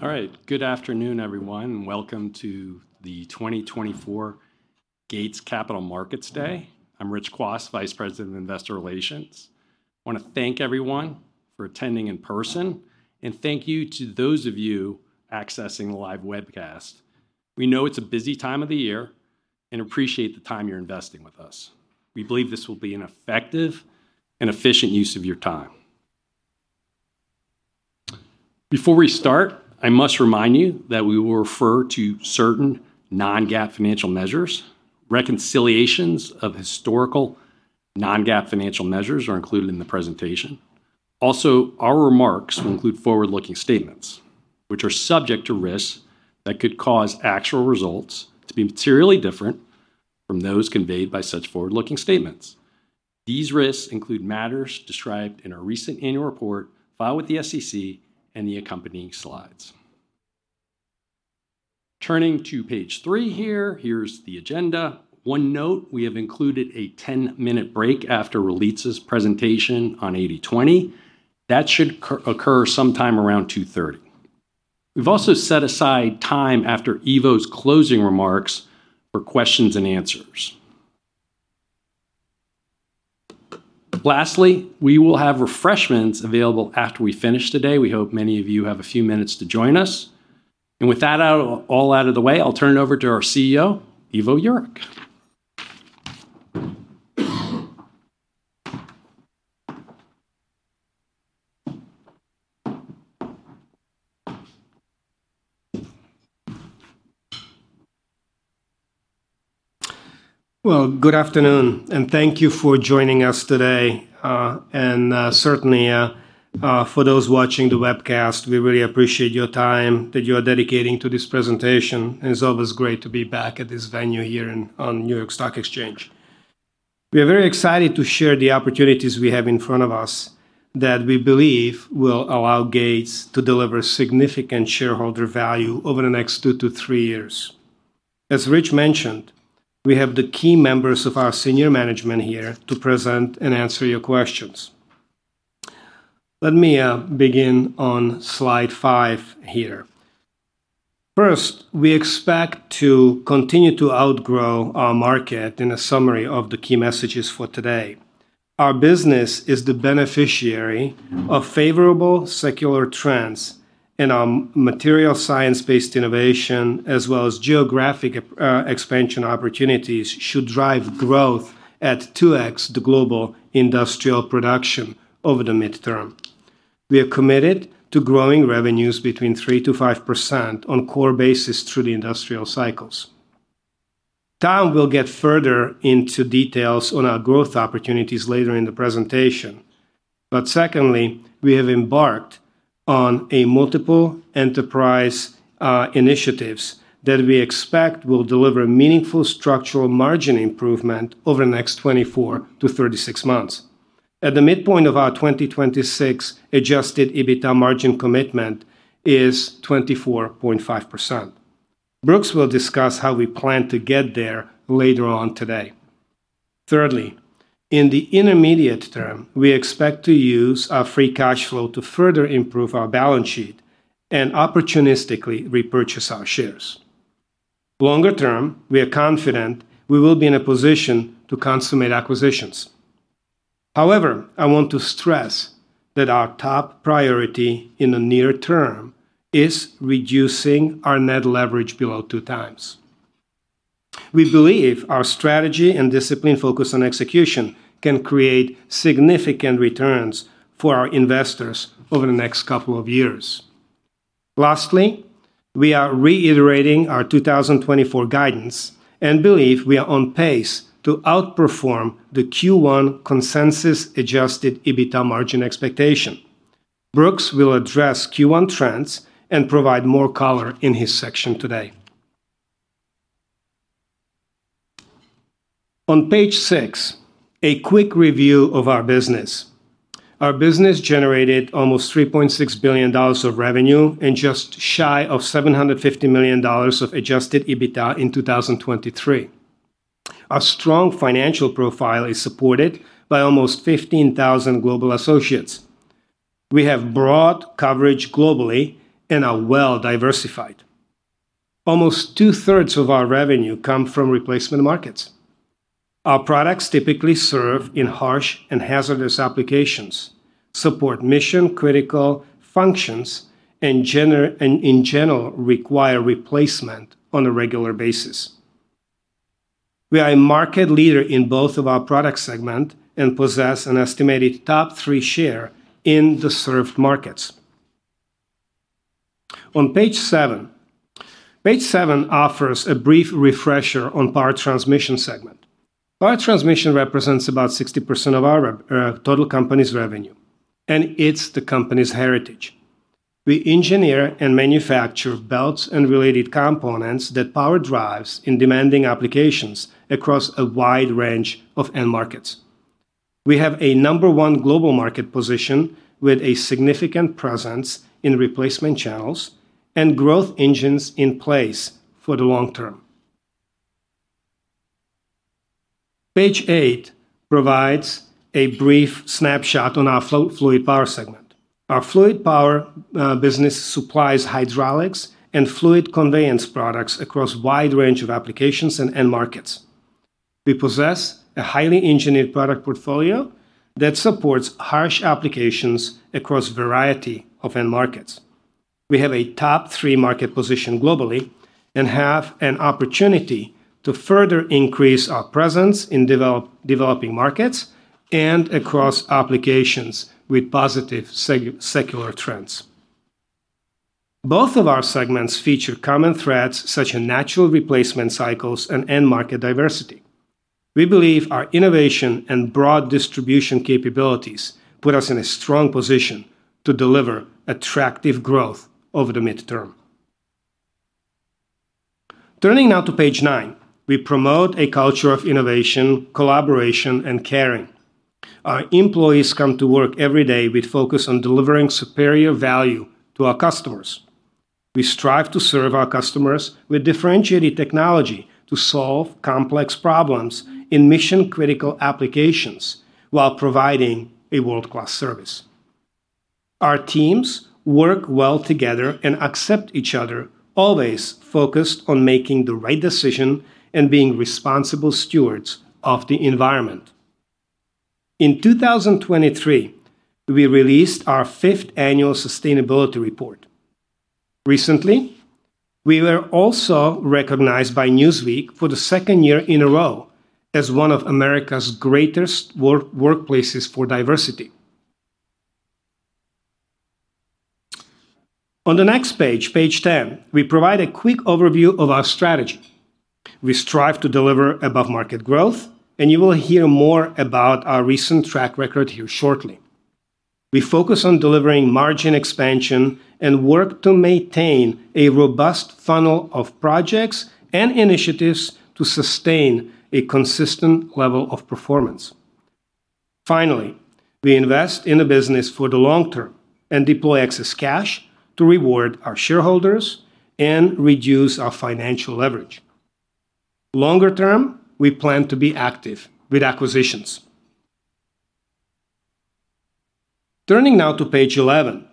All right. Good afternoon, everyone, and welcome to the 2024 Gates Capital Markets Day. I'm Rich Kwas, Vice President of Investor Relations. I wanna thank everyone for attending in person, and thank you to those of you accessing the live webcast. We know it's a busy time of the year and appreciate the time you're investing with us. We believe this will be an effective and efficient use of your time. Before we start, I must remind you that we will refer to certain non-GAAP financial measures. Reconciliations of historical non-GAAP financial measures are included in the presentation. Also, our remarks will include forward-looking statements, which are subject to risks that could cause actual results to be materially different from those conveyed by such forward-looking statements. These risks include matters described in our recent Annual Report, filed with the SEC and the accompanying slides. Turning to Page 3 here, here's the agenda. One note, we have included a 10-minute break after Ralitza's presentation on 80/20. That should occur sometime around 2:30 P.M. We've also set aside time after Ivo's closing remarks for questions-and-answers. Lastly, we will have refreshments available after we finish today. We hope many of you have a few minutes to join us. And with that out of the way, I'll turn it over to our CEO, Ivo Jurek. Well, good afternoon, and thank you for joining us today. Certainly, for those watching the webcast, we really appreciate your time that you are dedicating to this presentation, and it's always great to be back at this venue here in, on New York Stock Exchange. We are very excited to share the opportunities we have in front of us that we believe will allow Gates to deliver significant shareholder value over the next 2-3 years. As Rich mentioned, we have the key members of our senior management here to present and answer your questions. Let me begin on Slide 5 here. First, we expect to continue to outgrow our market in a summary of the key messages for today. Our business is the beneficiary of favorable secular trends in our material science-based innovation, as well as geographic expansion opportunities should drive growth at 2x the global industrial production over the midterm. We are committed to growing revenues between 3%-5% on core basis through the industrial cycles. Tom will get further into details on our growth opportunities later in the presentation. But secondly, we have embarked on a multiple enterprise initiatives that we expect will deliver meaningful structural margin improvement over the next 24-36 months. At the midpoint of our 2026 adjusted EBITDA margin commitment is 24.5%. Brooks will discuss how we plan to get there later on today. Thirdly, in the intermediate term, we expect to use our free cash flow to further improve our balance sheet and opportunistically repurchase our shares. Longer-term, we are confident we will be in a position to consummate acquisitions. However, I want to stress that our top priority in the near-term is reducing our net leverage below 2x. We believe our strategy and discipline focus on execution can create significant returns for our investors over the next couple of years. Lastly, we are reiterating our 2024 guidance and believe we are on pace to outperform the Q1 consensus adjusted EBITDA margin expectation. Brooks will address Q1 trends and provide more color in his section today. On Page 6, a quick review of our business. Our business generated almost $3.6 billion of revenue and just shy of $750 million of adjusted EBITDA in 2023. Our strong financial profile is supported by almost 15,000 global associates. We have broad coverage globally and are well diversified. Almost 2/3 of our revenue come from replacement markets. Our products typically serve in harsh and hazardous applications, support mission-critical functions, and in general, require replacement on a regular basis. We are a market leader in both of our product segment and possess an estimated top three share in the served markets. On Page 7. Page 7 offers a brief refresher on Power Transmission segment. Power Transmission represents about 60% of our total company's revenue, and it's the company's heritage. We engineer and manufacture belts and related components that power drives in demanding applications across a wide range of end markets. We have a number one global market position with a significant presence in replacement channels and growth engines in place for the long-term. Page 8 provides a brief snapshot on our Flo, Fluid Power segment. Our Fluid Power business supplies hydraulics and fluid conveyance products across a wide range of applications and end markets. We possess a highly engineered product portfolio that supports harsh applications across a variety of end markets. We have a top three market position globally and have an opportunity to further increase our presence in developing markets and across applications with positive secular trends. Both of our segments feature common threads such as natural replacement cycles and end-market diversity. We believe our innovation and broad distribution capabilities put us in a strong position to deliver attractive growth over the mid-term. Turning now to Page 9, we promote a culture of innovation, collaboration, and caring. Our employees come to work every day with focus on delivering superior value to our customers. We strive to serve our customers with differentiated technology to solve complex problems in mission-critical applications while providing a world-class service. Our teams work well together and accept each other, always focused on making the right decision and being responsible stewards of the environment. In 2023, we released our 5th Annual Sustainability Report. Recently, we were also recognized by Newsweek for the second year in a row as one of America's Greatest Workplaces for Diversity. On the next page, Page 10, we provide a quick overview of our strategy. We strive to deliver above-market growth, and you will hear more about our recent track record here shortly. We focus on delivering margin expansion and work to maintain a robust funnel of projects and initiatives to sustain a consistent level of performance. Finally, we invest in the business for the long-term and deploy excess cash to reward our shareholders and reduce our financial leverage. Longer-term, we plan to be active with acquisitions. Turning now to Page 11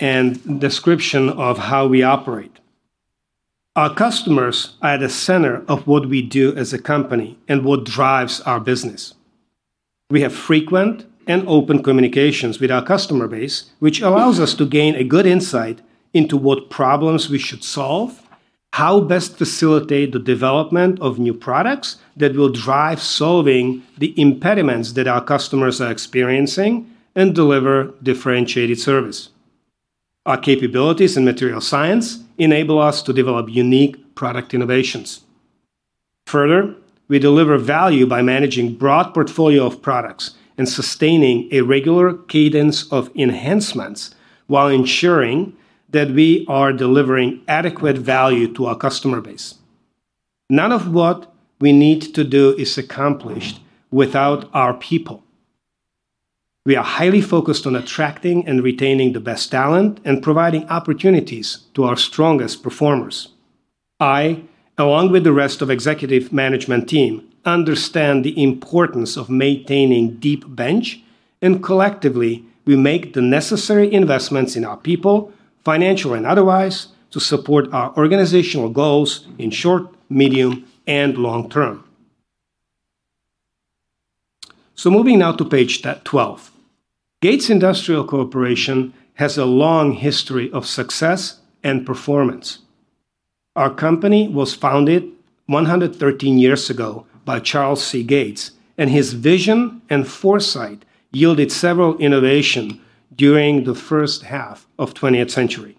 and description of how we operate. Our customers are at the center of what we do as a company and what drives our business. We have frequent and open communications with our customer base, which allows us to gain a good insight into what problems we should solve, how best to facilitate the development of new products that will drive solving the impediments that our customers are experiencing and deliver differentiated service. Our capabilities in material science enable us to develop unique product innovations. Further, we deliver value by managing a broad portfolio of products and sustaining a regular cadence of enhancements while ensuring that we are delivering adequate value to our customer base. None of what we need to do is accomplished without our people. We are highly focused on attracting and retaining the best talent and providing opportunities to our strongest performers. I, along with the rest of Executive Management team, understand the importance of maintaining a deep bench, and collectively, we make the necessary investments in our people, financial and otherwise, to support our organizational goals in short, medium, and long-term. So moving now to Page 12. Gates Industrial Corporation has a long history of success and performance. Our company was founded 113 years ago by Charles C. Gates, and his vision and foresight yielded several innovations during the first half of the 20th century.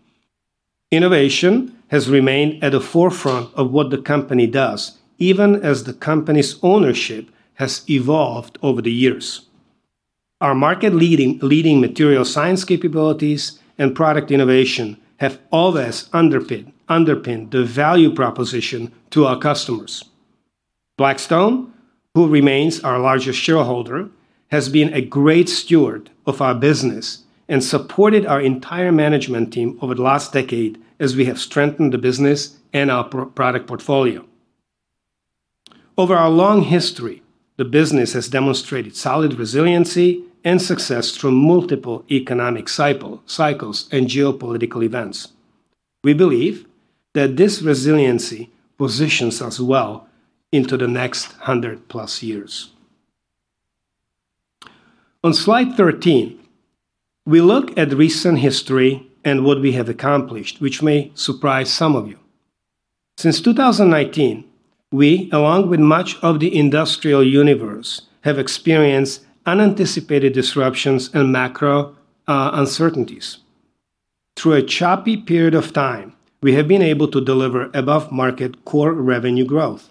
Innovation has remained at the forefront of what the company does, even as the company's ownership has evolved over the years. Our market-leading, leading material science capabilities and product innovation have always underpinned, underpinned the value proposition to our customers. Blackstone, who remains our largest shareholder, has been a great steward of our business and supported our entire management team over the last decade as we have strengthened the business and our product portfolio. Over our long history, the business has demonstrated solid resiliency and success through multiple economic cycles and geopolitical events. We believe that this resiliency positions us well into the next 100+ years. On Slide 13, we look at recent history and what we have accomplished, which may surprise some of you. Since 2019, we, along with much of the industrial universe, have experienced unanticipated disruptions and macro uncertainties. Through a choppy period of time, we have been able to deliver above-market core revenue growth.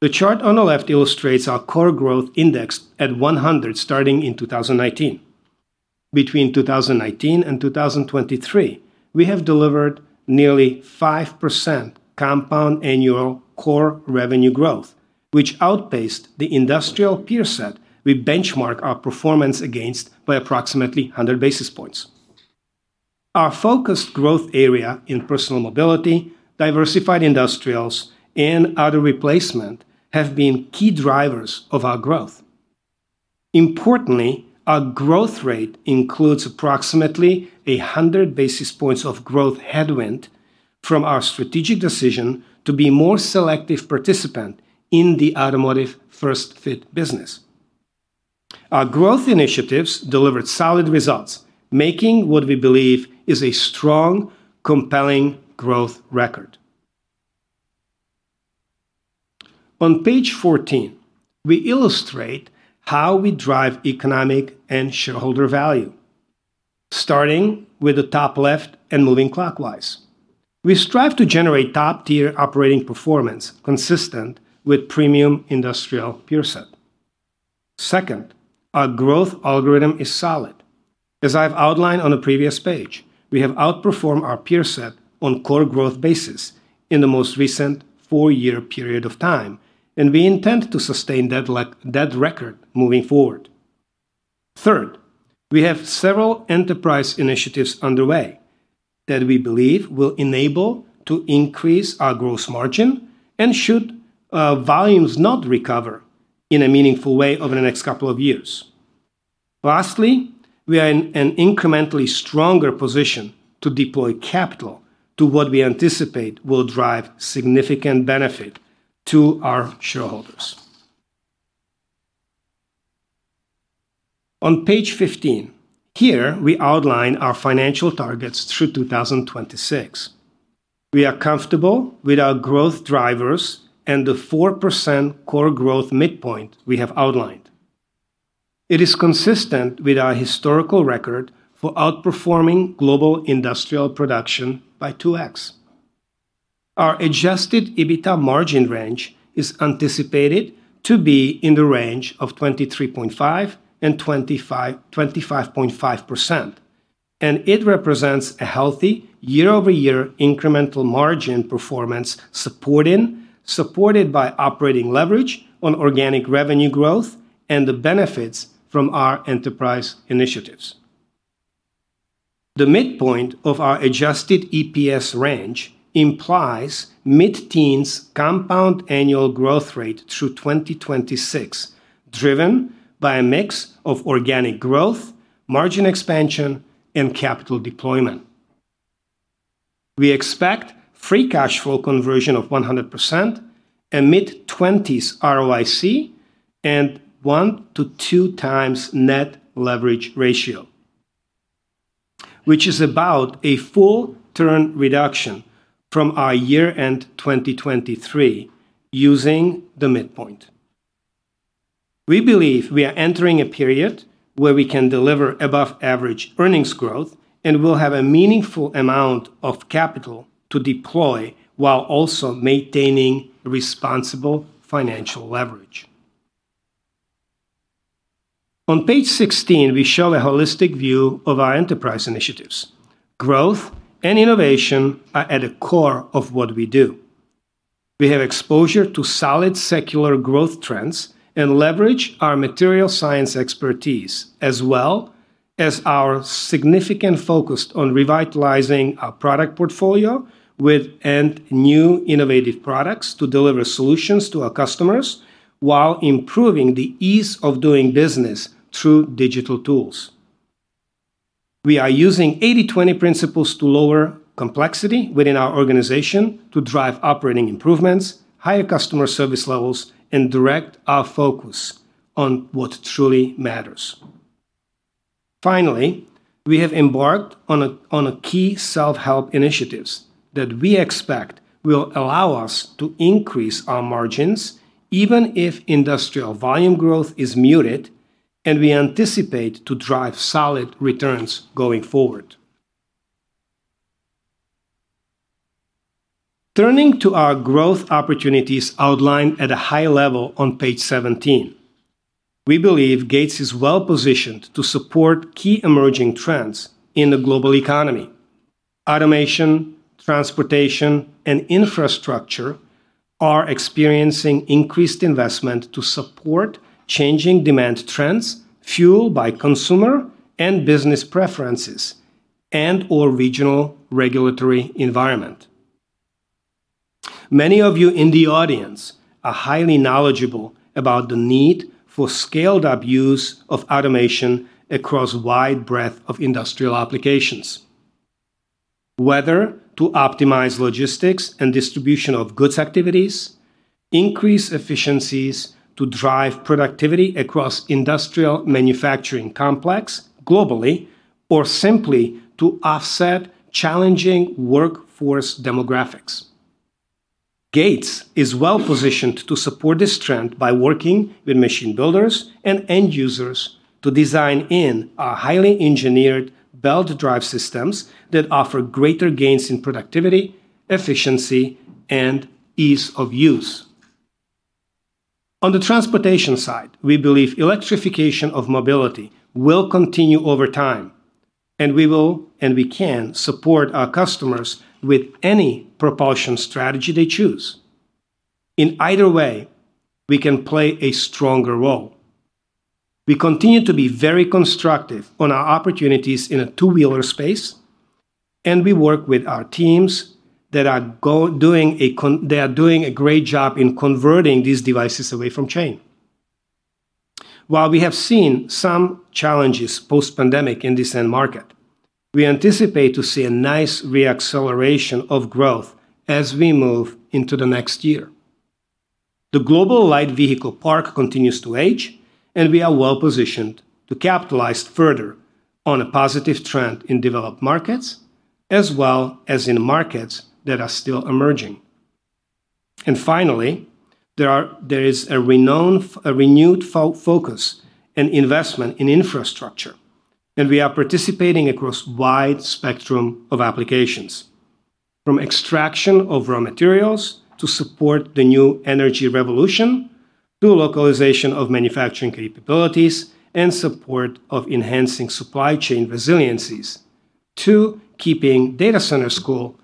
The chart on the left illustrates our core growth index at 100, starting in 2019. Between 2019 and 2023, we have delivered nearly 5% compound annual core revenue growth, which outpaced the industrial peer set we benchmark our performance against by approximately 100 basis points. Our focused growth area in Personal Mobility, Diversified Industrials, and Auto Replacement have been key drivers of our growth. Importantly, our growth rate includes approximately 100 basis points of growth headwind from our strategic decision to be more selective participant in the automotive first-fit business. Our Growth Initiatives delivered solid results, making what we believe is a strong, compelling growth record. On Page 14, we illustrate how we drive economic and shareholder value, starting with the top left and moving clockwise. We strive to generate top-tier operating performance consistent with premium industrial peer set. Second, our growth algorithm is solid. As I've outlined on the previous page, we have outperformed our peer set on core growth basis in the most recent four-year period of time, and we intend to sustain that that record moving forward. Third, we have several enterprise initiatives underway that we believe will enable to increase our gross margin and should volumes not recover in a meaningful way over the next couple of years. Lastly, we are in an incrementally stronger position to deploy capital to what we anticipate will drive significant benefit to our shareholders. On Page 15, here we outline our financial targets through 2026. We are comfortable with our growth drivers and the 4% core growth midpoint we have outlined. It is consistent with our historical record for outperforming global industrial production by 2x. Our adjusted EBITDA margin range is anticipated to be in the range of 23.5%-25.5%, and it represents a healthy year-over-year incremental margin performance supported by operating leverage on organic revenue growth and the benefits from our enterprise initiatives. The midpoint of our adjusted EPS range implies mid-teens CAGR through 2026, driven by a mix of organic growth, margin expansion, and capital deployment. We expect free cash flow conversion of 100% and mid-20s ROIC and 1x-2x net leverage ratio, which is about a full turn reduction from our year-end 2023, using the midpoint. We believe we are entering a period where we can deliver above-average earnings growth and will have a meaningful amount of capital to deploy while also maintaining responsible financial leverage. On Page 16, we show a holistic view of our enterprise initiatives. Growth and innovation are at the core of what we do. We have exposure to solid secular growth trends and leverage our material science expertise, as well as our significant focus on revitalizing our product portfolio with and new innovative products to deliver solutions to our customers while improving the ease of doing business through digital tools. We are using 80/20 principles to lower complexity within our organization to drive operating improvements, higher customer service levels, and direct our focus on what truly matters. Finally, we have embarked on a key self-help initiatives that we expect will allow us to increase our margins, even if industrial volume growth is muted, and we anticipate to drive solid returns going forward. Turning to our growth opportunities outlined at a high level on Page 17, we believe Gates is well-positioned to support key emerging trends in the global economy. Automation, Transportation, and Infrastructure are experiencing increased investment to support changing demand trends fueled by consumer and business preferences and/or regional regulatory environment. Many of you in the audience are highly knowledgeable about the need for scaled-up use of automation across a wide breadth of industrial applications, whether to optimize logistics and distribution of goods activities, increase efficiencies to drive productivity across industrial manufacturing complex globally, or simply to offset challenging workforce demographics. Gates is well-positioned to support this trend by working with machine builders and end users to design in our highly engineered belt drive systems that offer greater gains in productivity, efficiency, and ease of use. On the Transportation side, we believe electrification of mobility will continue over time, and we will and we can support our customers with any propulsion strategy they choose. In either way, we can play a stronger role. We continue to be very constructive on our opportunities in a two-wheeler space, and we work with our teams. They are doing a great job in converting these devices away from chain. While we have seen some challenges post-pandemic in this end market, we anticipate to see a nice re-acceleration of growth as we move into the next year. The global light vehicle park continues to age, and we are well-positioned to capitalize further on a positive trend in developed markets, as well as in markets that are still emerging. Finally, there is a renewed focus and investment in infrastructure, and we are participating across wide spectrum of applications, from extraction of raw material to support the new energy revolution, to localization of manufacturing capabilities and support of enhancing supply chain resiliencies, to keeping data centers cool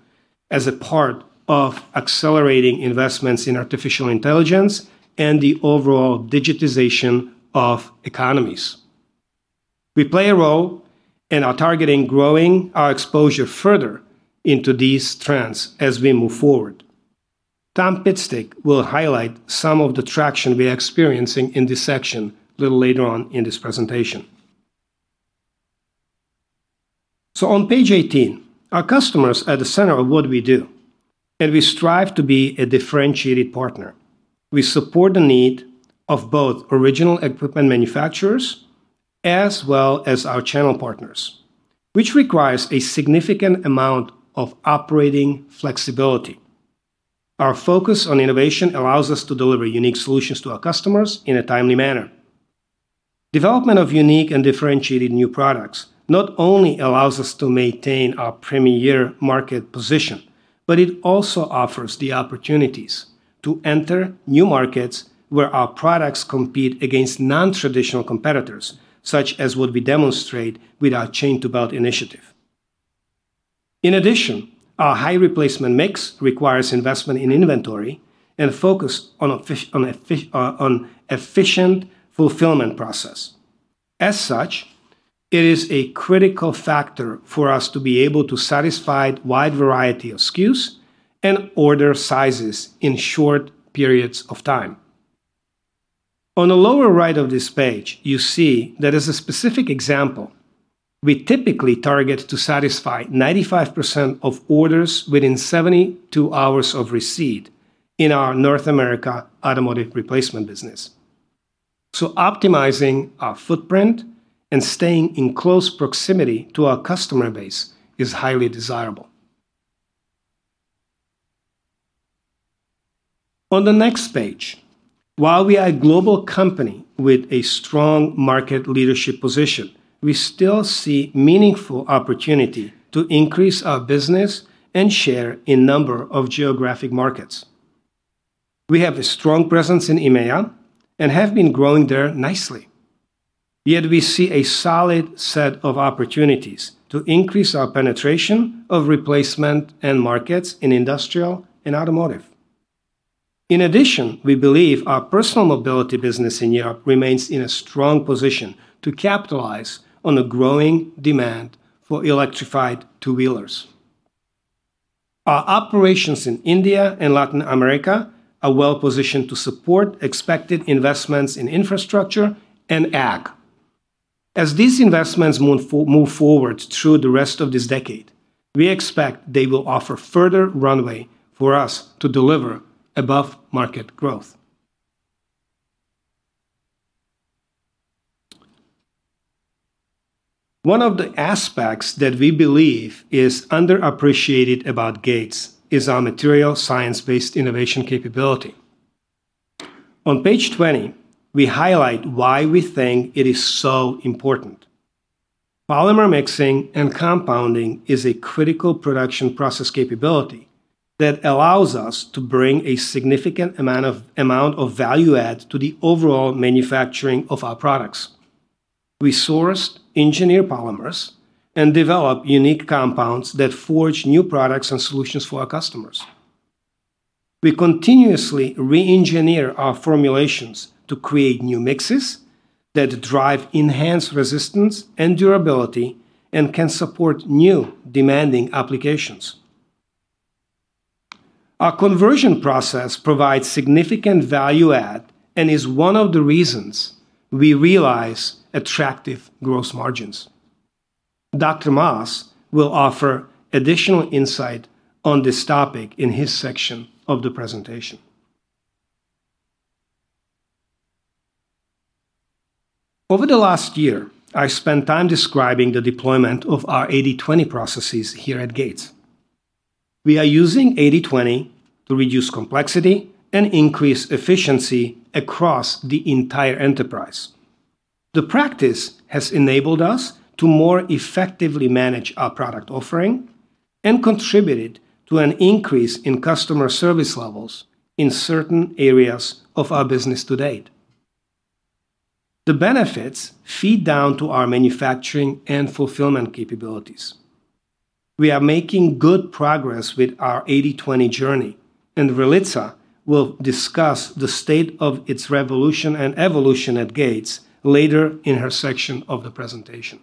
as a part of accelerating investments in artificial intelligence and the overall digitization of economies. We play a role and are targeting growing our exposure further into these trends as we move forward. Tom Pitstick will highlight some of the traction we are experiencing in this section a little later on in this presentation. On Page 18, our customers are at the center of what we do, and we strive to be a differentiated partner. We support the need of both original equipment manufacturers as well as our channel partners, which requires a significant amount of operating flexibility. Our focus on innovation allows us to deliver unique solutions to our customers in a timely manner. Development of unique and differentiated new products not only allows us to maintain our premier market position, but it also offers the opportunities to enter new markets where our products compete against non-traditional competitors, such as what we demonstrate with our chain to belt initiative. In addition, our high replacement mix requires investment in inventory and a focus on efficient fulfillment process. As such, it is a critical factor for us to be able to satisfy a wide variety of SKUs and order sizes in short periods of time. On the lower right of this page, you see that as a specific example, we typically target to satisfy 95% of orders within 72 hours of receipt in our North America automotive replacement business. So optimizing our footprint and staying in close proximity to our customer base is highly desirable. On the next page, while we are a global company with a strong market leadership position, we still see meaningful opportunity to increase our business and share in number of geographic markets. We have a strong presence in EMEA and have been growing there nicely. Yet we see a solid set of opportunities to increase our penetration of replacement and markets in industrial and automotive. In addition, we believe our personal mobility business in Europe remains in a strong position to capitalize on a growing demand for electrified two-wheelers. Our operations in India and Latin America are well positioned to support expected investments in infrastructure and ag. As these investments move forward through the rest of this decade, we expect they will offer further runway for us to deliver above-market growth. One of the aspects that we believe is underappreciated about Gates is our material science-based innovation capability. On Page 20, we highlight why we think it is so important. Polymer mixing and compounding is a critical production process capability that allows us to bring a significant amount of, amount of value add to the overall manufacturing of our products. We source engineer polymers and develop unique compounds that forge new products and solutions for our customers. We continuously re-engineer our formulations to create new mixes that drive enhanced resistance and durability and can support new demanding applications. Our conversion process provides significant value add and is one of the reasons we realize attractive gross margins. Dr. Maass will offer additional insight on this topic in his section of the presentation. Over the last year, I've spent time describing the deployment of our 80/20 processes here at Gates. We are using 80/20 to reduce complexity and increase efficiency across the entire enterprise. The practice has enabled us to more effectively manage our product offering and contributed to an increase in customer service levels in certain areas of our business to date. The benefits feed down to our manufacturing and fulfillment capabilities. We are making good progress with our 80/20 journey, and Ralitza will discuss the state of its revolution and evolution at Gates later in her section of the presentation.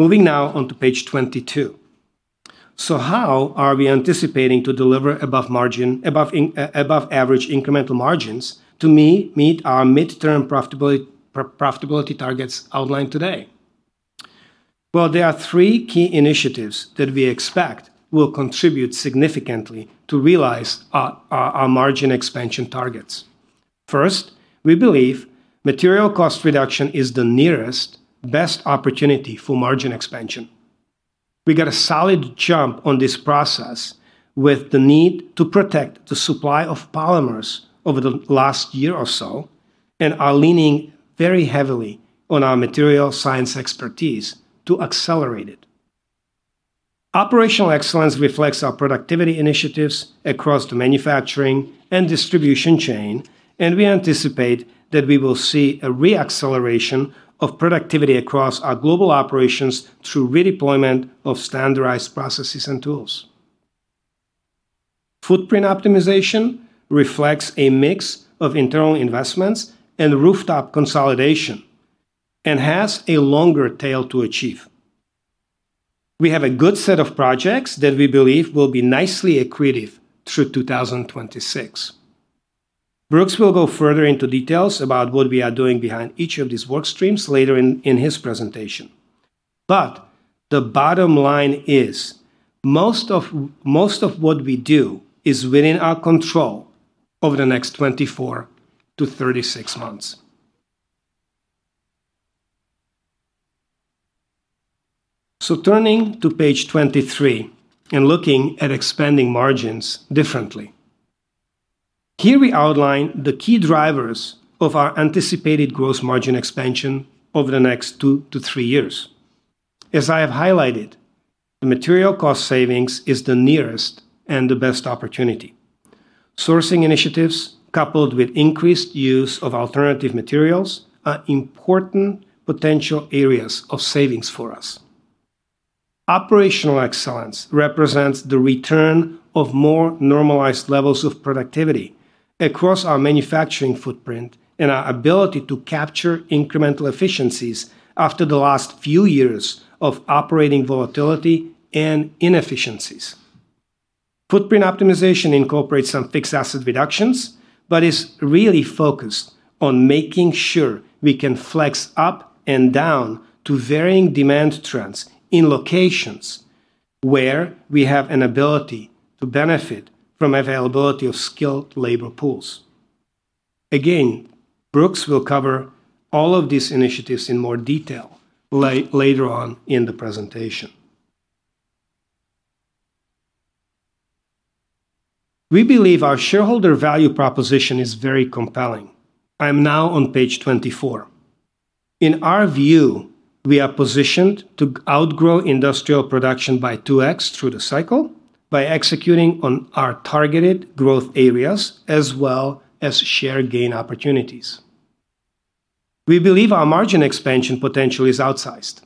Moving now on to Page 22. So how are we anticipating to deliver above margin, above average incremental margins to meet our mid-term profitability targets outlined today? Well, there are three key initiatives that we expect will contribute significantly to realize our margin expansion targets. First, we believe material cost reduction is the nearest, best opportunity for margin expansion. We got a solid jump on this process with the need to protect the supply of polymers over the last year or so, and are leaning very heavily on our material science expertise to accelerate it. Operational excellence reflects our productivity initiatives across the manufacturing and distribution chain, and we anticipate that we will see a re-acceleration of productivity across our global operations through redeployment of standardized processes and tools. Footprint optimization reflects a mix of internal investments and rooftop consolidation and has a longer tail to achieve. We have a good set of projects that we believe will be nicely accretive through 2026. Brooks will go further into details about what we are doing behind each of these work streams later in his presentation. But the bottom line is, most of what we do is within our control over the next 24-36 months. So turning to Page 23 and looking at expanding margins differently. Here we outline the key drivers of our anticipated gross margin expansion over the next 2-3 years. As I have highlighted, the material cost savings is the nearest and the best opportunity. Sourcing initiatives, coupled with increased use of alternative materials, are important potential areas of savings for us. Operational excellence represents the return of more normalized levels of productivity across our manufacturing footprint and our ability to capture incremental efficiencies after the last few years of operating volatility and inefficiencies. Footprint optimization incorporates some fixed asset reductions, but is really focused on making sure we can flex up and down to varying demand trends in locations where we have an ability to benefit from availability of skilled labor pools. Again, Brooks will cover all of these initiatives in more detail later on in the presentation. We believe our shareholder value proposition is very compelling. I am now on Page 24. In our view, we are positioned to outgrow industrial production by 2x through the cycle by executing on our targeted growth areas as well as share gain opportunities. We believe our margin expansion potential is outsized.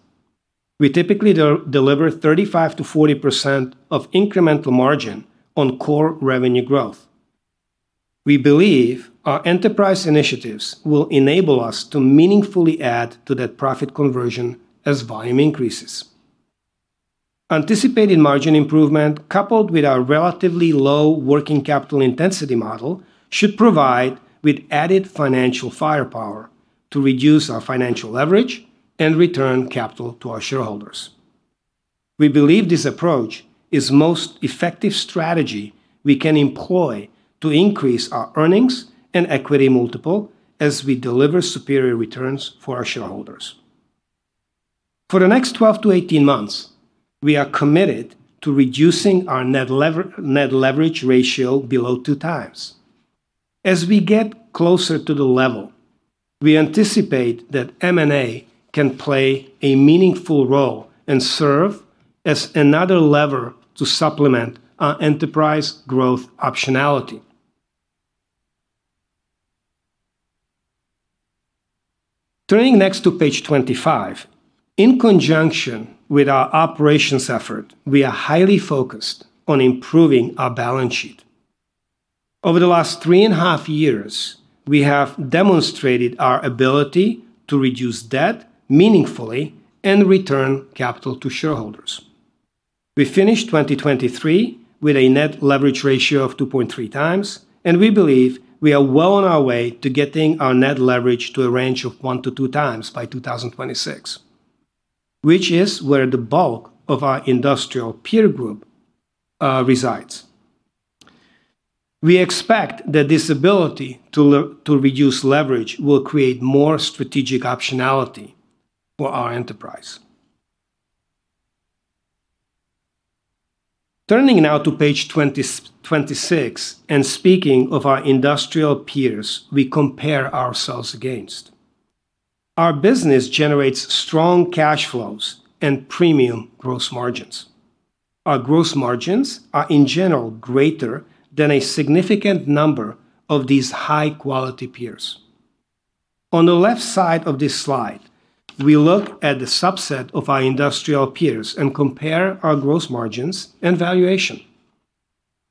We typically deliver 35%-40% of incremental margin on core revenue growth. We believe our enterprise initiatives will enable us to meaningfully add to that profit conversion as volume increases. Anticipated margin improvement, coupled with our relatively low working capital intensity model, should provide with added financial firepower to reduce our financial leverage and return capital to our shareholders. We believe this approach is most effective strategy we can employ to increase our earnings and equity multiple as we deliver superior returns for our shareholders. For the next 12-18 months, we are committed to reducing our net leverage ratio below 2x. As we get closer to the level, we anticipate that M&A can play a meaningful role and serve as another lever to supplement our enterprise growth optionality. Turning next to Page 25. In conjunction with our operations effort, we are highly focused on improving our balance sheet. Over the last three and a half years, we have demonstrated our ability to reduce debt meaningfully and return capital to shareholders. We finished 2023 with a net leverage ratio of 2.3x, and we believe we are well on our way to getting our net leverage to a range of 1x-2x by 2026, which is where the bulk of our industrial peer group resides. We expect that this ability to reduce leverage will create more strategic optionality for our enterprise. Turning now to Page 26 and speaking of our industrial peers we compare ourselves against. Our business generates strong cash flows and premium gross margins. Our gross margins are, in general, greater than a significant number of these high-quality peers. On the left side of this slide, we look at the subset of our industrial peers and compare our gross margins and valuation.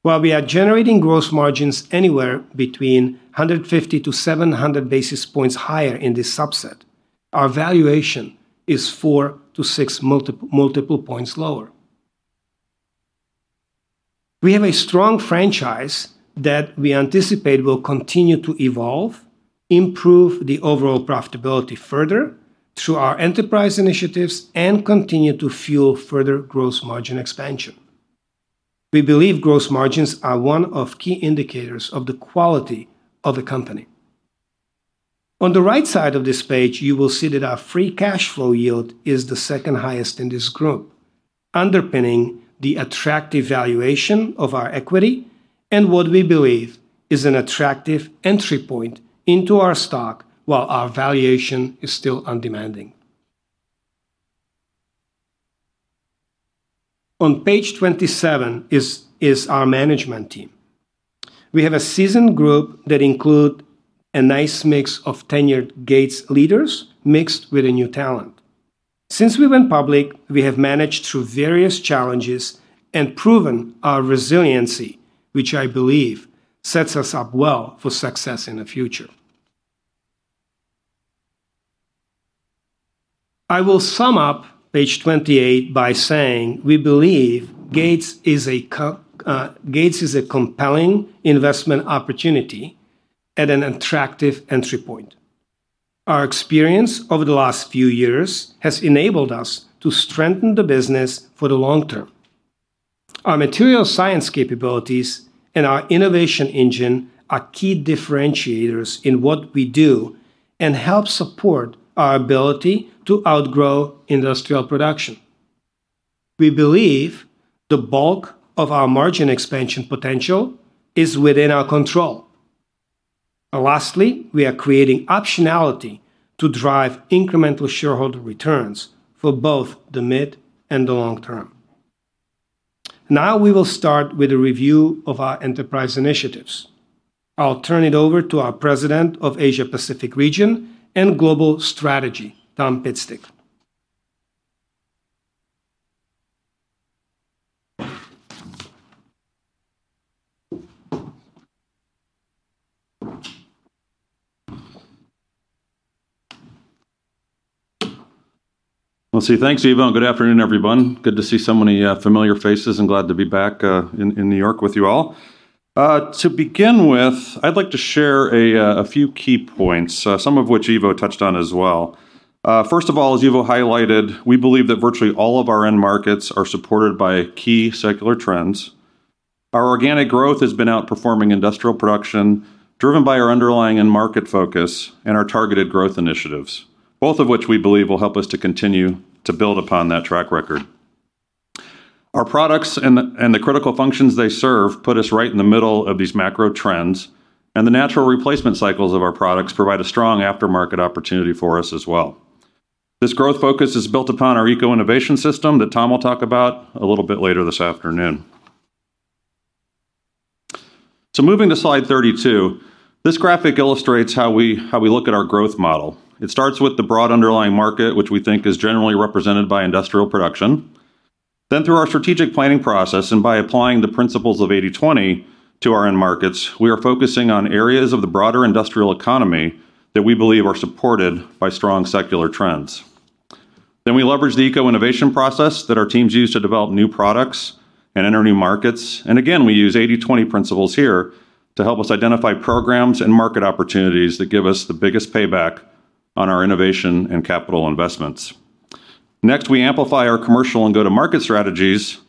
While we are generating gross margins anywhere between 150-700 basis points higher in this subset, our valuation is 4-6 multiple points lower. We have a strong franchise that we anticipate will continue to evolve, improve the overall profitability further through our enterprise initiatives, and continue to fuel further gross margin expansion. We believe gross margins are one of key indicators of the quality of the company. On the right side of this page, you will see that our free cash flow yield is the second highest in this group, underpinning the attractive valuation of our equity and what we believe is an attractive entry point into our stock, while our valuation is still undemanding. On Page 27 is our management team. We have a seasoned group that include a nice mix of tenured Gates leaders, mixed with a new talent. Since we went public, we have managed through various challenges and proven our resiliency, which I believe sets us up well for success in the future. I will sum up Page 28 by saying we believe Gates is a compelling investment opportunity at an attractive entry point. Our experience over the last few years has enabled us to strengthen the business for the long-term. Our Material Science capabilities and our Innovation Engine are key differentiators in what we do and help support our ability to outgrow industrial production. We believe the bulk of our margin expansion potential is within our control. Lastly, we are creating optionality to drive incremental shareholder returns for both the mid and the long-term. Now, we will start with a review of our enterprise initiatives. I'll turn it over to our President of Asia Pacific Region and Global Strategy, Tom Pitstick. Well, see, thanks, Ivo, and good afternoon, everyone. Good to see so many, familiar faces, and glad to be back, in New York with you all. To begin with, I'd like to share a few key points, some of which Ivo touched on as well. First of all, as Ivo highlighted, we believe that virtually all of our end markets are supported by key secular trends. Our organic growth has been outperforming industrial production, driven by our underlying end market focus and our targeted growth initiatives, both of which we believe will help us to continue to build upon that track record. Our products and the, and the critical functions they serve put us right in the middle of these macro trends, and the natural replacement cycles of our products provide a strong aftermarket opportunity for us as well. This growth focus is built upon our Eco-Innovation system that Tom will talk about a little bit later this afternoon. So moving to Slide 32, this graphic illustrates how we look at our growth model. It starts with the broad underlying market, which we think is generally represented by industrial production. Then through our strategic planning process, and by applying the principles of 80/20 to our end markets, we are focusing on areas of the broader industrial economy that we believe are supported by strong secular trends. Then we leverage the Eco-Innovation process that our teams use to develop new products and enter new markets, and again, we use 80/20 principles here to help us identify programs and market opportunities that give us the biggest payback on our innovation and capital investments. Next, we amplify our commercial and go-to-market strategies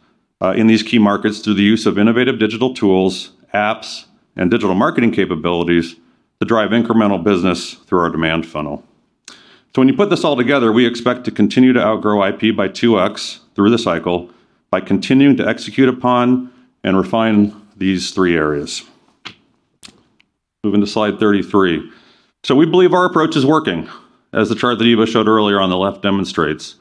in these key markets through the use of innovative digital tools, apps, and digital marketing capabilities to drive incremental business through our demand funnel. So when you put this all together, we expect to continue to outgrow IP by 2x through the cycle, by continuing to execute upon and refine these three areas. Moving to Slide 33. So we believe our approach is working, as the chart that Ivo showed earlier on the left demonstrates.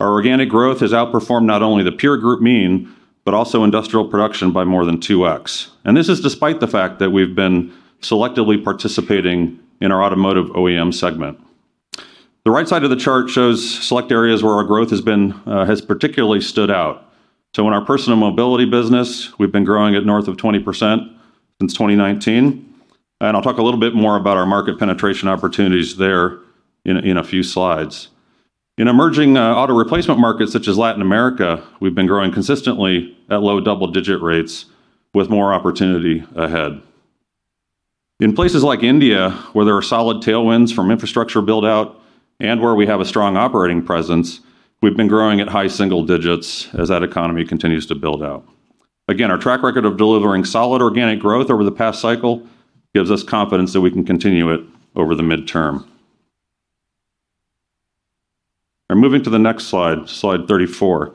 Our organic growth has outperformed not only the peer group mean, but also industrial production by more than 2x. And this is despite the fact that we've been selectively participating in our automotive OEM segment. The right side of the chart shows select areas where our growth has particularly stood out. So in our personal mobility business, we've been growing at north of 20% since 2019, and I'll talk a little bit more about our market penetration opportunities there in a, in a few slides. In emerging, auto replacement markets such as Latin America, we've been growing consistently at low double-digit rates with more opportunity ahead. In places like India, where there are solid tailwinds from infrastructure build-out and where we have a strong operating presence, we've been growing at high single digits as that economy continues to build out. Again, our track record of delivering solid organic growth over the past cycle gives us confidence that we can continue it over the mid-term. And moving to the next slide, Slide 34.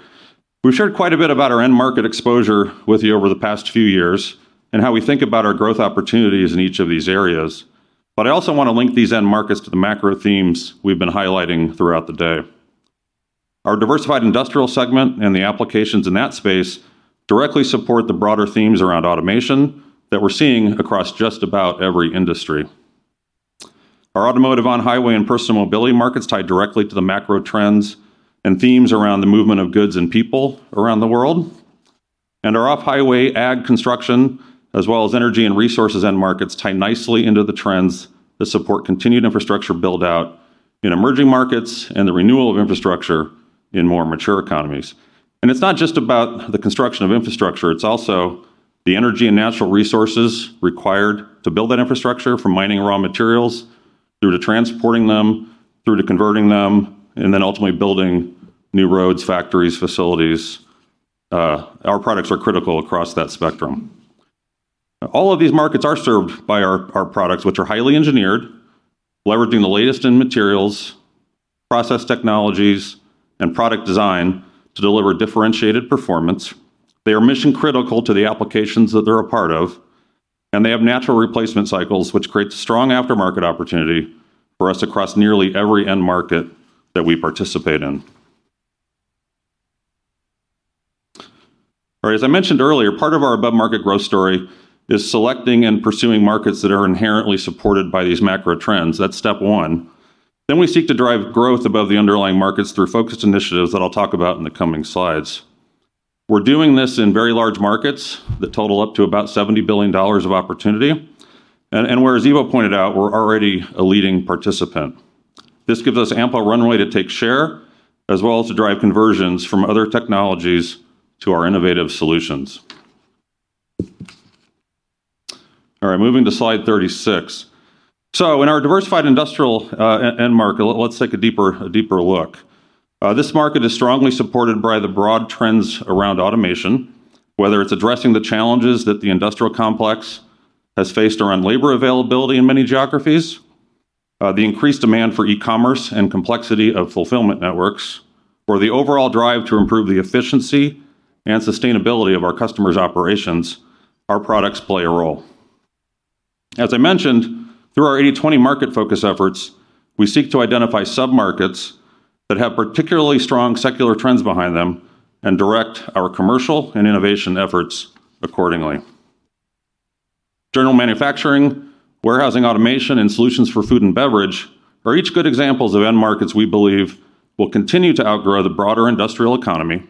We've shared quite a bit about our end market exposure with you over the past few years and how we think about our growth opportunities in each of these areas. But I also want to link these end markets to the macro themes we've been highlighting throughout the day. Our Diversified Industrial segment and the applications in that space directly support the broader themes around automation that we're seeing across just about every industry. Our automotive on-highway and personal mobility markets tie directly to the macro trends and themes around the movement of goods and people around the world. And our off-highway ag construction, as well as energy and resources end markets, tie nicely into the trends that support continued infrastructure build-out in emerging markets and the renewal of infrastructure in more mature economies. It's not just about the construction of infrastructure, it's also the energy and natural resources required to build that infrastructure, from mining raw materials, through to transporting them, through to converting them, and then ultimately building new roads, factories, facilities. Our products are critical across that spectrum. All of these markets are served by our, our products, which are highly engineered, leveraging the latest in materials, process technologies, and product design to deliver differentiated performance. They are mission-critical to the applications that they're a part of, and they have natural replacement cycles, which creates strong aftermarket opportunity for us across nearly every end market that we participate in. All right, as I mentioned earlier, part of our above-market growth story is selecting and pursuing markets that are inherently supported by these macro trends. That's step one. Then we seek to drive growth above the underlying markets through focused initiatives that I'll talk about in the coming slides. We're doing this in very large markets that total up to about $70 billion of opportunity, and where, as Ivo pointed out, we're already a leading participant. This gives us ample runway to take share, as well as to drive conversions from other technologies to our Innovative Solutions. All right, moving to Slide 36. So in our diversified industrial end market, let's take a deeper look. This market is strongly supported by the broad trends around automation, whether it's addressing the challenges that the industrial complex has faced around labor availability in many geographies, the increased demand for e-commerce and complexity of fulfillment networks, or the overall drive to improve the efficiency and sustainability of our customers' operations, our products play a role. As I mentioned, through our 80/20 market focus efforts, we seek to identify submarkets that have particularly strong secular trends behind them and direct our Commercial and Innovation efforts accordingly. General Manufacturing, Warehousing Automation, and solutions for food and beverage are each good examples of end markets we believe will continue to outgrow the broader industrial economy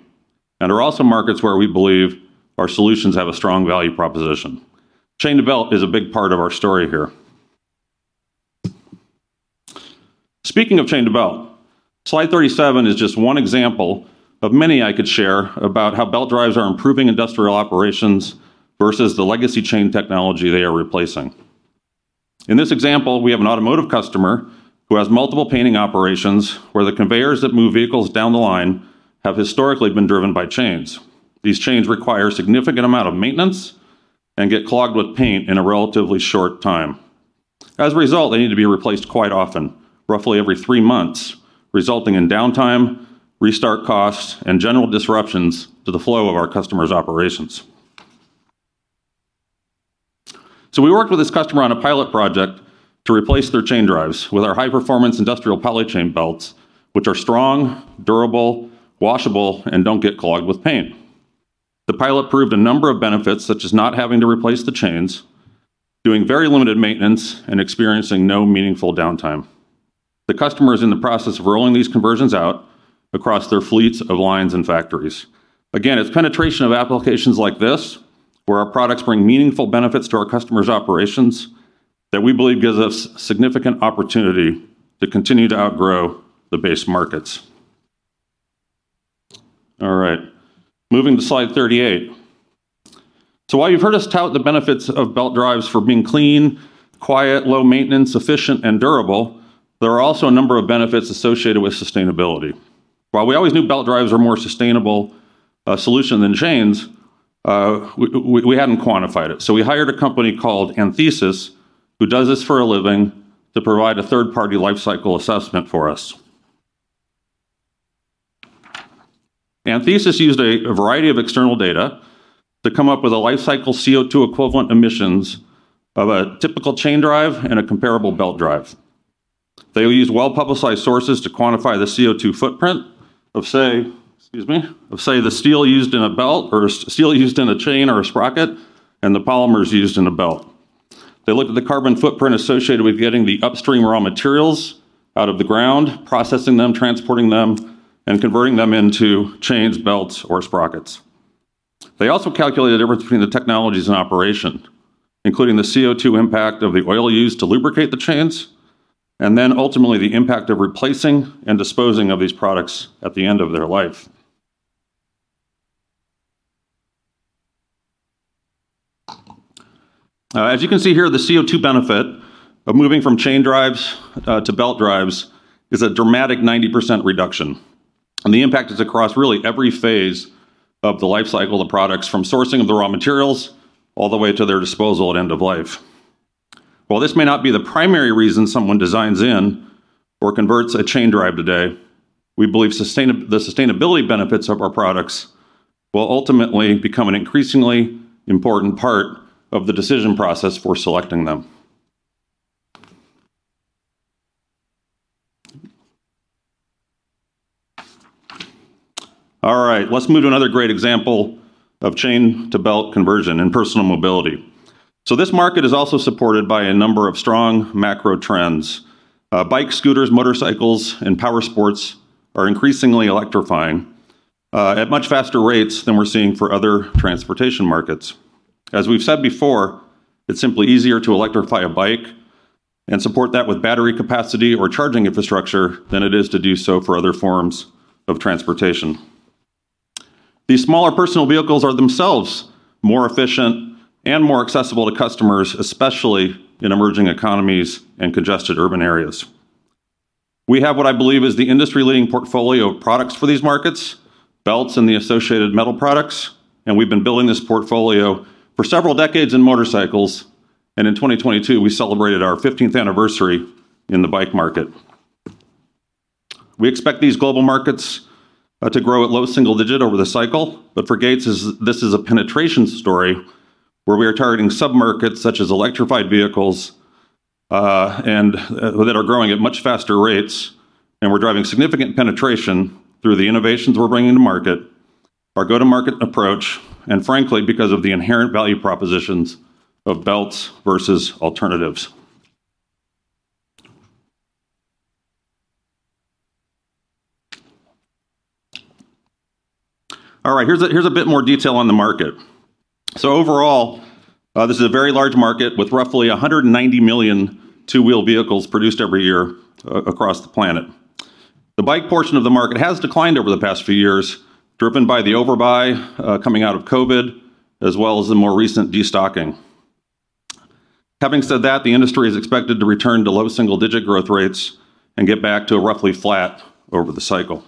and are also markets where we believe our solutions have a strong value proposition. Chain to belt is a big part of our story here. Speaking of chain to belt, Slide 37 is just one example of many I could share about how belt drives are improving industrial operations versus the legacy chain technology they are replacing. In this example, we have an automotive customer who has multiple painting operations, where the conveyors that move vehicles down the line have historically been driven by chains. These chains require a significant amount of maintenance and get clogged with paint in a relatively short time. As a result, they need to be replaced quite often, roughly every three months, resulting in downtime, restart costs, and general disruptions to the flow of our customer's operations. So we worked with this customer on a pilot project to replace their chain drives with our high-performance industrial Poly Chain belts, which are strong, durable, washable, and don't get clogged with paint. The pilot proved a number of benefits, such as not having to replace the chains, doing very limited maintenance, and experiencing no meaningful downtime. The customer is in the process of rolling these conversions out across their fleets of lines and factories. Again, it's penetration of applications like this, where our products bring meaningful benefits to our customers' operations, that we believe gives us significant opportunity to continue to outgrow the base markets. All right, moving to Slide 38. So while you've heard us tout the benefits of belt drives for being clean, quiet, low maintenance, efficient, and durable, there are also a number of benefits associated with sustainability. While we always knew belt drives are a more sustainable solution than chains, we hadn't quantified it. So we hired a company called Anthesis, who does this for a living, to provide a third-party life cycle assessment for us. Anthesis used a variety of external data to come up with a life cycle CO2 equivalent emissions of a typical chain drive and a comparable belt drive. They used well-publicized sources to quantify the CO2 footprint of, say, the steel used in a belt or steel used in a chain or a sprocket, and the polymers used in a belt. They looked at the carbon footprint associated with getting the upstream raw materials out of the ground, processing them, transporting them, and converting them into chains, belts, or sprockets. They also calculated the difference between the technologies in operation, including the CO2 impact of the oil used to lubricate the chains, and then ultimately the impact of replacing and disposing of these products at the end of their life. As you can see here, the CO2 benefit of moving from chain drives to belt drives is a dramatic 90% reduction, and the impact is across really every phase of the life cycle of the products, from sourcing of the raw materials all the way to their disposal at end of life. While this may not be the primary reason someone designs in or converts a chain drive today, we believe the sustainability benefits of our products will ultimately become an increasingly important part of the decision process for selecting them. All right, let's move to another great example of chain to belt conversion and personal mobility. So this market is also supported by a number of strong macro trends. Bikes, scooters, motorcycles, and power sports are increasingly electrifying, at much faster rates than we're seeing for other transportation markets. As we've said before, it's simply easier to electrify a bike and support that with battery capacity or charging infrastructure than it is to do so for other forms of transportation. These smaller personal vehicles are themselves more efficient and more accessible to customers, especially in emerging economies and congested urban areas. We have what I believe is the industry-leading portfolio of products for these markets, belts, and the associated metal products, and we've been building this portfolio for several decades in motorcycles, and in 2022, we celebrated our 15th Anniversary in the Bike market. We expect these global markets to grow at low single-digit over the cycle, but for Gates, this is a penetration story where we are targeting submarkets such as electrified vehicles and that are growing at much faster rates, and we're driving significant penetration through the innovations we're bringing to market, our go-to-market approach, and frankly, because of the inherent value propositions of belts versus alternatives. All right, here's a bit more detail on the market. So overall, this is a very large market with roughly 190 million two-wheel vehicles produced every year across the planet. The bike portion of the market has declined over the past few years, driven by the overbuy coming out of COVID, as well as the more recent destocking. Having said that, the industry is expected to return to low single-digit growth rates and get back to roughly flat over the cycle.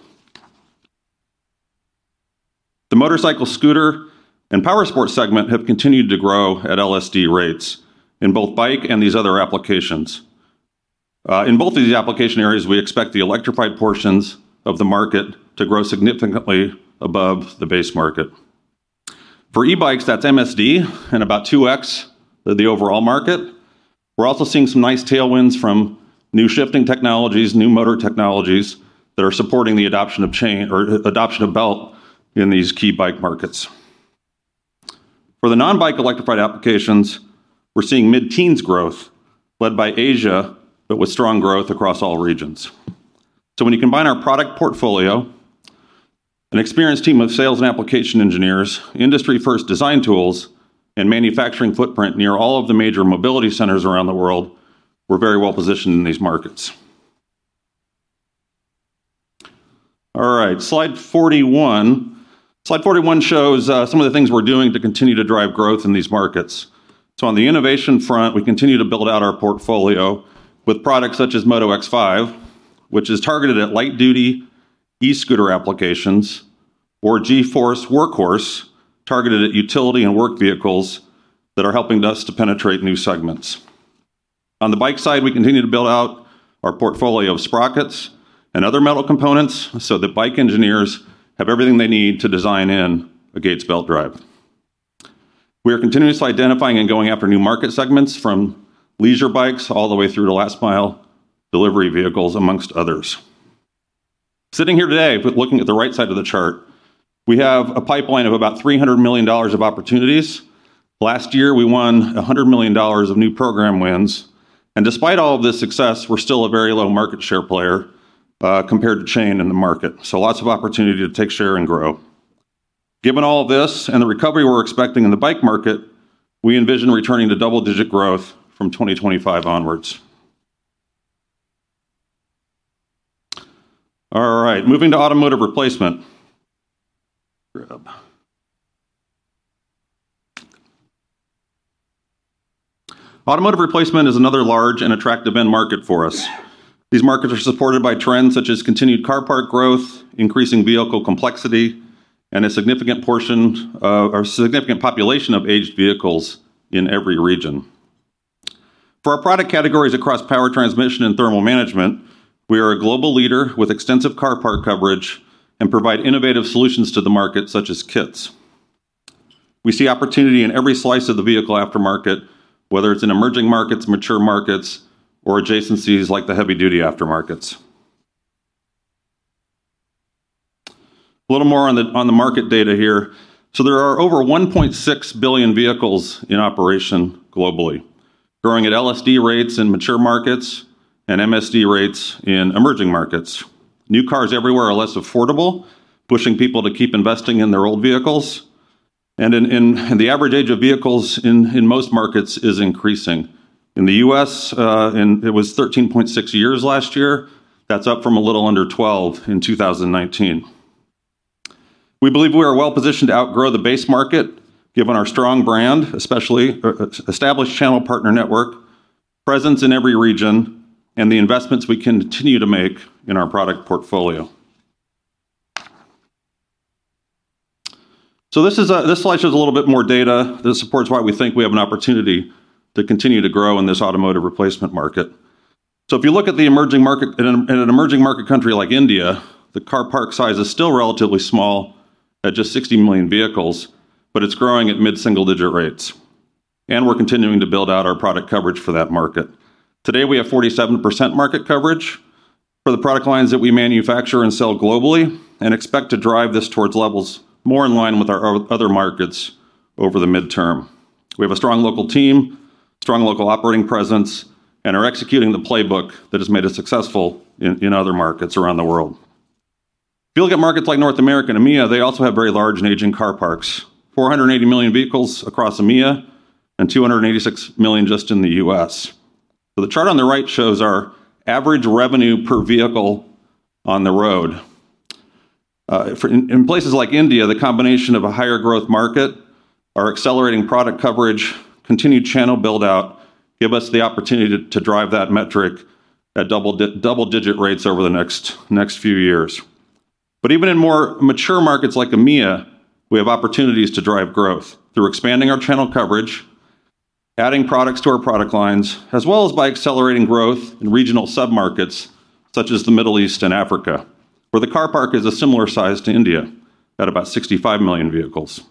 The Motorcycle, Scooter, and Power Sports segment have continued to grow at LSD rates in both bike and these other applications. In both of these application areas, we expect the electrified portions of the market to grow significantly above the base market. For eBikes, that's MSD and about 2x the overall market. We're also seeing some nice tailwinds from new shifting technologies, new motor technologies that are supporting the adoption of chain or adoption of belt in these key bike markets. For the non-bike electrified applications, we're seeing mid-teens growth led by Asia, but with strong growth across all regions. So when you combine our product portfolio, an experienced team of sales and application engineers, industry-first design tools, and manufacturing footprint near all of the major mobility centers around the world, we're very well positioned in these markets. All right, Slide 41. Slide 41 shows some of the things we're doing to continue to drive growth in these markets. So on the innovation front, we continue to build out our portfolio with products such as Moto X5, which is targeted at light-duty e-scooter applications, or G-Force Workhorse, targeted at utility and work vehicles that are helping us to penetrate new segments. On the bike side, we continue to build out our portfolio of sprockets and other metal components so that Bike Engineers have everything they need to design in a Gates belt drive. We are continuously identifying and going after new market segments, from leisure bikes all the way through to last mile delivery vehicles, amongst others. Sitting here today, but looking at the right side of the chart, we have a pipeline of about $300 million of opportunities. Last year, we won $100 million of new program wins, and despite all of this success, we're still a very low market share player, compared to chain in the market. So lots of opportunity to take share and grow. Given all this and the recovery we're expecting in the bike market, we envision returning to double-digit growth from 2025 onwards. All right, moving to Automotive Replacement. Automotive Replacement is another large and attractive end market for us. These markets are supported by trends such as continued car park growth, increasing vehicle complexity, and a significant portion of or a significant population of aged vehicles in every region. For our product categories across power transmission and thermal management, we are a global leader with extensive car park coverage and provide innovative solutions to the market, such as kits. We see opportunity in every slice of the vehicle aftermarket, whether it's in emerging markets, mature markets, or adjacencies like the heavy-duty aftermarkets. A little more on the market data here. So there are over 1.6 billion vehicles in operation globally, growing at LSD rates in mature markets and MSD rates in emerging markets. New cars everywhere are less affordable, pushing people to keep investing in their old vehicles, and the average age of vehicles in most markets is increasing. In the U.S., it was 13.6 years last year. That's up from a little under 12 in 2019. We believe we are well positioned to outgrow the base market, given our strong brand, especially established channel partner network, presence in every region, and the investments we continue to make in our product portfolio. So this is a This slide shows a little bit more data that supports why we think we have an opportunity to continue to grow in this automotive replacement market. So if you look at the emerging market in an emerging market country like India, the car park size is still relatively small at just 60 million vehicles, but it's growing at mid-single-digit rates, and we're continuing to build out our product coverage for that market. Today, we have 47% market coverage for the product lines that we manufacture and sell globally, and expect to drive this towards levels more in line with our other markets over the mid-term. We have a strong local team, strong local operating presence, and are executing the playbook that has made us successful in other markets around the world. If you look at markets like North America and EMEA, they also have very large and aging car parks, 480 million vehicles across EMEA and 286 million just in the U.S. So the chart on the right shows our average revenue per vehicle on the road. In places like India, the combination of a higher growth market, our accelerating product coverage, continued channel build-out, give us the opportunity to drive that metric at double-digit rates over the next few years. But even in more mature markets like EMEA, we have opportunities to drive growth through expanding our channel coverage, adding products to our product lines, as well as by accelerating growth in regional submarkets such as the Middle East and Africa, where the car park is a similar size to India, at about 65 million vehicles.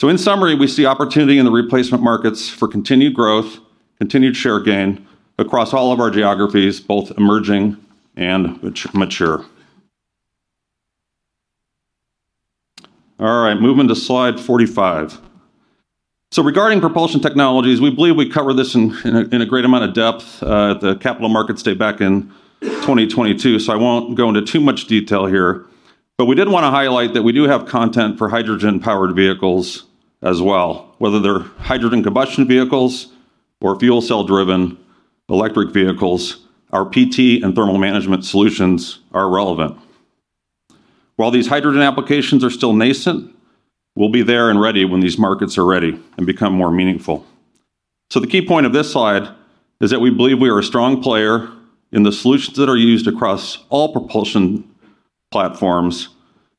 So in summary, we see opportunity in the replacement markets for continued growth, continued share gain across all of our geographies, both emerging and mature. All right, moving to Slide 45. So regarding propulsion technologies, we believe we covered this in a great amount of depth at the Capital Markets Day back in 2022, so I won't go into too much detail here. But we did want to highlight that we do have content for hydrogen-powered vehicles as well, whether they're hydrogen combustion vehicles or fuel cell-driven electric vehicles. Our PT and Thermal Management Solutions are relevant. While these hydrogen applications are still nascent, we'll be there and ready when these markets are ready and become more meaningful. So the key point of this slide is that we believe we are a strong player in the solutions that are used across all propulsion platforms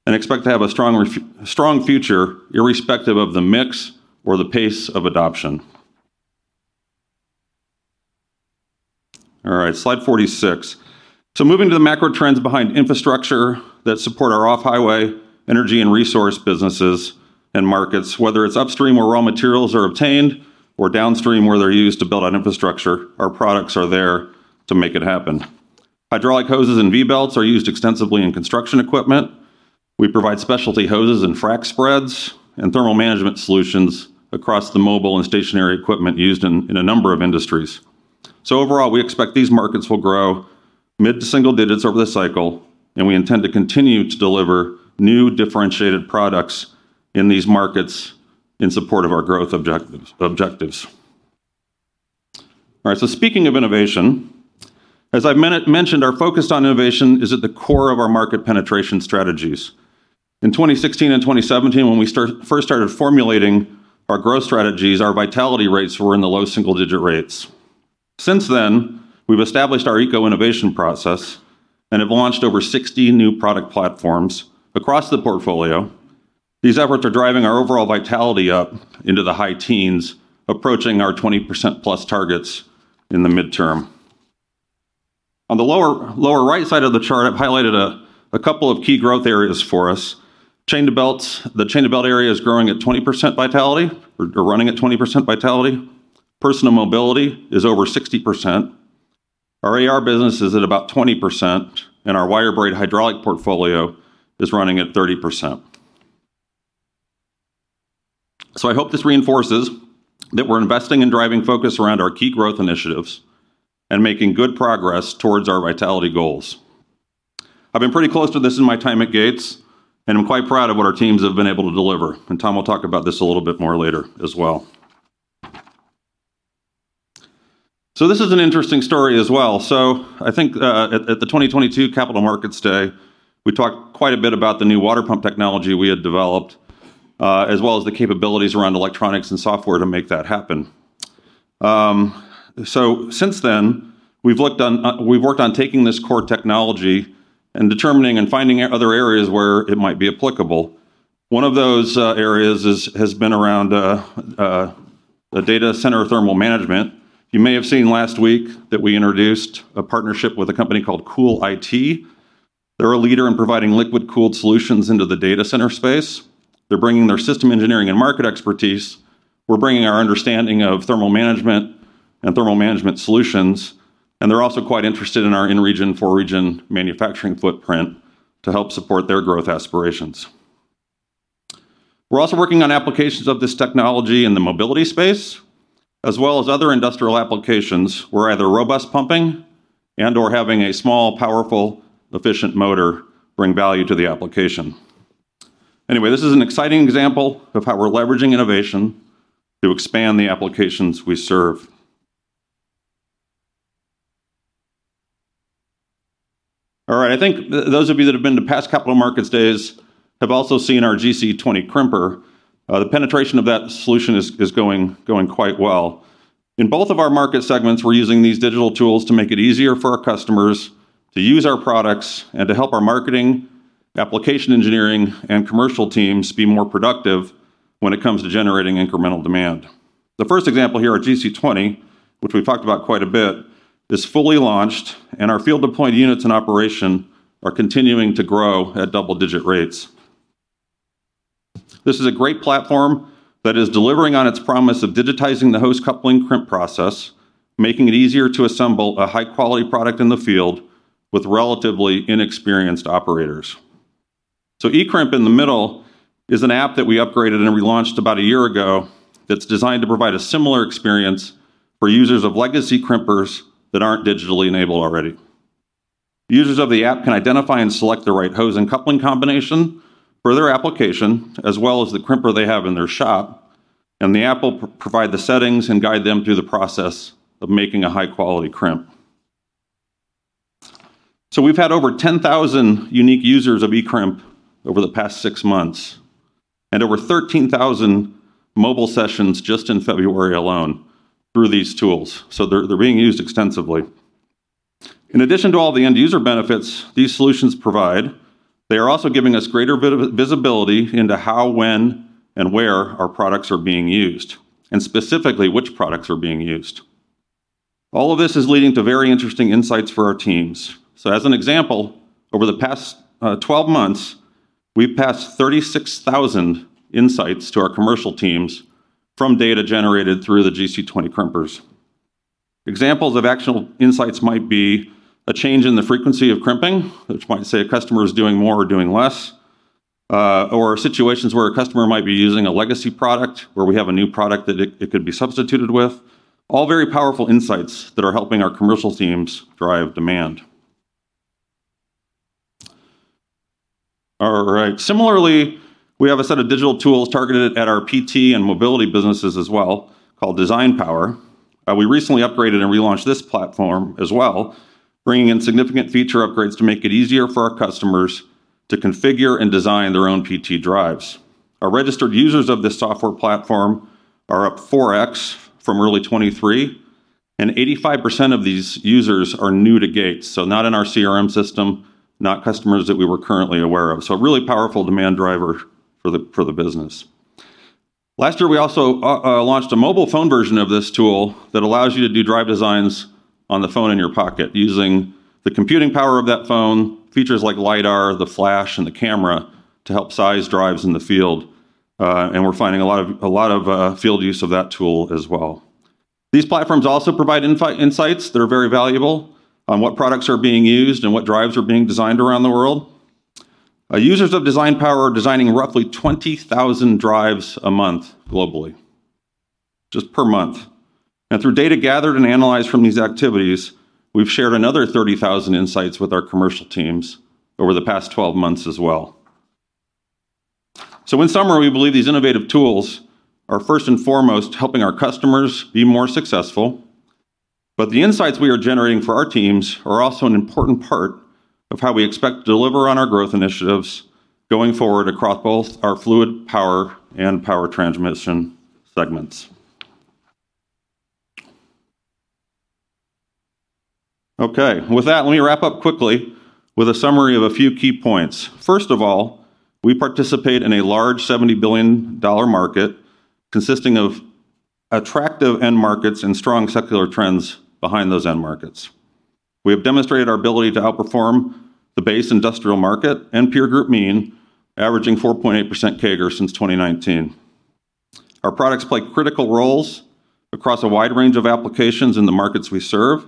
and expect to have a strong future, irrespective of the mix or the pace of adoption. All right, Slide 46. Moving to the macro trends behind infrastructure that support our off-highway energy and resource businesses and markets, whether it's upstream, where raw materials are obtained, or downstream, where they're used to build out infrastructure, our products are there to make it happen. Hydraulic hoses and V-belts are used extensively in construction equipment. We provide specialty hoses and frac spreads and Thermal Management Solutions across the mobile and stationary equipment used in a number of industries. Overall, we expect these markets will grow mid-to-single-digits over the cycle, and we intend to continue to deliver new, differentiated products in these markets in support of our growth objectives. All right, speaking of innovation, as I mentioned, our focus on innovation is at the core of our market penetration strategies. In 2016 and 2017, when we start, first started formulating our growth strategies, our vitality rates were in the low single-digit rates. Since then, we've established our Eco-Innovation process and have launched over 60 new product platforms across the portfolio. These efforts are driving our overall vitality up into the high teens, approaching our 20%+ targets in the mid-term. On the lower, lower right side of the chart, I've highlighted a, a couple of key growth areas for us. Chain-to-Belt, the chain to belt area is growing at 20% vitality or, or running at 20% vitality. Personal mobility is over 60%. Our AR business is at about 20%, and our wire braid hydraulic portfolio is running at 30%. So I hope this reinforces that we're investing and driving focus around our key growth initiatives and making good progress towards our vitality goals. I've been pretty close to this in my time at Gates, and I'm quite proud of what our teams have been able to deliver, and Tom will talk about this a little bit more later as well. So this is an interesting story as well. So I think at the 2022 Capital Markets Day, we talked quite a bit about the new water pump technology we had developed, as well as the capabilities around electronics and software to make that happen. So since then, we've worked on taking this core technology and determining and finding out other areas where it might be applicable. One of those areas is, has been around data center Thermal Management. You may have seen last week that we introduced a partnership with a company called CoolIT. They're a leader in providing liquid-cooled solutions into the data center space. They're bringing their system engineering and market expertise. We're bringing our understanding of Thermal Management and Thermal Management Solutions, and they're also quite interested in our in-region, for-region manufacturing footprint to help support their growth aspirations. We're also working on applications of this technology in the mobility space, as well as other industrial applications, where either robust pumping and/or having a small, powerful, efficient motor bring value to the application. Anyway, this is an exciting example of how we're leveraging innovation to expand the applications we serve. All right, I think those of you that have been to past Capital Markets Days have also seen our GC20 crimper. The penetration of that solution is going quite well. In both of our market segments, we're using these digital tools to make it easier for our customers to use our products and to help our marketing, application engineering, and commercial teams be more productive when it comes to generating incremental demand. The first example here are GC20, which we've talked about quite a bit, is fully launched, and our field-deployed units in operation are continuing to grow at double-digit rates. This is a great platform that is delivering on its promise of digitizing the hose coupling crimp process, making it easier to assemble a high-quality product in the field with relatively inexperienced operators. So eCrimp in the middle is an app that we upgraded and relaunched about a year ago, that's designed to provide a similar experience for users of legacy crimpers that aren't digitally enabled already. Users of the app can identify and select the right hose and coupling combination for their application, as well as the crimper they have in their shop, and the app will provide the settings and guide them through the process of making a high-quality crimp. So we've had over 10,000 unique users of eCrimp over the past six months, and over 13,000 mobile sessions just in February alone through these tools, so they're being used extensively. In addition to all the end-user benefits these solutions provide, they are also giving us greater visibility into how, when, and where our products are being used, and specifically, which products are being used. All of this is leading to very interesting insights for our teams. So as an example, over the past 12 months, we've passed 36,000 insights to our commercial teams from data generated through the GC20 crimpers. Examples of actual insights might be a change in the frequency of crimping, which might say a customer is doing more or doing less or situations where a customer might be using a legacy product, where we have a new product that it could be substituted with. All very powerful insights that are helping our commercial teams drive demand. All right. Similarly, we have a set of digital tools targeted at our PT and mobility businesses as well, called Design Power. We recently upgraded and relaunched this platform as well, bringing in significant feature upgrades to make it easier for our customers to configure and design their own PT drives. Our registered users of this software platform are up 4x from early 2023, and 85% of these users are new to Gates. So not in our CRM system, not customers that we were currently aware of. So a really powerful demand driver for the business. Last year, we also launched a mobile phone version of this tool that allows you to do drive designs on the phone in your pocket, using the computing power of that phone, features like LiDAR, the flash, and the camera, to help size drives in the field. And we're finding a lot of field use of that tool as well. These platforms also provide insights that are very valuable on what products are being used and what drives are being designed around the world. Users of Design Power are designing roughly 20,000 drives a month globally, just per month. And through data gathered and analyzed from these activities, we've shared another 30,000 insights with our commercial teams over the past 12 months as well. In summary, we believe these innovative tools are first and foremost, helping our customers be more successful. But the insights we are generating for our teams are also an important part of how we expect to deliver on our growth initiatives going forward across both our Fluid Power and Power Transmission segments. Okay, with that, let me wrap up quickly with a summary of a few key points. First of all, we participate in a large $70 billion market consisting of attractive end markets and strong secular trends behind those end markets. We have demonstrated our ability to outperform the base industrial market and peer group mean, averaging 4.8% CAGR since 2019. Our products play critical roles across a wide range of applications in the markets we serve,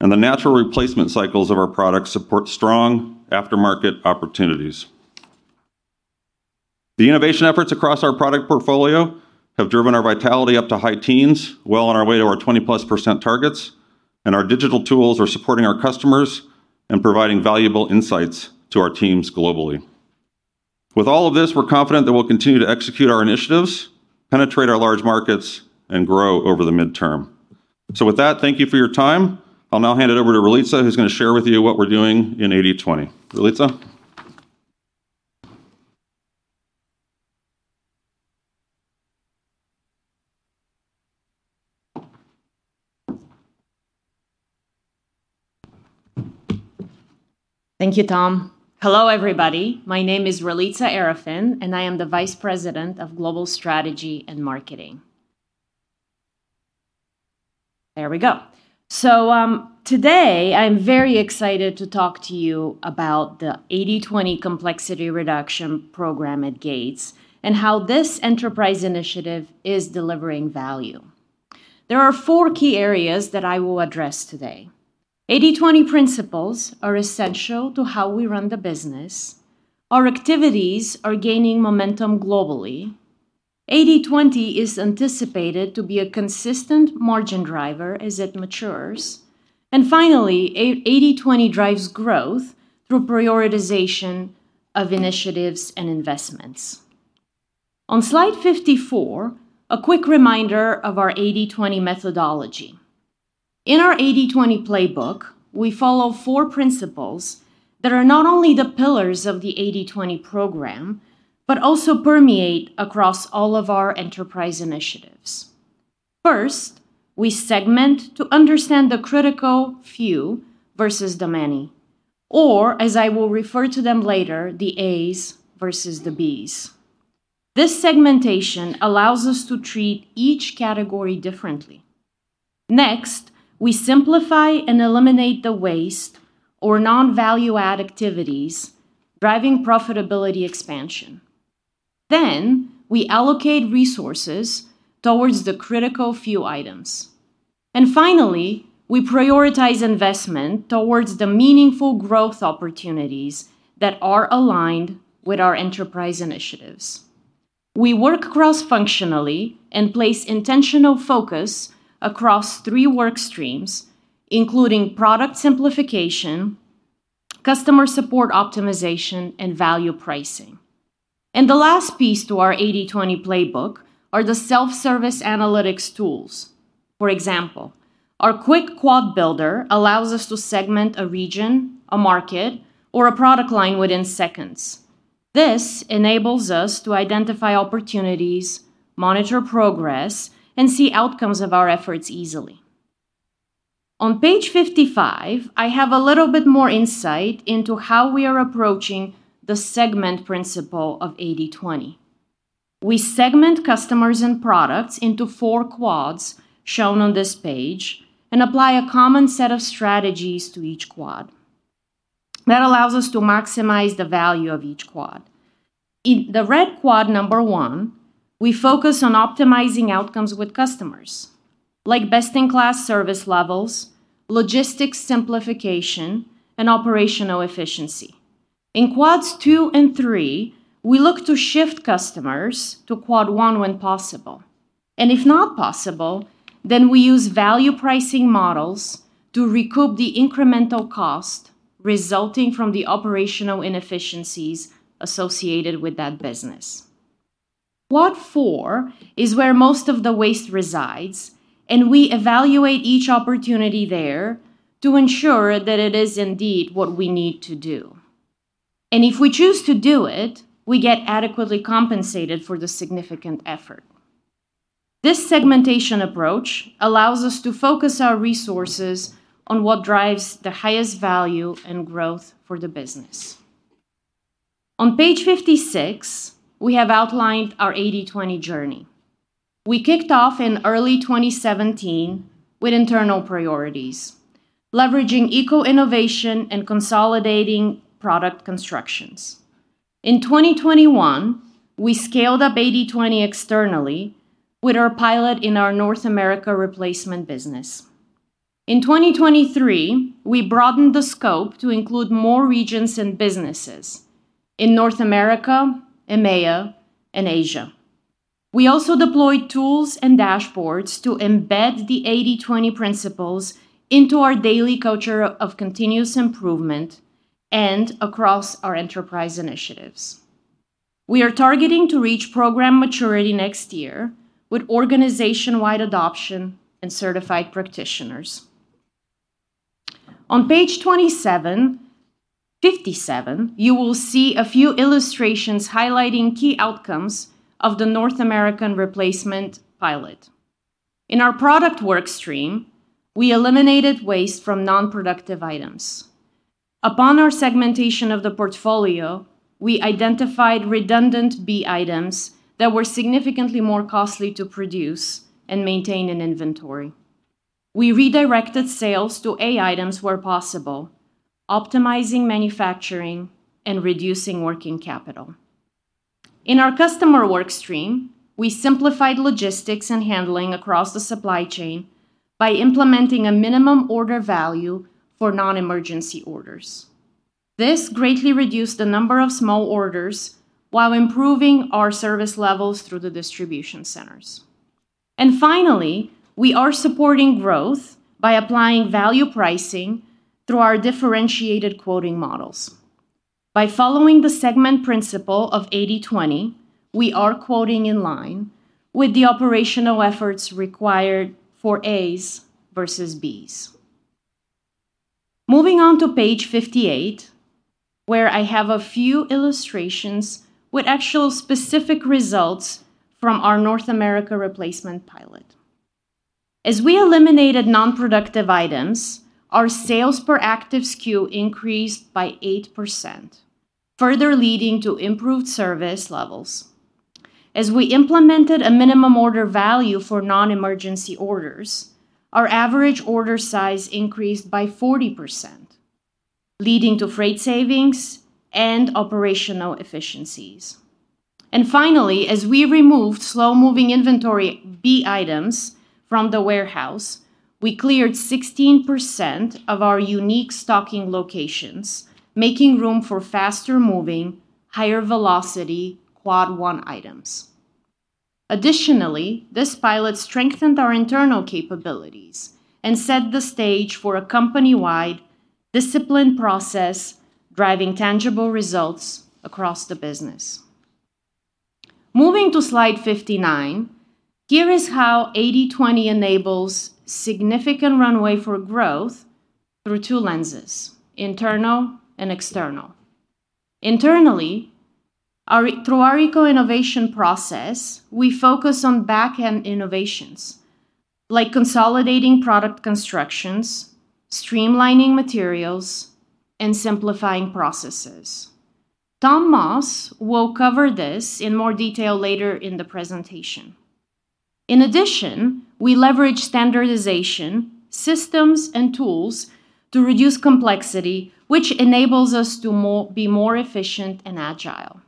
and the natural replacement cycles of our products support strong aftermarket opportunities. The innovation efforts across our product portfolio have driven our vitality up to high teens, well on our way to our 20%+ targets, and our digital tools are supporting our customers and providing valuable insights to our teams globally. With all of this, we're confident that we'll continue to execute our initiatives, penetrate our large markets, and grow over the midterm. So with that, thank you for your time. I'll now hand it over to Ralitza, who's going to share with you what we're doing in 80/20. Ralitza? Thank you, Tom. Hello, everybody. My name is Ralitza Arefin, and I am the Vice President of Global Strategy and Marketing. There we go. So, today, I'm very excited to talk to you about the 80/20 complexity reduction program at Gates and how this enterprise initiative is delivering value. There are four key areas that I will address today. 80/20 principles are essential to how we run the business. Our activities are gaining momentum globally. 80/20 is anticipated to be a consistent margin driver as it matures. And finally, 80/20 drives growth through prioritization of initiatives and investments. On Slide 54, a quick reminder of our 80/20 methodology. In our 80/20 playbook, we follow four principles that are not only the pillars of the 80/20 program, but also permeate across all of our enterprise initiatives. First, we segment to understand the critical few versus the many, or as I will refer to them later, the A's versus the B's. This segmentation allows us to treat each category differently. Next, we simplify and eliminate the waste or non-value-add activities, driving profitability expansion. Then, we allocate resources towards the critical few items. Finally, we prioritize investment towards the meaningful growth opportunities that are aligned with our Enterprise Initiatives. We work cross-functionally and place intentional focus across three work streams, including product simplification, customer support optimization, and value pricing. The last piece to our 80/20 playbook are the self-service analytics tools. For example, our Quick Quad Builder allows us to segment a region, a market, or a product line within seconds. This enables us to identify opportunities, monitor progress, and see outcomes of our efforts easily. On Page 55, I have a little bit more insight into how we are approaching the segment principle of 80/20. We segment customers and products into 4 quads, shown on this page, and apply a common set of strategies to each quad. That allows us to maximize the value of each quad. In the red Quad number 1, we focus on optimizing outcomes with customers, like best-in-class service levels, logistics simplification, and operational efficiency. In Quads 2 and 3, we look to shift customers to quad 1 when possible, and if not possible, then we use value pricing models to recoup the incremental cost resulting from the operational inefficiencies associated with that business. Quad 4 is where most of the waste resides, and we evaluate each opportunity there to ensure that it is indeed what we need to do. If we choose to do it, we get adequately compensated for the significant effort. This segmentation approach allows us to focus our resources on what drives the highest value and growth for the business. On Page 56, we have outlined our 80/20 journey. We kicked off in early 2017 with internal priorities, leveraging Eco-Innovation and Consolidating Product Constructions. In 2021, we scaled up 80/20 externally with our pilot in our North America replacement business. In 2023, we broadened the scope to include more regions and businesses in North America, EMEA, and Asia. We also deployed tools and dashboards to embed the 80/20 principles into our daily culture of continuous improvement and across our enterprise initiatives. We are targeting to reach program maturity next year with organization-wide adoption and certified practitioners. On Page 27. 57, you will see a few illustrations highlighting key outcomes of the North American replacement pilot. In our product work stream, we eliminated waste from non-productive items. Upon our segmentation of the portfolio, we identified redundant B items that were significantly more costly to produce and maintain in inventory. We redirected sales to A items where possible, optimizing manufacturing and reducing working capital. In our Customer Work Stream, we simplified logistics and handling across the supply chain by implementing a minimum order value for non-emergency orders. This greatly reduced the number of small orders while improving our service levels through the distribution centers. And finally, we are supporting growth by applying value pricing through our differentiated quoting models. By following the segment principle of 80/20, we are quoting in line with the operational efforts required for A's versus B's. Moving on to Page 58, where I have a few illustrations with actual specific results from our North America Replacement Pilot. As we eliminated non-productive items, our sales per active SKU increased by 8%, further leading to improved service levels. As we implemented a minimum order value for non-emergency orders, our average order size increased by 40%, leading to freight savings and operational efficiencies. And finally, as we removed slow-moving inventory B items from the warehouse, we cleared 16% of our unique stocking locations, making room for faster-moving, higher-velocity Quad 1 items. Additionally, this pilot strengthened our internal capabilities and set the stage for a company-wide disciplined process, driving tangible results across the business. Moving to Slide 59, here is how 80/20 enables significant runway for growth through two lenses: internal and external. Internally, through our Eco-Innovation process, we focus on back-end innovations, like consolidating product constructions, streamlining materials, and simplifying processes. Tom Moss will cover this in more detail later in the presentation. In addition, we leverage standardization, systems, and tools to reduce complexity, which enables us to be more efficient and agile.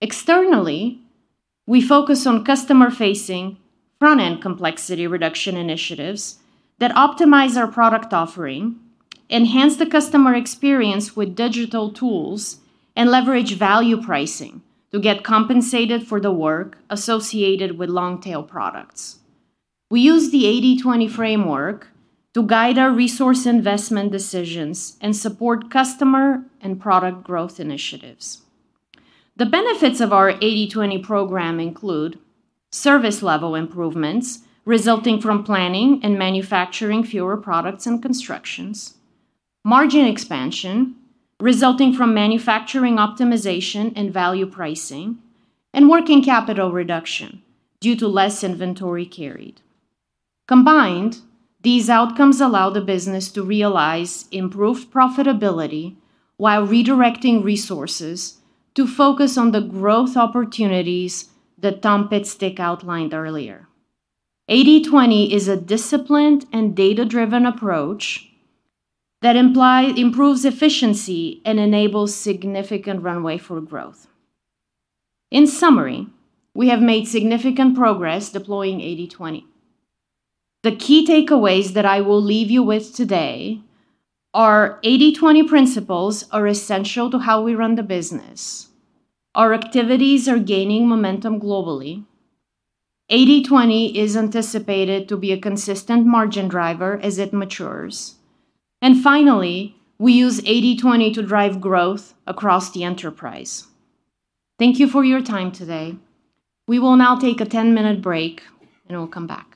Externally, we focus on customer-facing front-end complexity reduction initiatives that optimize our product offering, enhance the customer experience with digital tools, and leverage value pricing to get compensated for the work associated with long-tail products. We use the 80/20 framework to guide our resource investment decisions and support customer and product growth initiatives. The benefits of our 80/20 program include service level improvements resulting from planning and manufacturing fewer products and constructions, margin expansion resulting from manufacturing optimization and value pricing, and working capital reduction due to less inventory carried. Combined, these outcomes allow the business to realize improved profitability while redirecting resources to focus on the growth opportunities that Tom Pitstick outlined earlier. 80/20 is a disciplined and data-driven approach that improves efficiency and enables significant runway for growth. In summary, we have made significant progress deploying 80/20. The key takeaways that I will leave you with today are: 80/20 principles are essential to how we run the business; our activities are gaining momentum globally; 80/20 is anticipated to be a consistent margin driver as it matures; and finally, we use 80/20 to drive growth across the enterprise. Thank you for your time today. We will now take a 10-minute break, and we'll come back.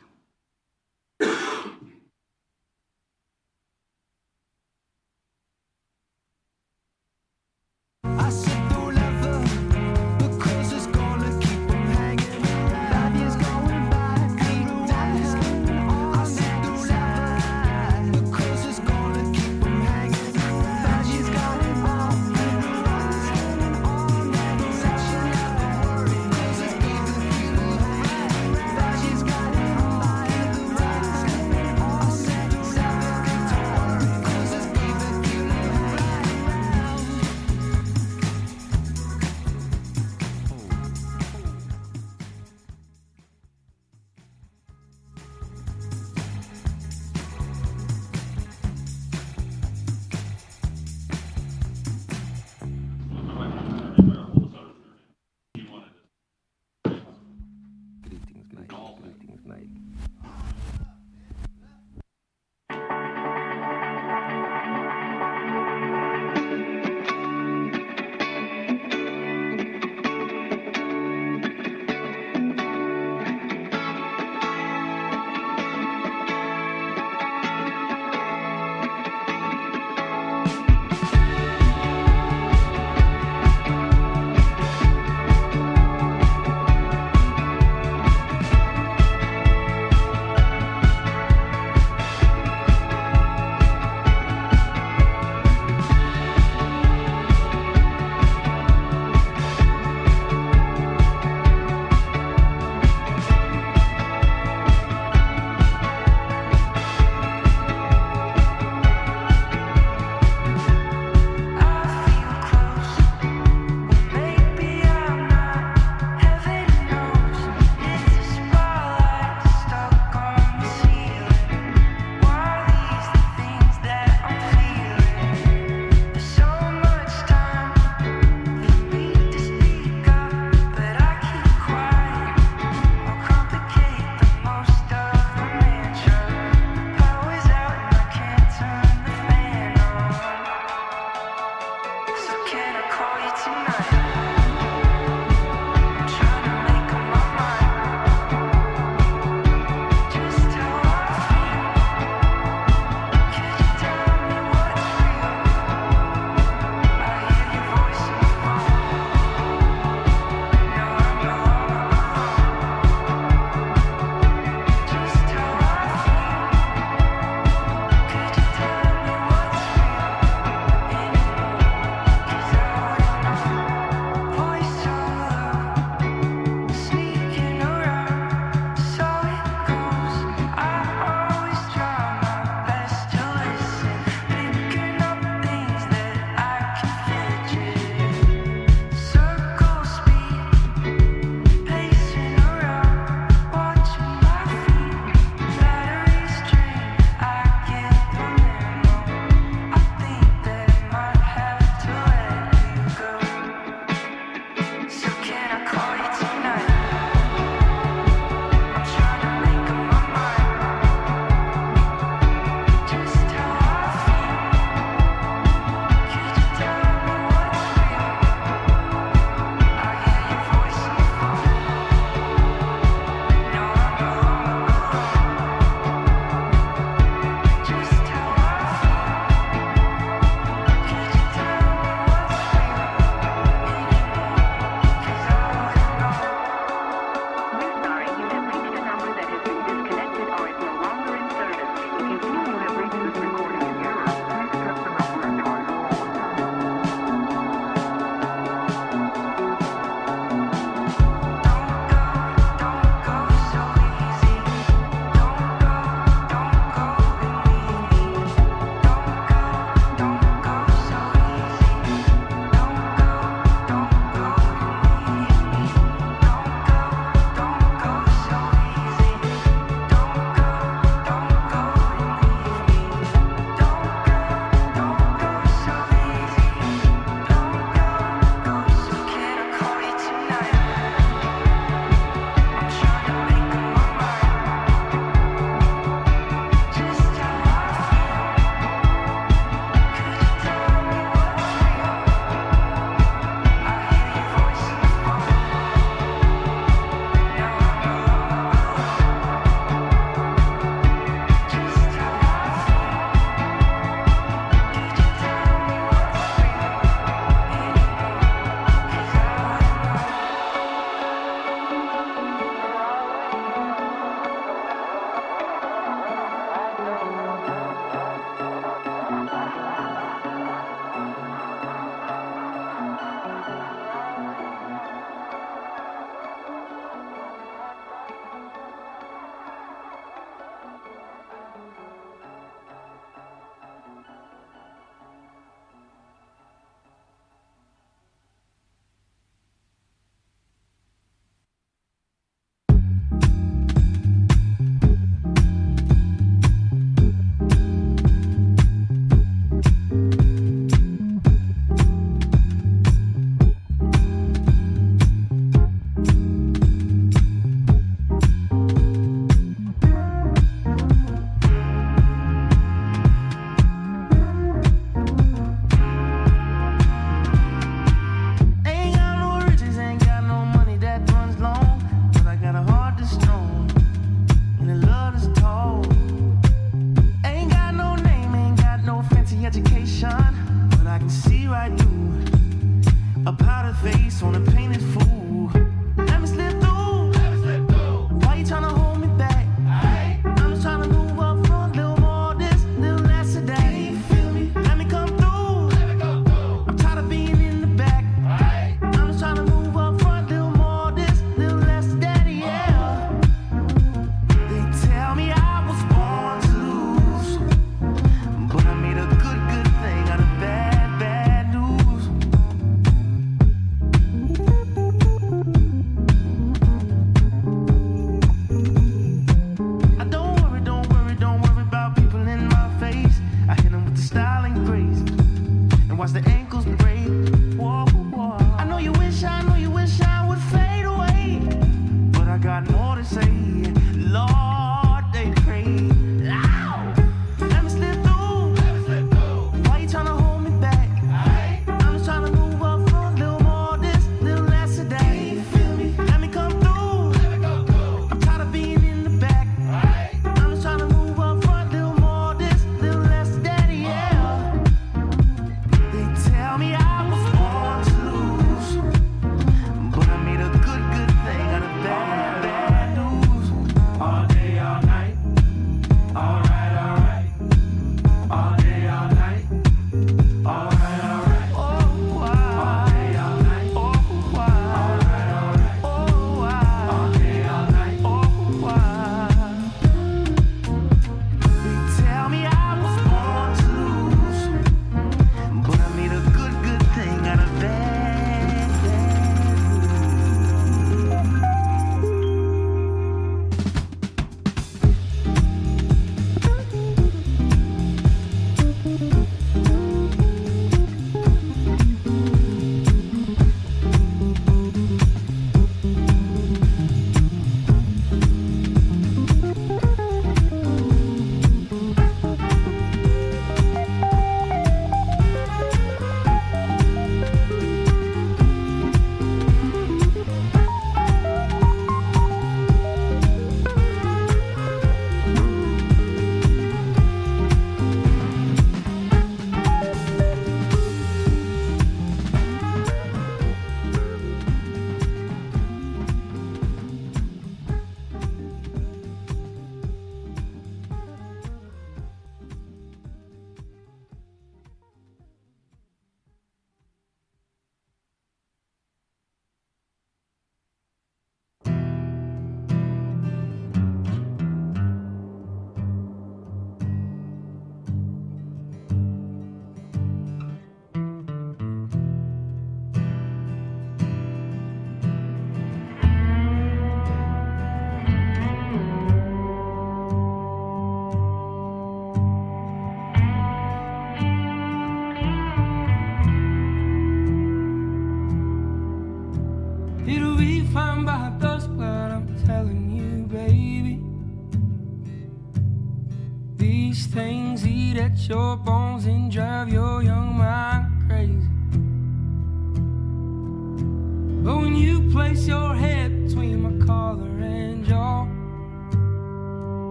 Okay,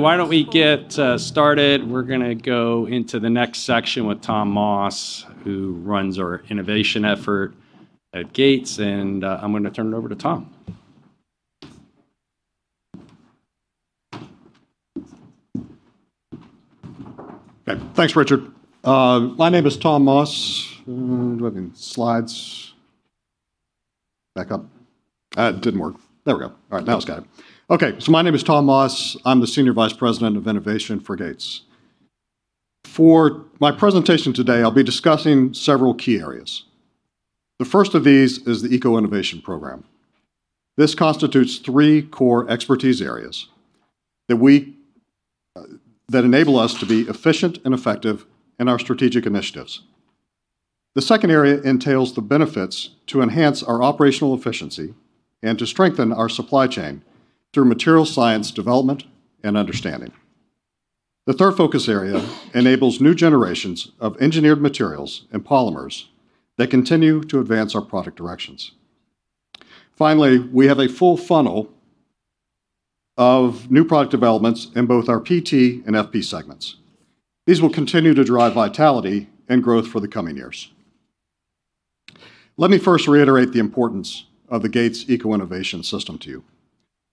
why don't we get started? We're gonna go into the next section with Tom Moss, who runs our Innovation Effort at Gates, and I'm gonna turn it over to Tom. Okay. Thanks, Richard. My name is Tom Moss. Do I have any slides? Back up. It didn't work. There we go. All right, now it's got it. Okay, so my name is Tom Moss. I'm the Senior Vice President of Innovation for Gates. For my presentation today, I'll be discussing several key areas. The first of these is the Eco-Innovation program. This constitutes three core expertise areas that we that enable us to be efficient and effective in our strategic initiatives. The second area entails the benefits to enhance our operational efficiency and to strengthen our supply chain through material science development and understanding. The third focus area enables new generations of engineered materials and polymers that continue to advance our product directions. Finally, we have a full funnel of new product developments in both our PT and FP segments. These will continue to drive vitality and growth for the coming years. Let me first reiterate the importance of the Gates Eco-Innovation system to you.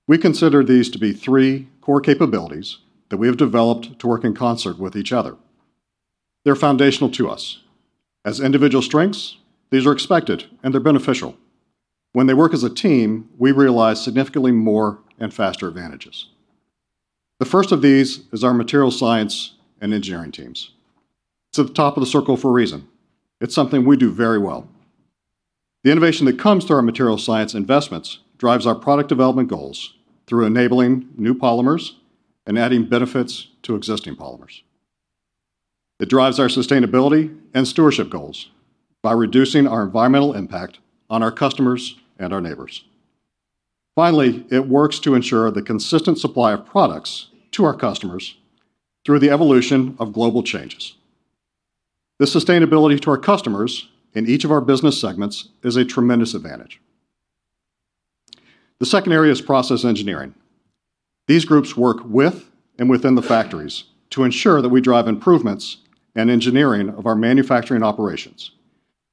We consider these to be three core capabilities that we have developed to work in concert with each other. They're foundational to us. As individual strengths, these are expected, and they're beneficial. When they work as a team, we realize significantly more and faster advantages. The first of these is our Materials Science and Engineering teams. It's at the top of the circle for a reason. It's something we do very well. The innovation that comes through our Materials Science Investments drives our product development goals through enabling new polymers and adding benefits to existing polymers. It drives our sustainability and stewardship goals by reducing our environmental impact on our customers and our neighbors. Finally, it works to ensure the consistent supply of products to our customers through the evolution of global changes. The sustainability to our customers in each of our business segments is a tremendous advantage. The second area is process engineering. These groups work with and within the factories to ensure that we drive improvements and engineering of our manufacturing operations,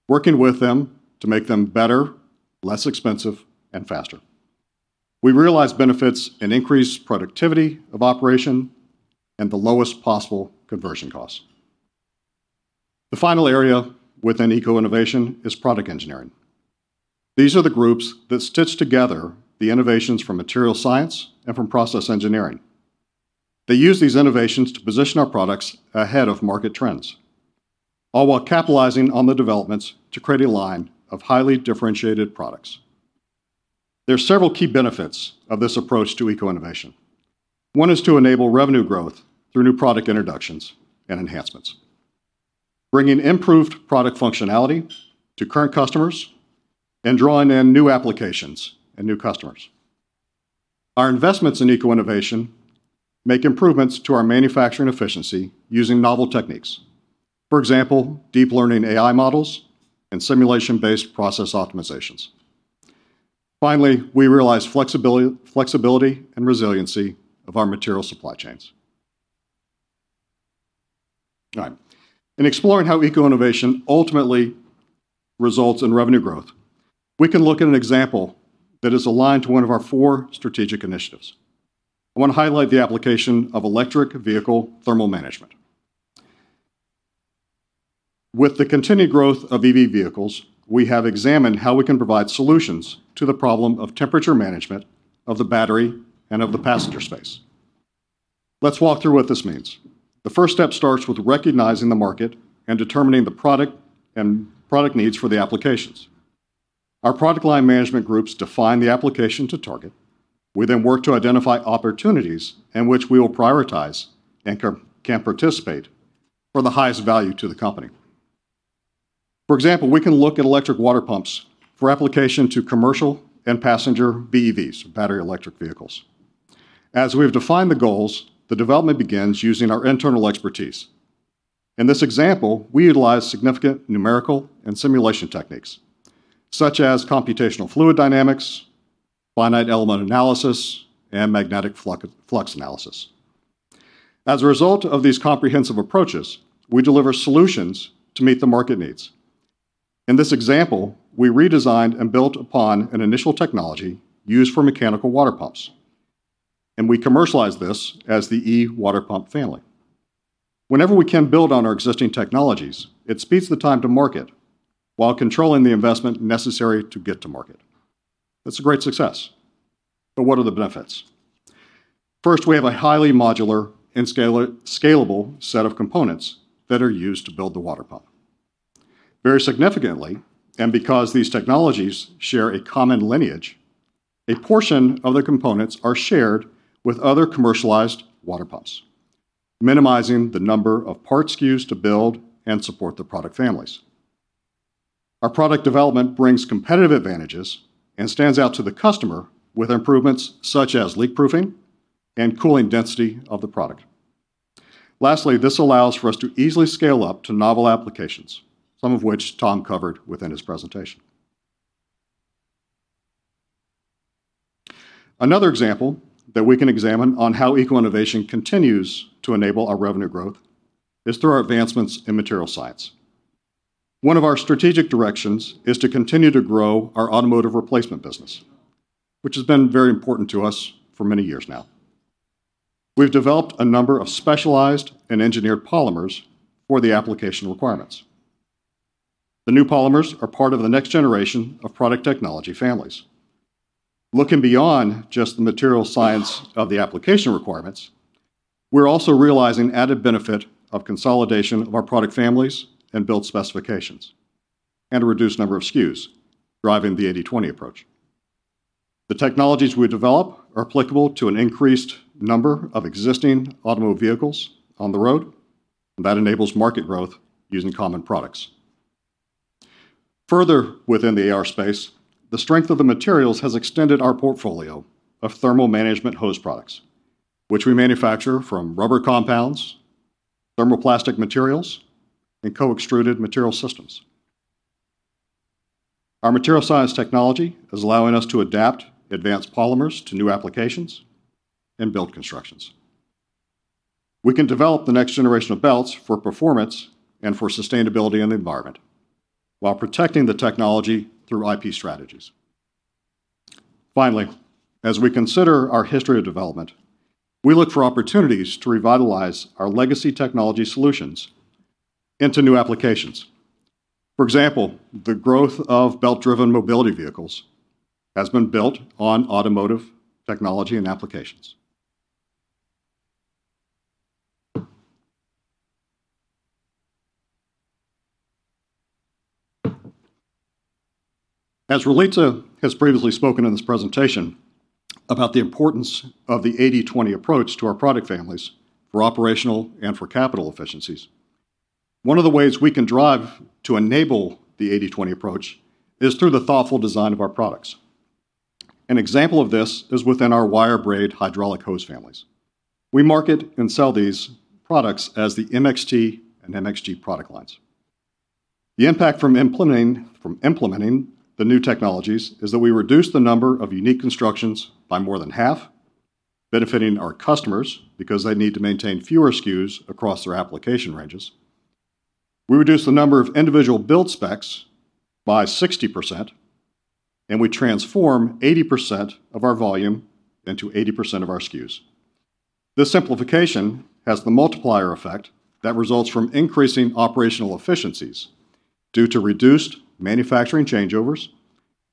working with them to make them better, less expensive, and faster. We realize benefits and increase productivity of operation and the lowest possible conversion costs. The final area within Eco-Innovation is product engineering. These are the groups that stitch together the innovations from materials science and from process engineering. They use these innovations to position our products ahead of market trends, all while capitalizing on the developments to create a line of highly differentiated products. There are several key benefits of this approach to Eco-Innovation. One is to enable revenue growth through new product introductions and enhancements, bringing improved product functionality to current customers and drawing in new applications and new customers. Our investments in Eco-Innovation make improvements to our manufacturing efficiency using novel techniques. For example, deep learning AI models and simulation-based process optimizations. Finally, we realize flexibility and resiliency of our material supply chains. All right. In exploring how Eco-Innovation ultimately results in revenue growth, we can look at an example that is aligned to one of our four strategic initiatives. I wanna highlight the application of electric vehicle thermal management. With the continued growth of EV vehicles, we have examined how we can provide solutions to the problem of temperature management of the battery and of the passenger space. Let's walk through what this means. The first step starts with recognizing the market and determining the product and product needs for the applications. Our product line management groups define the application to target. We then work to identify opportunities in which we will prioritize and can participate for the highest value to the company. For example, we can look at electric water pumps for application to commercial and passenger BEVs, battery electric vehicles. As we've defined the goals, the development begins using our internal expertise. In this example, we utilize significant numerical and simulation techniques, such as computational fluid dynamics, finite element analysis, and magnetic flux analysis. As a result of these comprehensive approaches, we deliver solutions to meet the market needs. In this example, we redesigned and built upon an initial technology used for mechanical water pumps, and we commercialized this as the E-Water Pump family. Whenever we can build on our existing technologies, it speeds the time to market while controlling the investment necessary to get to market. That's a great success, but what are the benefits? First, we have a highly modular and scalable set of components that are used to build the water pump. Very significantly, and because these technologies share a common lineage, a portion of the components are shared with other commercialized water pumps, minimizing the number of part SKUs to build and support the product families. Our product development brings competitive advantages and stands out to the customer with improvements such as leak-proofing and cooling density of the product. Lastly, this allows for us to easily scale up to novel applications, some of which Tom covered within his presentation. Another example that we can examine on how Eco-Innovation continues to enable our revenue growth is through our advancements in Materials Science. One of our strategic directions is to continue to grow our automotive replacement business, which has been very important to us for many years now. We've developed a number of specialized and engineered polymers for the application requirements. The new polymers are part of the next generation of product technology families. Looking beyond just the materials science of the application requirements, we're also realizing added benefit of consolidation of our product families and build specifications, and a reduced number of SKUs, driving the 80/20 approach. The technologies we develop are applicable to an increased number of existing automotive vehicles on the road, and that enables market growth using common products. Further, within the AR space, the strength of the materials has extended our portfolio of thermal management hose products, which we manufacture from rubber compounds, thermoplastic materials, and co-extruded material systems. Our Material Science Technology is allowing us to adapt advanced polymers to new applications and build constructions. We can develop the next generation of belts for performance and for sustainability and the environment, while protecting the technology through IP strategies. Finally, as we consider our history of development, we look for opportunities to revitalize our legacy technology solutions into new applications. For example, the growth of belt-driven mobility vehicles has been built on automotive technology and applications. As Ralitza has previously spoken in this presentation about the importance of the 80/20 approach to our product families for operational and for capital efficiencies, one of the ways we can drive to enable the 80/20 approach is through the thoughtful design of our products. An example of this is within our wire braid hydraulic hose families. We market and sell these products as the MXT and MXG product lines. The impact from implementing the new technologies is that we reduce the number of unique constructions by more than half, benefiting our customers because they need to maintain fewer SKUs across their application ranges. We reduce the number of individual build specs by 60%, and we transform 80% of our volume into 80% of our SKUs. This simplification has the multiplier effect that results from increasing operational efficiencies due to reduced manufacturing changeovers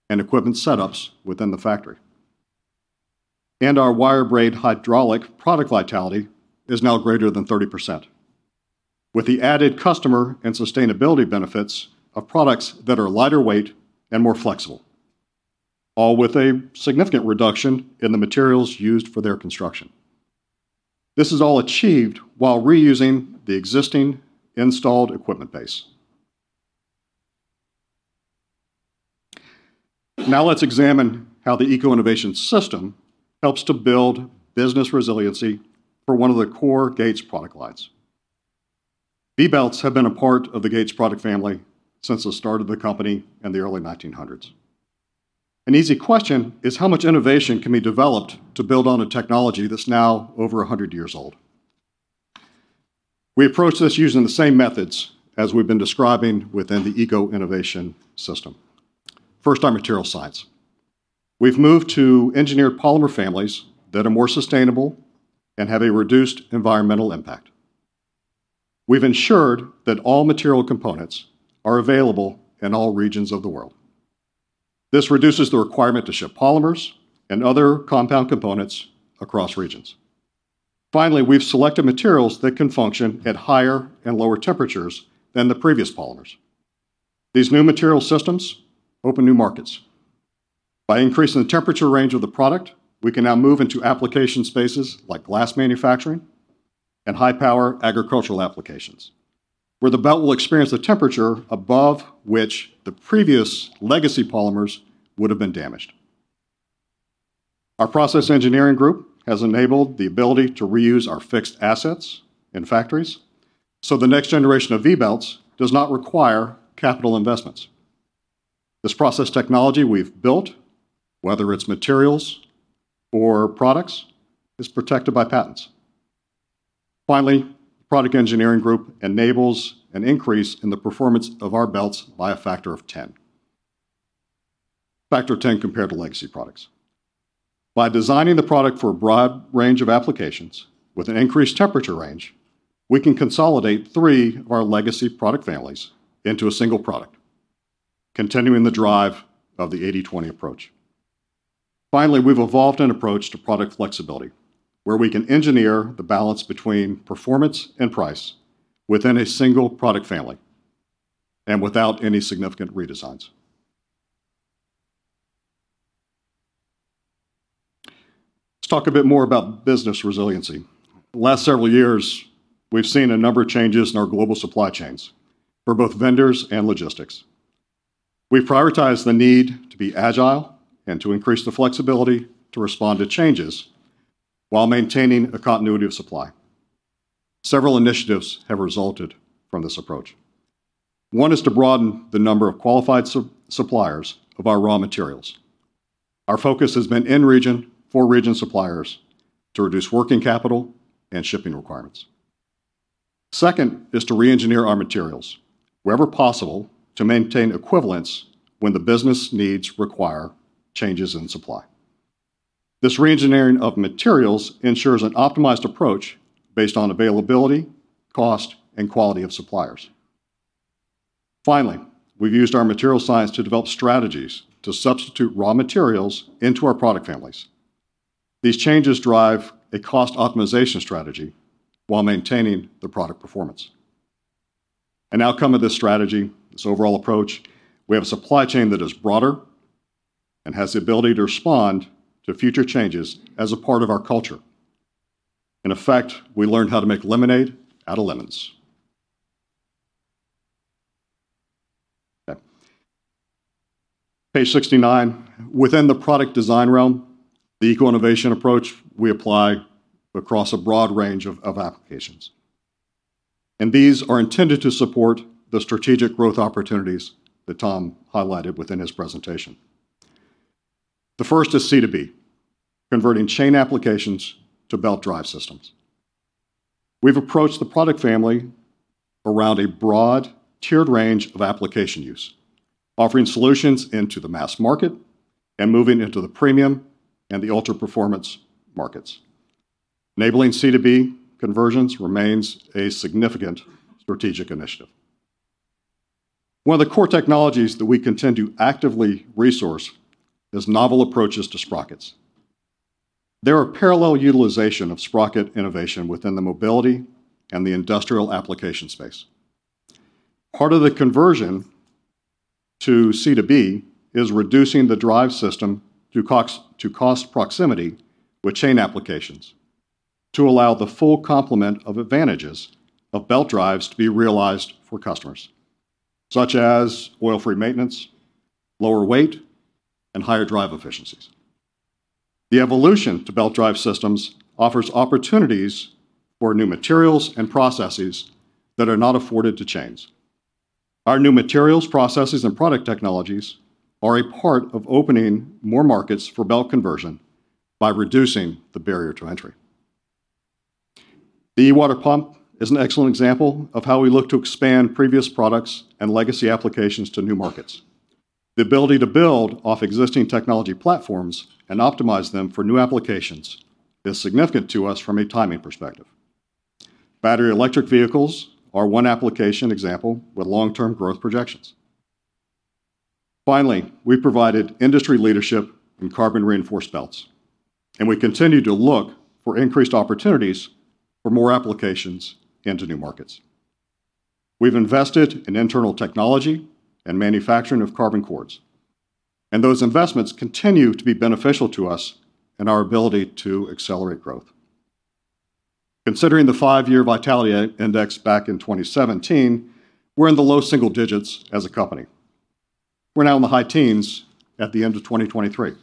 and equipment setups within the factory. Our wire braid hydraulic product vitality is now greater than 30%, with the added customer and sustainability benefits of products that are lighter weight and more flexible, all with a significant reduction in the materials used for their construction. This is all achieved while reusing the existing installed equipment base. Now, let's examine how the Eco-Innovation system helps to build business resiliency for one of the core Gates product lines. V-belts have been a part of the Gates product family since the start of the company in the early 1900s... An easy question is: how much innovation can be developed to build on a technology that's now over 100 years old? We approach this using the same methods as we've been describing within the Eco-Innovation system. First, our Materials Science. We've moved to engineered polymer families that are more sustainable and have a reduced environmental impact. We've ensured that all material components are available in all regions of the world. This reduces the requirement to ship polymers and other compound components across regions. Finally, we've selected materials that can function at higher and lower temperatures than the previous polymers. These new material systems open new markets. By increasing the temperature range of the product, we can now move into application spaces like glass manufacturing and high-power agricultural applications, where the belt will experience a temperature above which the previous legacy polymers would have been damaged. Our process engineering group has enabled the ability to reuse our fixed assets in factories, so the next generation of V-belts does not require capital investments. This process technology we've built, whether it's materials or products, is protected by patents. Finally, the product engineering group enables an increase in the performance of our belts by a factor of 10. Factor of 10 compared to legacy products. By designing the product for a broad range of applications with an increased temperature range, we can consolidate 3 of our legacy product families into a single product, continuing the drive of the 80/20 approach. Finally, we've evolved an approach to product flexibility, where we can engineer the balance between performance and price within a single product family and without any significant redesigns. Let's talk a bit more about business resiliency. The last several years, we've seen a number of changes in our global supply chains for both vendors and logistics. We've prioritized the need to be agile and to increase the flexibility to respond to changes while maintaining a continuity of supply. Several initiatives have resulted from this approach. One is to broaden the number of qualified suppliers of our raw materials. Our focus has been in-region, for-region suppliers to reduce working capital and shipping requirements. Second is to reengineer our materials wherever possible to maintain equivalence when the business needs require changes in supply. This reengineering of materials ensures an optimized approach based on availability, cost, and quality of suppliers. Finally, we've used our material science to develop strategies to substitute raw materials into our product families. These changes drive a cost optimization strategy while maintaining the product performance. An outcome of this strategy, this overall approach, we have a supply chain that is broader and has the ability to respond to future changes as a part of our culture. In effect, we learned how to make lemonade out of lemons. Page 69. Within the product design realm, the Eco-Innovation approach, we apply across a broad range of applications, and these are intended to support the strategic growth opportunities that Tom highlighted within his presentation. The first is C2B, converting chain applications to belt drive systems. We've approached the product family around a broad, tiered range of application use, offering solutions into the mass market and moving into the premium and the ultra-performance markets. Enabling C2B conversions remains a significant strategic initiative. One of the core technologies that we continue to actively resource is novel approaches to sprockets. They are a parallel utilization of sprocket innovation within the mobility and the industrial application space. Part of the conversion to C2B is reducing the drive system to cost proximity with chain applications, to allow the full complement of advantages of belt drives to be realized for customers, such as oil-free maintenance, lower weight, and higher drive efficiencies. The evolution to belt drive systems offers opportunities for new materials and processes that are not afforded to chains. Our new materials, processes, and product technologies are a part of opening more markets for belt conversion by reducing the barrier to entry. The E-Water Pump is an excellent example of how we look to expand previous products and legacy applications to new markets. The ability to build off existing technology platforms and optimize them for new applications is significant to us from a timing perspective. Battery electric vehicles are one application example with long-term growth projections. Finally, we provided industry leadership in carbon-reinforced belts, and we continue to look for increased opportunities for more applications into new markets. We've invested in internal technology and manufacturing of carbon cords, and those investments continue to be beneficial to us and our ability to accelerate growth. Considering the five-year vitality index back in 2017, we're in the low-single-digits as a company. We're now in the high teens at the end of 2023.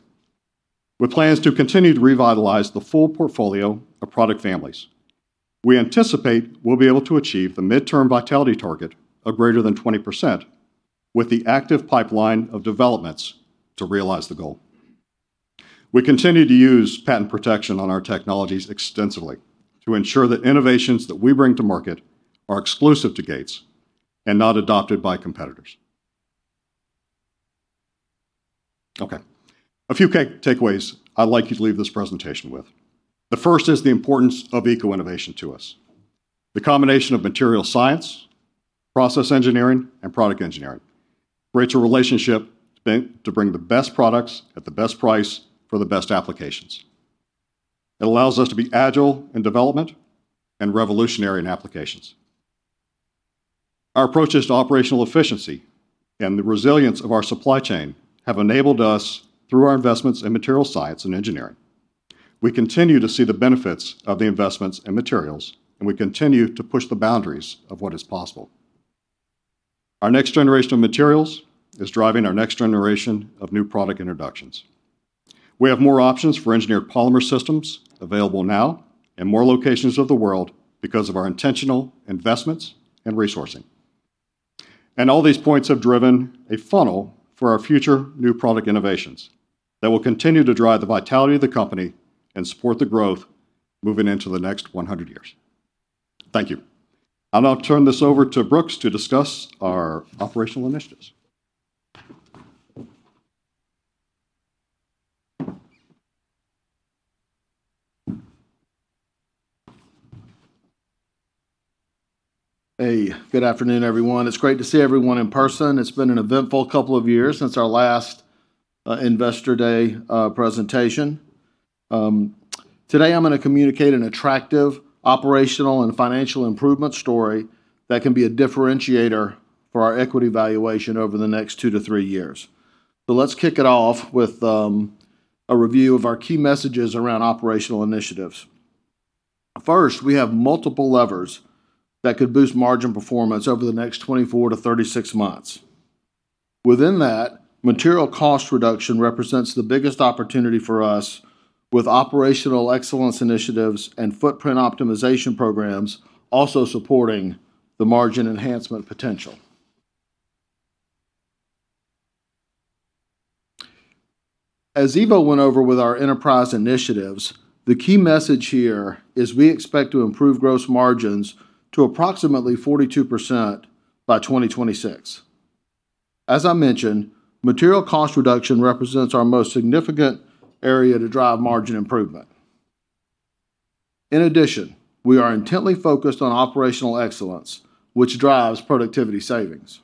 With plans to continue to revitalize the full portfolio of product families, we anticipate we'll be able to achieve the mid-term vitality target of greater than 20% with the active pipeline of developments to realize the goal. We continue to use patent protection on our technologies extensively to ensure that innovations that we bring to market are exclusive to Gates and not adopted by competitors. Okay, a few key takeaways I'd like you to leave this presentation with. The first is the importance of Eco-Innovation to us. The combination of material science, process engineering, and product engineering creates a relationship to bring the best products at the best price for the best applications. It allows us to be agile in development and revolutionary in applications. Our approaches to operational efficiency and the resilience of our supply chain have enabled us through our investments in Material Science and Engineering. We continue to see the benefits of the investments in materials, and we continue to push the boundaries of what is possible. Our next generation of materials is driving our next generation of new product introductions. We have more options for engineered polymer systems available now in more locations of the world because of our intentional investments and resourcing. All these points have driven a funnel for our future new product innovations that will continue to drive the vitality of the company and support the growth moving into the next 100 years. Thank you. I'll now turn this over to Brooks to discuss our operational initiatives. Hey, good afternoon, everyone. It's great to see everyone in person. It's been an eventful couple of years since our last Investor Day presentation. Today I'm gonna communicate an attractive operational and financial improvement story that can be a differentiator for our equity valuation over the next 2-3 years. Let's kick it off with a review of our key messages around operational initiatives. First, we have multiple levers that could boost margin performance over the next 24-36 months. Within that, material cost reduction represents the biggest opportunity for us, with operational excellence initiatives and footprint optimization programs also supporting the margin enhancement potential. As Ivo went over with our enterprise initiatives, the key message here is we expect to improve gross margins to approximately 42% by 2026. As I mentioned, material cost reduction represents our most significant area to drive margin improvement. In addition, we are intently focused on operational excellence, which drives productivity savings.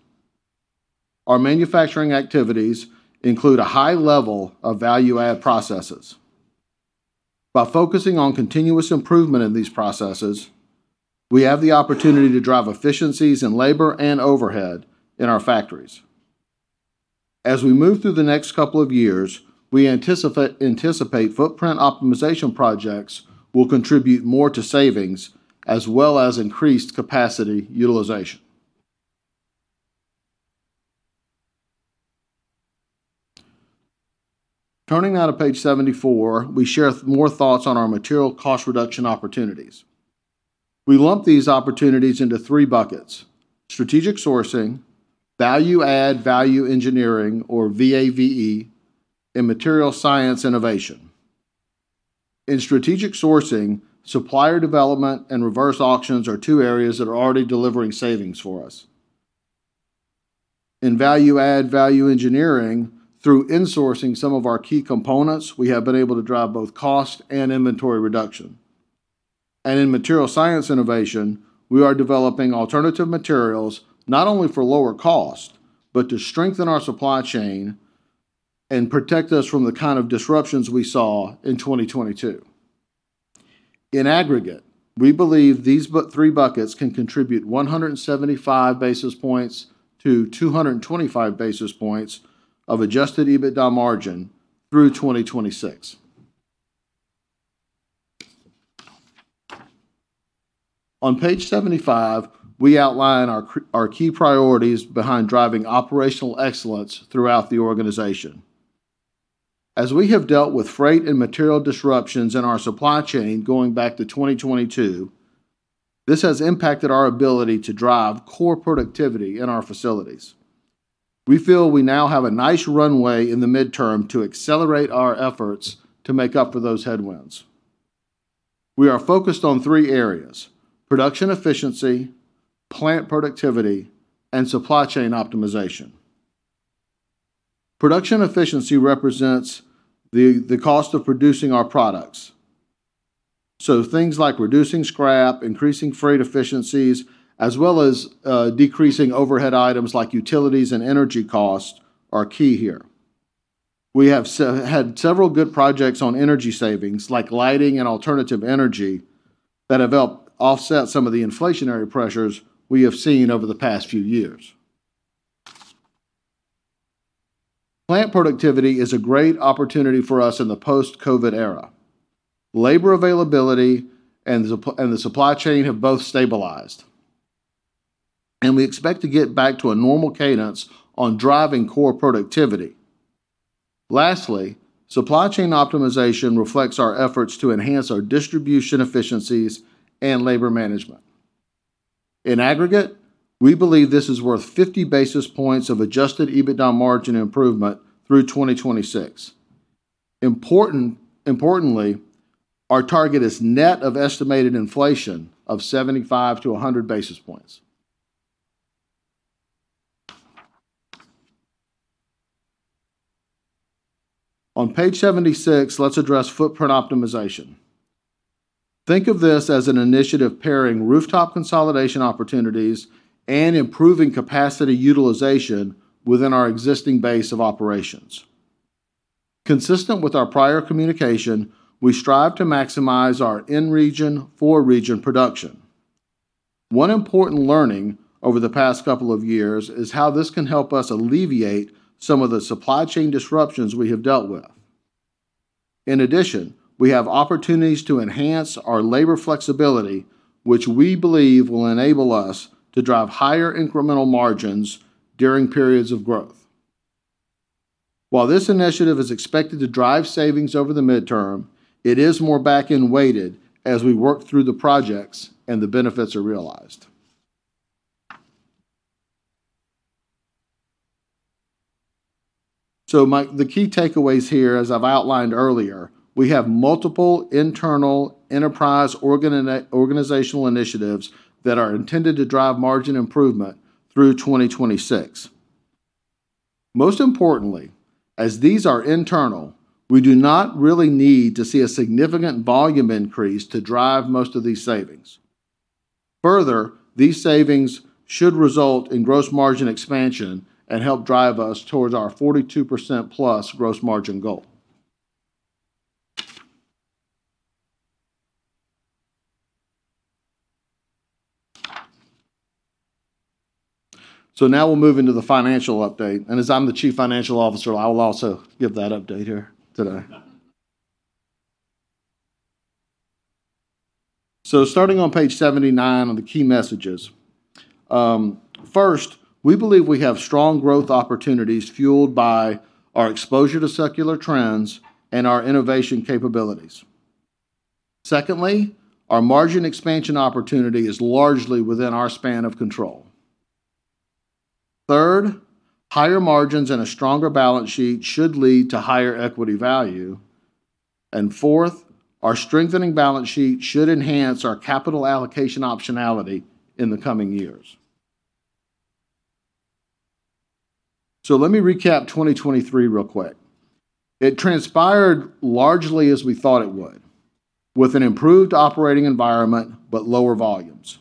Our manufacturing activities include a high level of value-add processes. By focusing on continuous improvement in these processes, we have the opportunity to drive efficiencies in labor and overhead in our factories. As we move through the next couple of years, we anticipate footprint optimization projects will contribute more to savings as well as increased capacity utilization. Turning now to page 74, we share more thoughts on our material cost reduction opportunities. We lump these opportunities into three buckets: strategic sourcing, value add, value engineering, or VAVE, and Material Science Innovation. In strategic sourcing, supplier development and reverse auctions are two areas that are already delivering savings for us. In Value Add, Value Engineering, through insourcing some of our key components, we have been able to drive both cost and inventory reduction. In material science innovation, we are developing alternative materials, not only for lower cost, but to strengthen our supply chain and protect us from the kind of disruptions we saw in 2022. In aggregate, we believe these but three buckets can contribute 175-225 basis points of Adjusted EBITDA margin through 2026. On page 75, we outline our key priorities behind driving operational excellence throughout the organization. As we have dealt with freight and material disruptions in our supply chain going back to 2022, this has impacted our ability to drive core productivity in our facilities. We feel we now have a nice runway in the midterm to accelerate our efforts to make up for those headwinds. We are focused on three areas: production efficiency, plant productivity, and supply chain optimization. Production efficiency represents the cost of producing our products. So things like reducing scrap, increasing freight efficiencies, as well as, decreasing overhead items like utilities and energy costs are key here. We have had several good projects on energy savings, like lighting and alternative energy, that have helped offset some of the inflationary pressures we have seen over the past few years. Plant productivity is a great opportunity for us in the post-COVID era. Labor availability and the supply chain have both stabilized, and we expect to get back to a normal cadence on driving core productivity. Lastly, supply chain optimization reflects our efforts to enhance our distribution efficiencies and labor management. In Aggregate, we believe this is worth 50 basis points of adjusted EBITDA margin improvement through 2026. Importantly, our target is net of estimated inflation of 75-100 basis points. On Page 76, let's address footprint optimization. Think of this as an initiative pairing rooftop consolidation opportunities and improving capacity utilization within our existing base of operations. Consistent with our prior communication, we strive to maximize our in-region, for-region production. One important learning over the past couple of years is how this can help us alleviate some of the supply chain disruptions we have dealt with. In addition, we have opportunities to enhance our labor flexibility, which we believe will enable us to drive higher incremental margins during periods of growth. While this initiative is expected to drive savings over the mid-term, it is more back-end weighted as we work through the projects and the benefits are realized. So, the key takeaways here, as I've outlined earlier, we have multiple internal enterprise organizational initiatives that are intended to drive margin improvement through 2026. Most importantly, as these are internal, we do not really need to see a significant volume increase to drive most of these savings. Further, these savings should result in gross margin expansion and help drive us towards our 42%+ gross margin goal. So now we'll move into the financial update, and as I'm the Chief Financial Officer, I will also give that update here today. So starting on Page 79 on the key messages. First, we believe we have strong growth opportunities fueled by our exposure to secular trends and our innovation capabilities. Secondly, our margin expansion opportunity is largely within our span of control. Third, higher margins and a stronger balance sheet should lead to higher equity value. And fourth, our strengthening balance sheet should enhance our capital allocation optionality in the coming years. So let me recap 2023 real quick. It transpired largely as we thought it would, with an improved operating environment but lower volumes.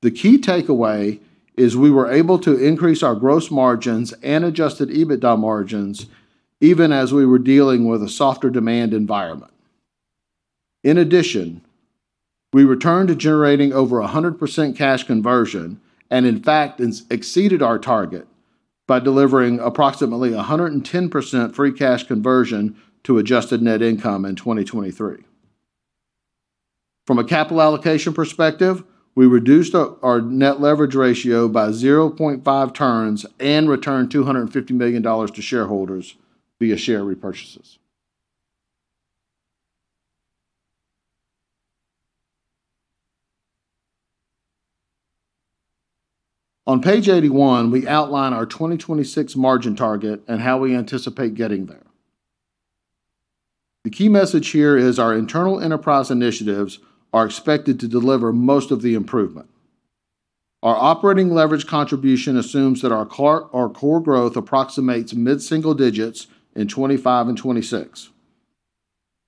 The key takeaway is we were able to increase our gross margins and adjusted EBITDA margins even as we were dealing with a softer demand environment. In addition, we returned to generating over 100% cash conversion and in fact, exceeded our target by delivering approximately 110% free cash conversion to adjusted net income in 2023. From a capital allocation perspective, we reduced our net leverage ratio by 0.5 turns and returned $250 million to shareholders via share repurchases. On Page 81, we outline our 2026 margin target and how we anticipate getting there. The key message here is our internal enterprise initiatives are expected to deliver most of the improvement. Our operating leverage contribution assumes that our core growth approximates mid-single-digits in 2025 and 2026.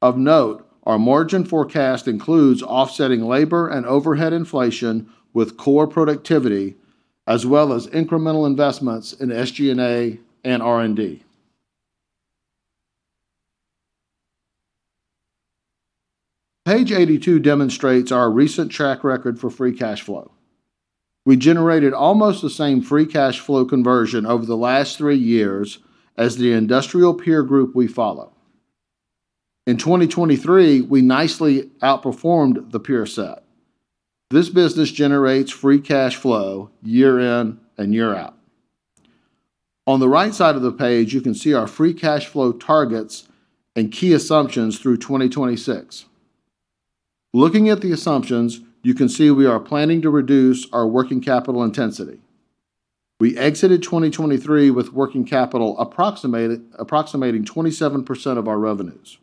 Of note, our margin forecast includes offsetting labor and overhead inflation with core productivity, as well as incremental investments in SG&A and R&D. Page 82 demonstrates our recent track record for free cash flow. We generated almost the same free cash flow conversion over the last three years as the industrial peer group we follow. In 2023, we nicely outperformed the peer set. This business generates free cash flow year in and year out. On the right side of the page, you can see our free cash flow targets and key assumptions through 2026. Looking at the assumptions, you can see we are planning to reduce our working capital intensity. We exited 2023 with working capital approximating 27% of our revenues.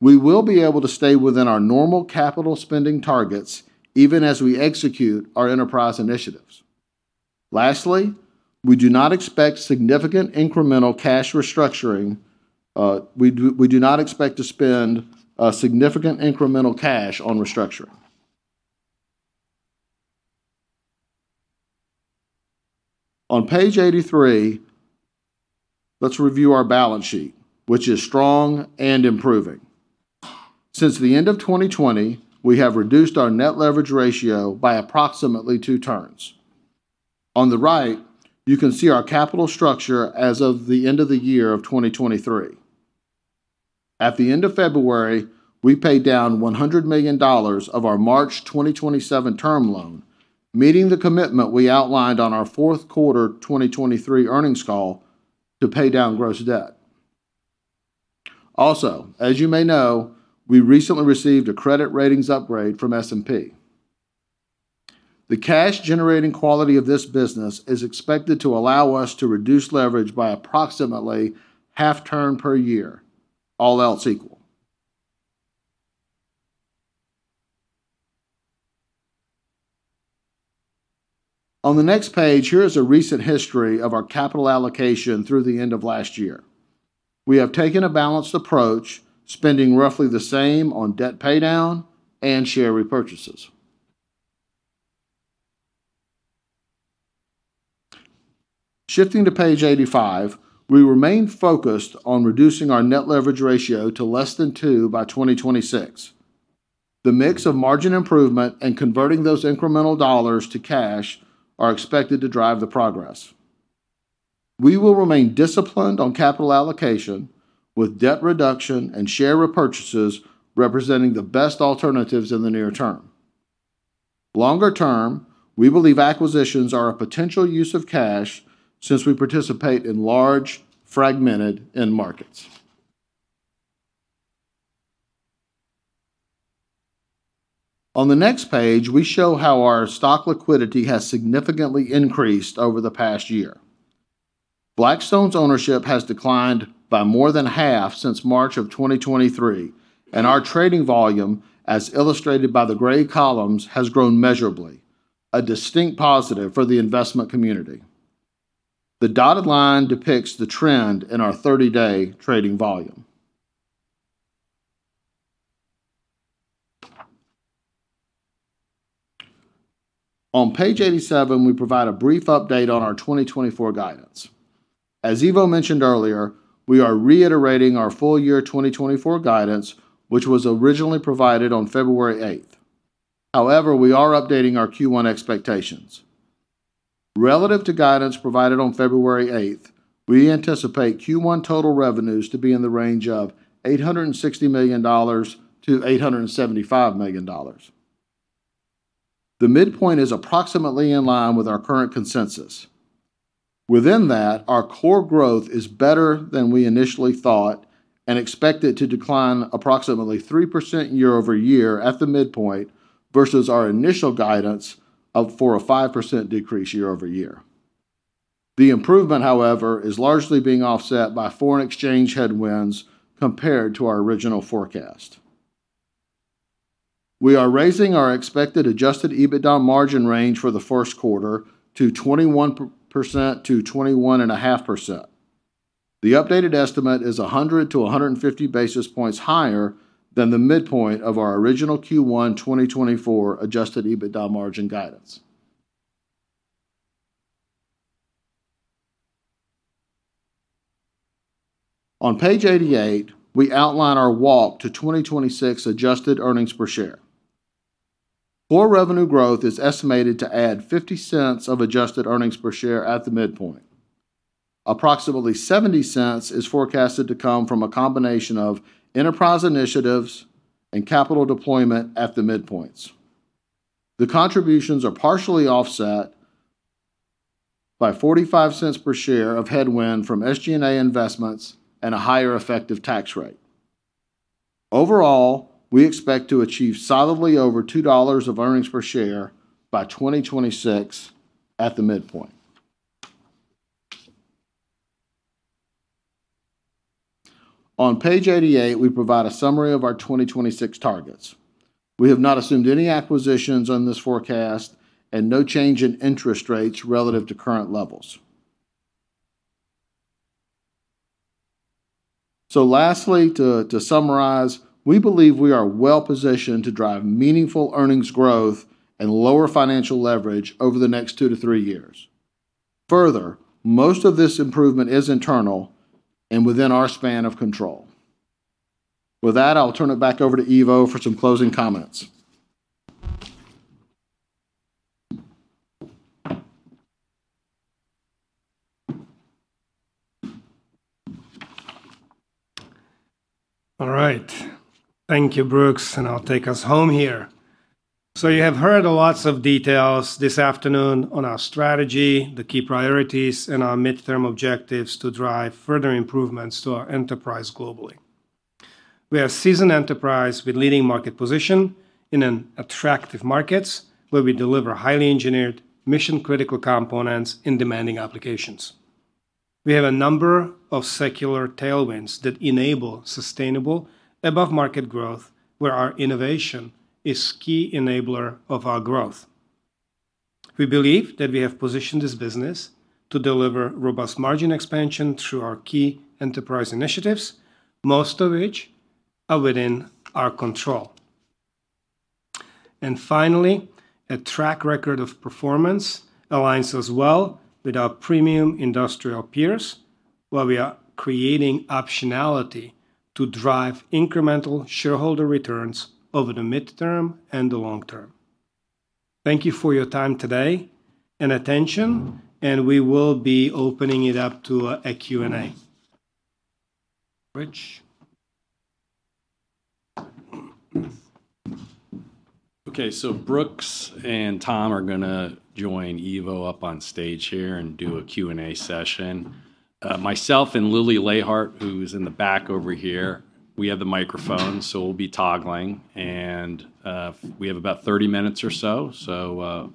We will be able to stay within our normal capital spending targets even as we execute our enterprise initiatives. Lastly, we do not expect significant incremental cash restructuring. We do, we do not expect to spend a significant incremental cash on restructuring. On Page 83, let's review our balance sheet, which is strong and improving. Since the end of 2020, we have reduced our net leverage ratio by approximately two turns. On the right, you can see our capital structure as of the end of the year of 2023. At the end of February, we paid down $100 million of our March 2027 term loan, meeting the commitment we outlined on our fourth quarter 2023 earnings call to pay down gross debt. Also, as you may know, we recently received a credit ratings upgrade from S&P. The cash-generating quality of this business is expected to allow us to reduce leverage by approximately half-turn per year, all else equal. On the next page, here is a recent history of our capital allocation through the end of last year. We have taken a balanced approach, spending roughly the same on debt paydown and share repurchases. Shifting to Page 85, we remain focused on reducing our net leverage ratio to less than two by 2026. The mix of margin improvement and converting those incremental dollars to cash are expected to drive the progress. We will remain disciplined on capital allocation, with debt reduction and share repurchases representing the best alternatives in the near-term. Longer-term, we believe acquisitions are a potential use of cash since we participate in large, fragmented end markets. On the next page, we show how our stock liquidity has significantly increased over the past year. Blackstone's ownership has declined by more than half since March of 2023, and our trading volume, as illustrated by the gray columns, has grown measurably, a distinct positive for the investment community. The dotted line depicts the trend in our 30-day trading volume. On Page 87, we provide a brief update on our 2024 guidance. As Ivo mentioned earlier, we are reiterating our full-year 2024 guidance, which was originally provided on February 8th. However, we are updating our Q1 expectations. Relative to guidance provided on February 8th, we anticipate Q1 total revenues to be in the range of $860 million-$875 million. The midpoint is approximately in line with our current consensus. Within that, our core growth is better than we initially thought and expect it to decline approximately 3% year-over-year at the midpoint, versus our initial guidance of a 5% decrease year-over-year. The improvement, however, is largely being offset by foreign exchange headwinds compared to our original forecast. We are raising our expected adjusted EBITDA margin range for the first quarter to 21%-21.5%. The updated estimate is 100-150 basis points higher than the midpoint of our original Q1 2024 adjusted EBITDA margin guidance. On Page 88, we outline our walk to 2026 adjusted earnings per share. Core revenue growth is estimated to add $0.50 of adjusted earnings per share at the midpoint. Approximately $0.70 is forecasted to come from a combination of enterprise initiatives and capital deployment at the midpoints. The contributions are partially offset by $0.45 per share of headwind from SG&A investments and a higher effective tax rate. Overall, we expect to achieve solidly over $2 of earnings per share by 2026 at the midpoint. On Page 88, we provide a summary of our 2026 targets. We have not assumed any acquisitions on this forecast and no change in interest rates relative to current levels. So lastly, to summarize, we believe we are well positioned to drive meaningful earnings growth and lower financial leverage over the next 2-3 years. Further, most of this improvement is internal and within our span of control. With that, I'll turn it back over to Ivo for some closing comments. All right. Thank you, Brooks, and I'll take us home here. You have heard lots of details this afternoon on our strategy, the key priorities, and our midterm objectives to drive further improvements to our enterprise globally. We are a seasoned enterprise with leading market position in an attractive markets, where we deliver highly engineered, mission-critical components in demanding applications. We have a number of secular tailwinds that enable sustainable above-market growth, where our innovation is key enabler of our growth. We believe that we have positioned this business to deliver robust margin expansion through our key enterprise initiatives, most of which are within our control. Finally, a track record of performance aligns as well with our premium industrial peers, while we are creating optionality to drive incremental shareholder returns over the mid-term and the long-term. Thank you for your time today and attention, and we will be opening it up to a Q&A. Rich? Okay, so Brooks and Tom are gonna join Ivo up on stage here and do a Q&A session. Myself and Lily LaHart, who's in the back over here, we have the microphone, so we'll be toggling. We have about 30 minutes or so, so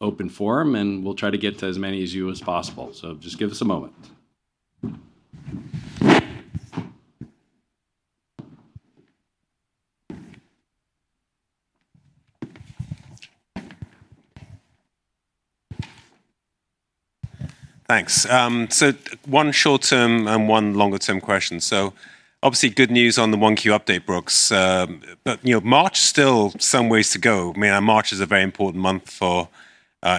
open forum, and we'll try to get to as many of you as possible. So just give us a moment. Thanks. So one short-term and one longer-term question. So obviously, good news on the 1Q update, Brooks. But, you know, March still some ways to go. I mean, March is a very important month for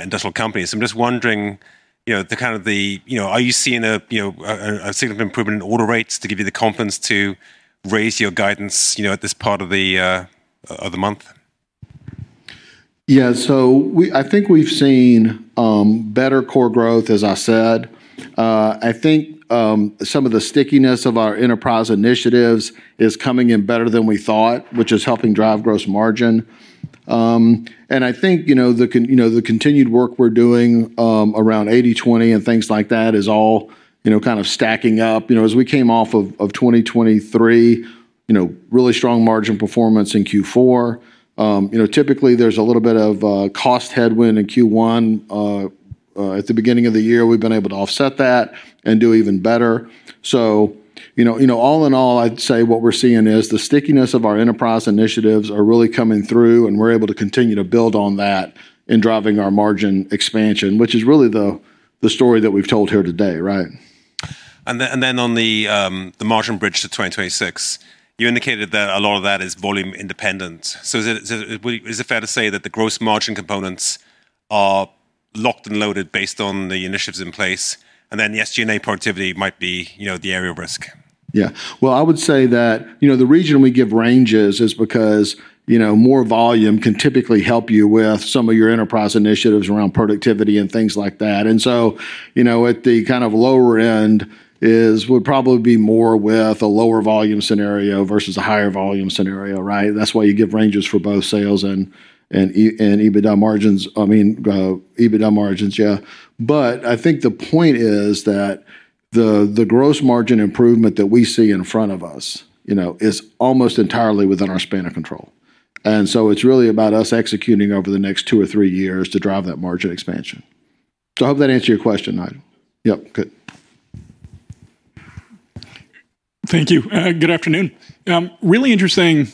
industrial companies. I'm just wondering, you know. You know, are you seeing a significant improvement in order rates to give you the confidence to raise your guidance, you know, at this part of the month? Yeah. So I think we've seen better core growth, as I said. I think some of the stickiness of our enterprise initiatives is coming in better than we thought, which is helping drive gross margin. And I think, you know, the continued work we're doing around 80/20 and things like that is all, you know, kind of stacking up. You know, as we came off of 2023, you know, really strong margin performance in Q4. You know, typically, there's a little bit of a cost headwind in Q1. At the beginning of the year, we've been able to offset that and do even better. You know, all in all, I'd say what we're seeing is the stickiness of our enterprise initiatives are really coming through, and we're able to continue to build on that in driving our margin expansion, which is really the story that we've told here today, right? And then on the margin bridge to 2026, you indicated that a lot of that is volume independent. So is it fair to say that the gross margin components are locked and loaded based on the initiatives in place, and then the SG&A productivity might be, you know, the area of risk? Yeah. Well, I would say that, you know, the reason we give ranges is because, you know, more volume can typically help you with some of your enterprise initiatives around productivity and things like that. And so, you know, at the kind of lower end is- would probably be more with a lower volume scenario versus a higher volume scenario, right? That's why you give ranges for both sales and, and EBITDA margins. I mean, EBITDA margins, yeah. But I think the point is that the, the gross margin improvement that we see in front of us, you know, is almost entirely within our span of control. And so it's really about us executing over the next two or three years to drive that margin expansion. So I hope that answered your question, Nigel. Yep, good. Thank you. Good afternoon. Really interesting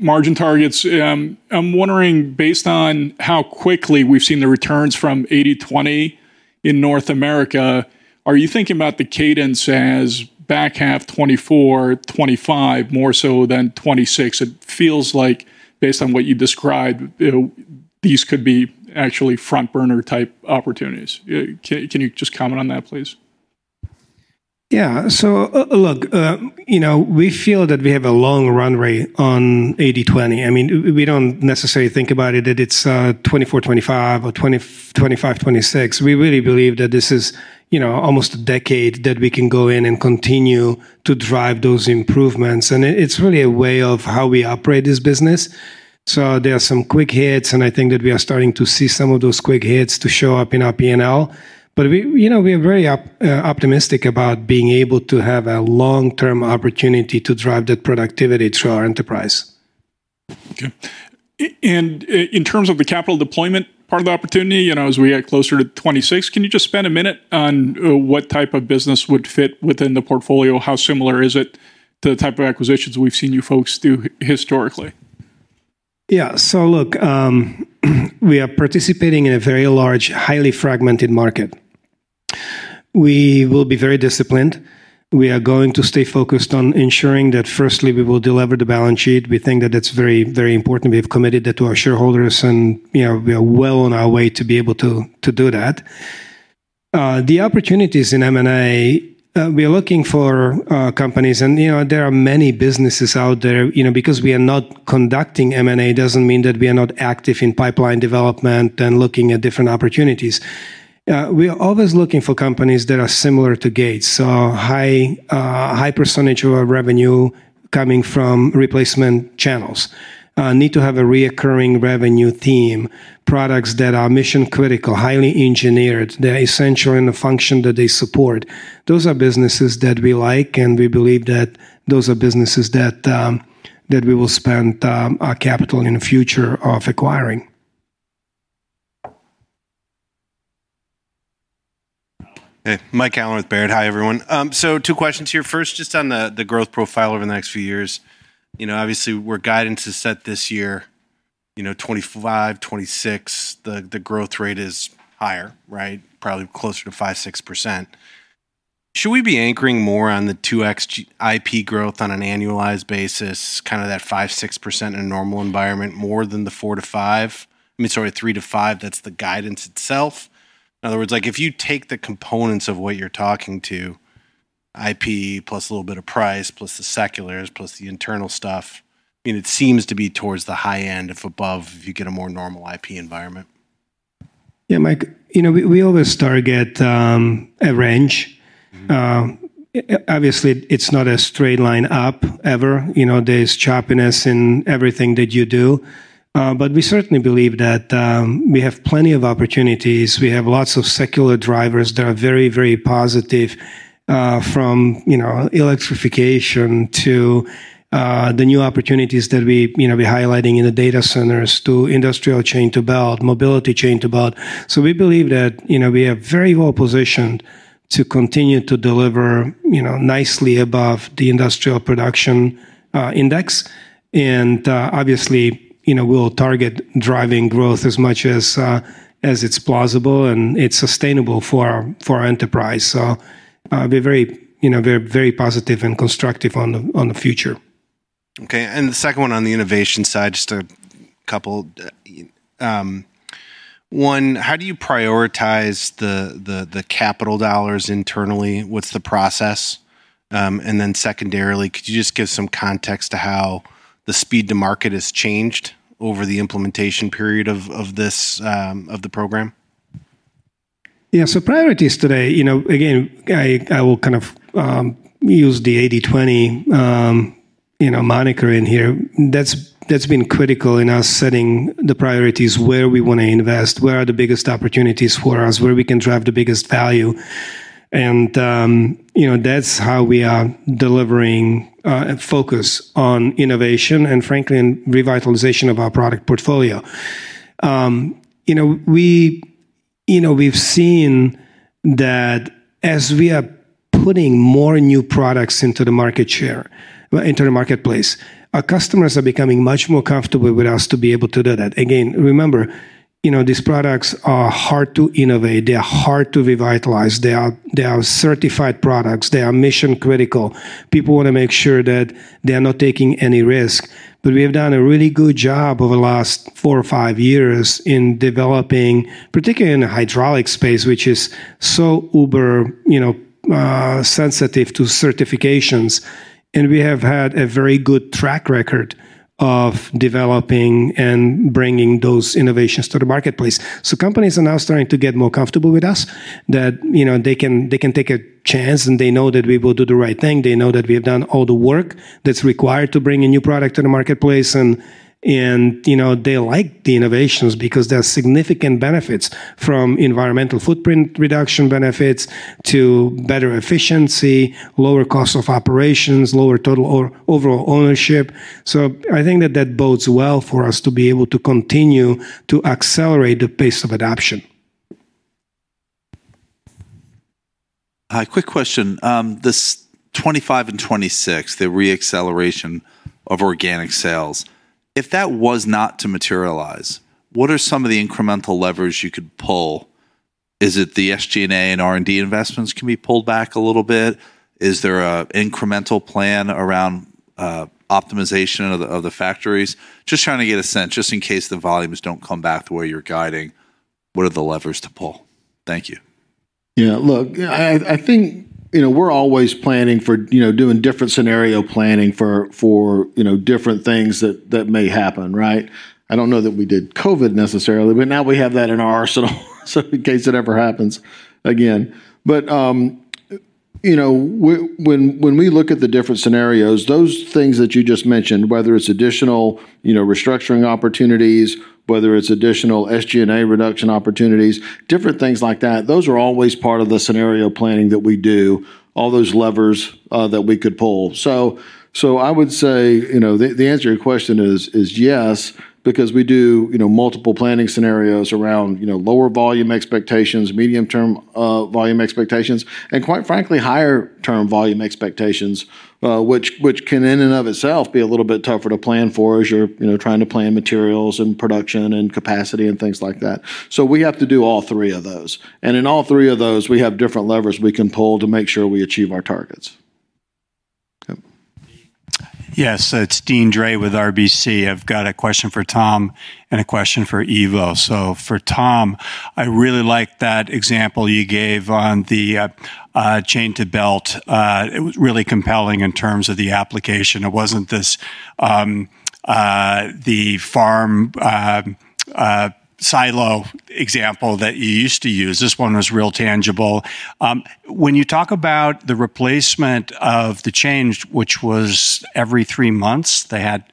margin targets. I'm wondering, based on how quickly we've seen the returns from 80/20 in North America, are you thinking about the cadence as back half 2024, 2025, more so than 2026? It feels like based on what you described, you know, these could be actually front burner type opportunities. Can you just comment on that, please? Yeah. So, look, you know, we feel that we have a long run rate on 80/20. I mean, we don't necessarily think about it, that it's 24/25 or 25/26. We really believe that this is, you know, almost a decade that we can go in and continue to drive those improvements, and it, it's really a way of how we operate this business. So there are some quick hits, and I think that we are starting to see some of those quick hits to show up in our P&L. But you know, we are very optimistic about being able to have a long-term opportunity to drive that productivity through our enterprise. Okay. In terms of the capital deployment, part of the opportunity, you know, as we get closer to 26, can you just spend a minute on what type of business would fit within the portfolio? How similar is it to the type of acquisitions we've seen you folks do historically? Yeah. So look, we are participating in a very large, highly fragmented market. We will be very disciplined. We are going to stay focused on ensuring that firstly, we will deliver the balance sheet. We think that that's very, very important. We have committed that to our shareholders, and, you know, we are well on our way to be able to, to do that. The opportunities in M&A, we are looking for companies, and, you know, there are many businesses out there. You know, because we are not conducting M&A doesn't mean that we are not active in pipeline development and looking at different opportunities. We are always looking for companies that are similar to Gates. So high, high percentage of our revenue coming from replacement channels, need to have a reoccurring revenue theme, products that are mission-critical, highly engineered. They're essential in the function that they support. Those are businesses that we like, and we believe that those are businesses that we will spend our capital in the future of acquiring. Hey, Mike Halloran with Baird. Hi, everyone. So two questions here. First, just on the growth profile over the next few years. You know, obviously, our guidance is set this year, you know, 2025, 2026, the growth rate is higher, right? Probably closer to 5%-6%. Should we be anchoring more on the 2x global IP growth on an annualized basis, kind of that 5%-6% in a normal environment, more than the 4%-5%? I mean, sorry, 3%-5%, that's the guidance itself. In other words, like, if you take the components of what you're talking to- IP plus a little bit of price, plus the seculars, plus the internal stuff, and it seems to be towards the high end, if above, if you get a more normal IP environment. Yeah, Mike, you know, we always target a range. Mm-hmm. Obviously, it's not a straight line up ever. You know, there's choppiness in everything that you do, but we certainly believe that we have plenty of opportunities. We have lots of secular drivers that are very, very positive, from, you know, electrification to the new opportunities that we, you know, be highlighting in the data centers to industrial chain to belt, mobility chain to belt. So we believe that, you know, we are very well positioned to continue to deliver, you know, nicely above the Industrial Production Index. And, obviously, you know, we'll target driving growth as much as, as it's plausible and it's sustainable for our, for our enterprise. So, we're very, you know, we're very positive and constructive on the, on the future. Okay, and the second one on the innovation side, just a couple. One, how do you prioritize the capital dollars internally? What's the process? And then secondarily, could you just give some context to how the speed to market has changed over the implementation period of this program? Yeah. So priorities today, you know, again, I will kind of use the 80/20, you know, moniker in here. That's been critical in us setting the priorities, where we want to invest, where are the biggest opportunities for us, where we can drive the biggest value. And, you know, that's how we are delivering focus on innovation and frankly, in revitalization of our product portfolio. You know, we've seen that as we are putting more new products into the market share, into the marketplace, our customers are becoming much more comfortable with us to be able to do that. Again, remember, you know, these products are hard to innovate, they are hard to revitalize. They are certified products. They are mission critical. People want to make sure that they are not taking any risk. But we have done a really good job over the last 4 or 5 years in developing, particularly in the hydraulic space, which is so uber, you know, sensitive to certifications. And we have had a very good track record of developing and bringing those innovations to the marketplace. So companies are now starting to get more comfortable with us, that, you know, they can, they can take a chance, and they know that we will do the right thing. They know that we have done all the work that's required to bring a new product to the marketplace. And, and, you know, they like the innovations because there are significant benefits from environmental footprint reduction benefits to better efficiency, lower cost of operations, lower total or overall ownership. So I think that that bodes well for us to be able to continue to accelerate the pace of adoption. Hi, quick question. This 2025 and 2026, the re-acceleration of organic sales, if that was not to materialize, what are some of the incremental levers you could pull? Is it the SG&A and R&D investments can be pulled back a little bit? Is there an incremental plan around, optimization of the factories? Just trying to get a sense, just in case the volumes don't come back to where you're guiding, what are the levers to pull? Thank you. Yeah, look, I think, you know, we're always planning for, you know, doing different scenario planning for, you know, different things that may happen, right? I don't know that we did COVID necessarily, but now we have that in our arsenal, so in case it ever happens again. But, you know, when we look at the different scenarios, those things that you just mentioned, whether it's additional, you know, restructuring opportunities, whether it's additional SG&A reduction opportunities, different things like that, those are always part of the scenario planning that we do, all those levers that we could pull. So, I would say, you know, the answer to your question is yes, because we do, you know, multiple planning scenarios around, you know, lower volume expectations, medium-term volume expectations, and quite frankly, higher-term volume expectations, which can in and of itself be a little bit tougher to plan for as you're, you know, trying to plan materials and production and capacity and things like that. So we have to do all three of those. And in all three of those, we have different levers we can pull to make sure we achieve our targets. Okay. Yes, it's Deane Dray with RBC. I've got a question for Tom and a question for Ivo. So for Tom, I really like that example you gave on the chain to belt. It was really compelling in terms of the application. It wasn't this the farm silo example that you used to use. This one was real tangible. When you talk about the replacement of the chain, which was every three months, they had..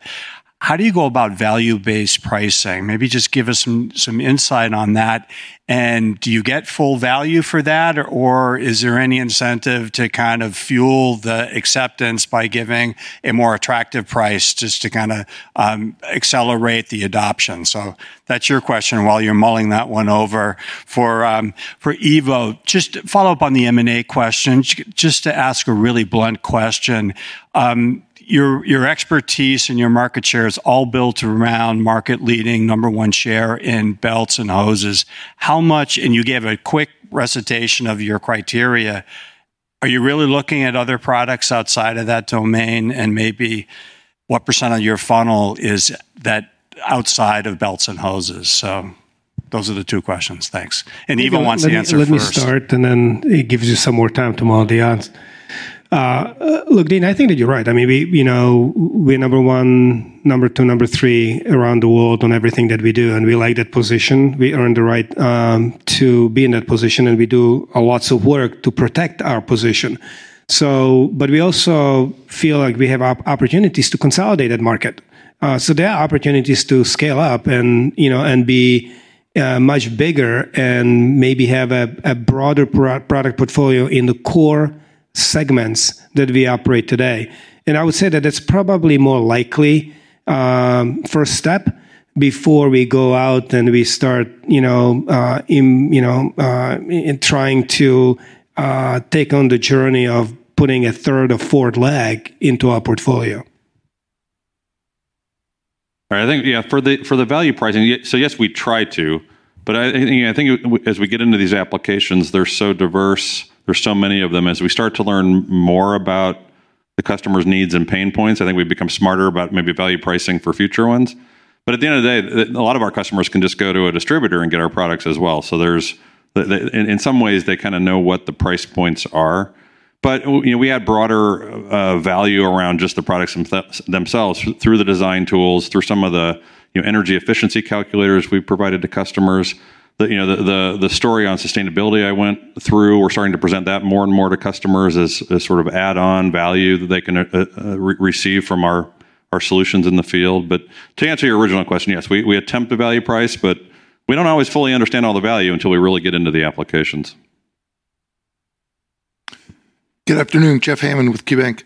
How do you go about value-based pricing? Maybe just give us some insight on that. And do you get full value for that, or is there any incentive to kind of fuel the acceptance by giving a more attractive price just to kinda accelerate the adoption? So that's your question while you're mulling that one over. For Ivo, just to follow up on the M&A question, just to ask a really blunt question, your expertise and your market share is all built around market leading, number one share in belts and hoses. How much, and you gave a quick recitation of your criteria, are you really looking at other products outside of that domain? And maybe what percent of your funnel is that outside of belts and hoses? So- Those are the two questions. Thanks. Ivo wants to answer first. Look, Deane, I think that you're right. I mean, we, you know, we're number 1, number 2, number 3 around the world on everything that we do, and we like that position. We earned the right to be in that position, and we do a lots of work to protect our position. So but we also feel like we have opportunities to consolidate that market. So there are opportunities to scale up and, you know, and be much bigger and maybe have a broader product portfolio in the core segments that we operate today. I would say that it's probably more likely first step before we go out and we start, you know, in trying to take on the journey of putting a third or fourth leg into our portfolio. All right. I think, yeah, for the value pricing, so yes, we try to, but I think as we get into these applications, they're so diverse. There's so many of them. As we start to learn more about the customer's needs and pain points, I think we've become smarter about maybe value pricing for future ones. But at the end of the day, a lot of our customers can just go to a distributor and get our products as well. So there's, in some ways, they kind of know what the price points are. But you know, we had broader value around just the products themselves through the design tools, through some of the, you know, energy efficiency calculators we've provided to customers. You know, the story on sustainability I went through, we're starting to present that more and more to customers as sort of add-on value that they can receive from our solutions in the field. But to answer your original question, yes, we attempt to value price, but we don't always fully understand all the value until we really get into the applications. Good afternoon, Jeff Hammond with KeyBanc.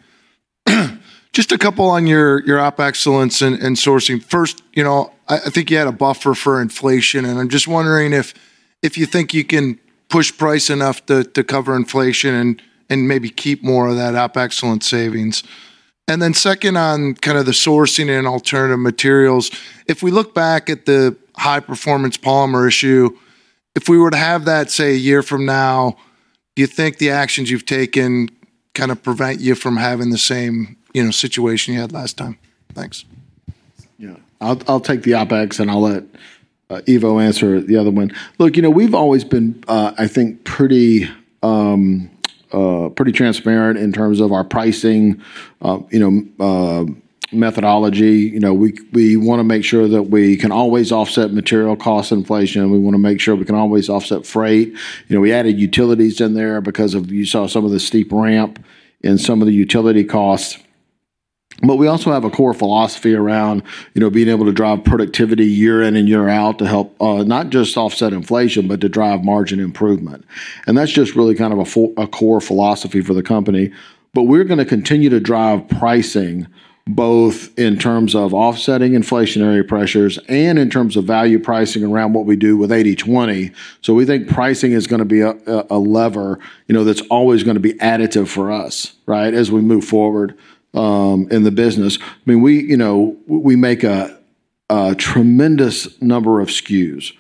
Just a couple on your OpEx and sourcing. First, you know, I think you had a buffer for inflation, and I'm just wondering if you think you can push price enough to cover inflation and maybe keep more of that OpEx savings. Then second on kind of the sourcing and alternative materials, if we look back at the high-performance polymer issue, if we were to have that, say, a year from now, do you think the actions you've taken kind of prevent you from having the same, you know, situation you had last time? Thanks. Yeah. I'll, I'll take the OpEx, and I'll let Ivo answer the other one. Look, you know, we've always been, I think, pretty, pretty transparent in terms of our pricing, you know, methodology. You know, we, we want to make sure that we can always offset material cost inflation, and we want to make sure we can always offset freight. You know, we added utilities in there because, as you saw, some of the steep ramp in some of the utility costs. But we also have a core philosophy around, you know, being able to drive productivity year in and year out to help, not just offset inflation, but to drive margin improvement. And that's just really kind of a core philosophy for the company. But we're going to continue to drive pricing, both in terms of offsetting inflationary pressures and in terms of value pricing around what we do with 80/20. So we think pricing is going to be a lever, you know, that's always going to be additive for us, right, as we move forward in the business. I mean, we, you know, we make a tremendous number of SKUs.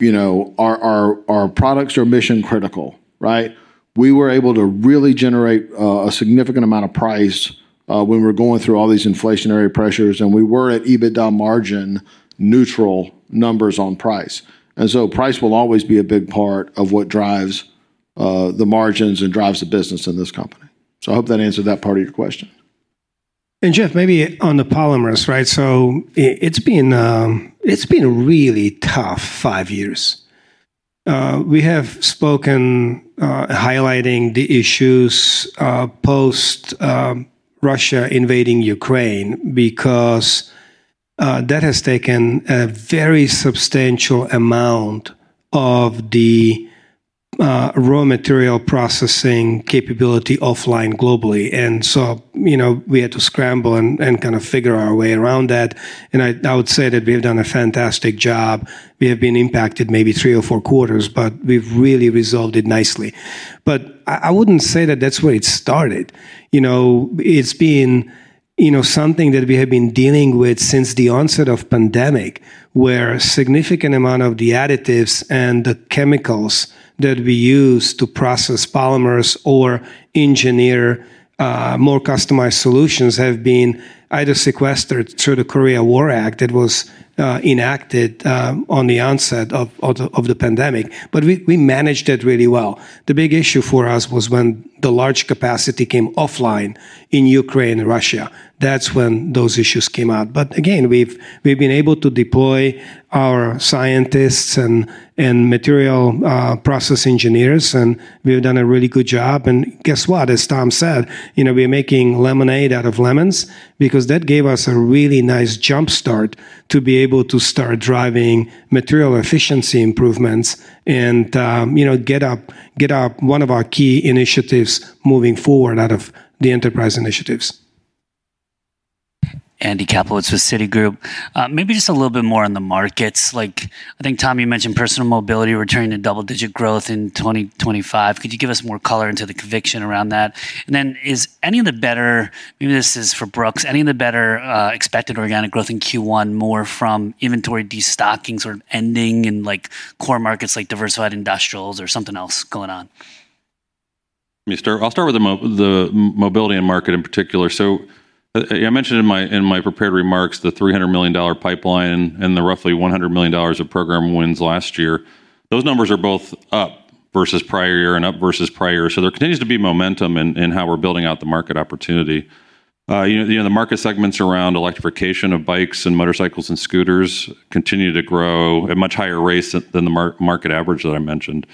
You know, our products are mission-critical, right? We were able to really generate a significant amount of price when we were going through all these inflationary pressures, and we were at EBITDA margin neutral numbers on price. And so price will always be a big part of what drives the margins and drives the business in this company. So I hope that answered that part of your question. And Jeff, maybe on the polymers, right? So it's been, it's been a really tough five years. We have spoken, highlighting the issues, post, Russia invading Ukraine because, that has taken a very substantial amount of the, raw material processing capability offline globally. And so, you know, we had to scramble and, and kind of figure our way around that, and I, I would say that we've done a fantastic job. We have been impacted maybe three or four quarters, but we've really resolved it nicely. But I, I wouldn't say that that's where it started. You know, it's been, you know, something that we have been dealing with since the onset of the pandemic, where a significant amount of the additives and the chemicals that we use to process polymers or engineer more customized solutions have been either sequestered through the Defense Production Act that was enacted on the onset of the pandemic. But we managed it really well. The big issue for us was when the large capacity came offline in Ukraine and Russia. That's when those issues came out. But again, we've been able to deploy our scientists and material process engineers, and we've done a really good job. And guess what? As Tom said, you know, we're making lemonade out of lemons because that gave us a really nice jump start to be able to start driving material efficiency improvements and, you know, get up one of our key initiatives moving forward out of the enterprise initiatives. Andy Kaplowitz with Citigroup. Maybe just a little bit more on the markets. Like, I think, Tom, you mentioned personal mobility returning to double-digit growth in 2025. Could you give us more color into the conviction around that? And then, is any of the better. Maybe this is for Brooks. Any of the better expected organic growth in Q1 more from inventory destocking sort of ending in, like, core markets like diversified industrials or something else going on? Let me start with the mobility and market in particular. I mentioned in my prepared remarks, the $300 million pipeline and the roughly $100 million of program wins last year. Those numbers are both up versus prior year and up versus prior year. So there continues to be momentum in how we're building out the market opportunity. You know, the other market segments around electrification of bikes and motorcycles and scooters continue to grow at much higher rates than the market average that I mentioned.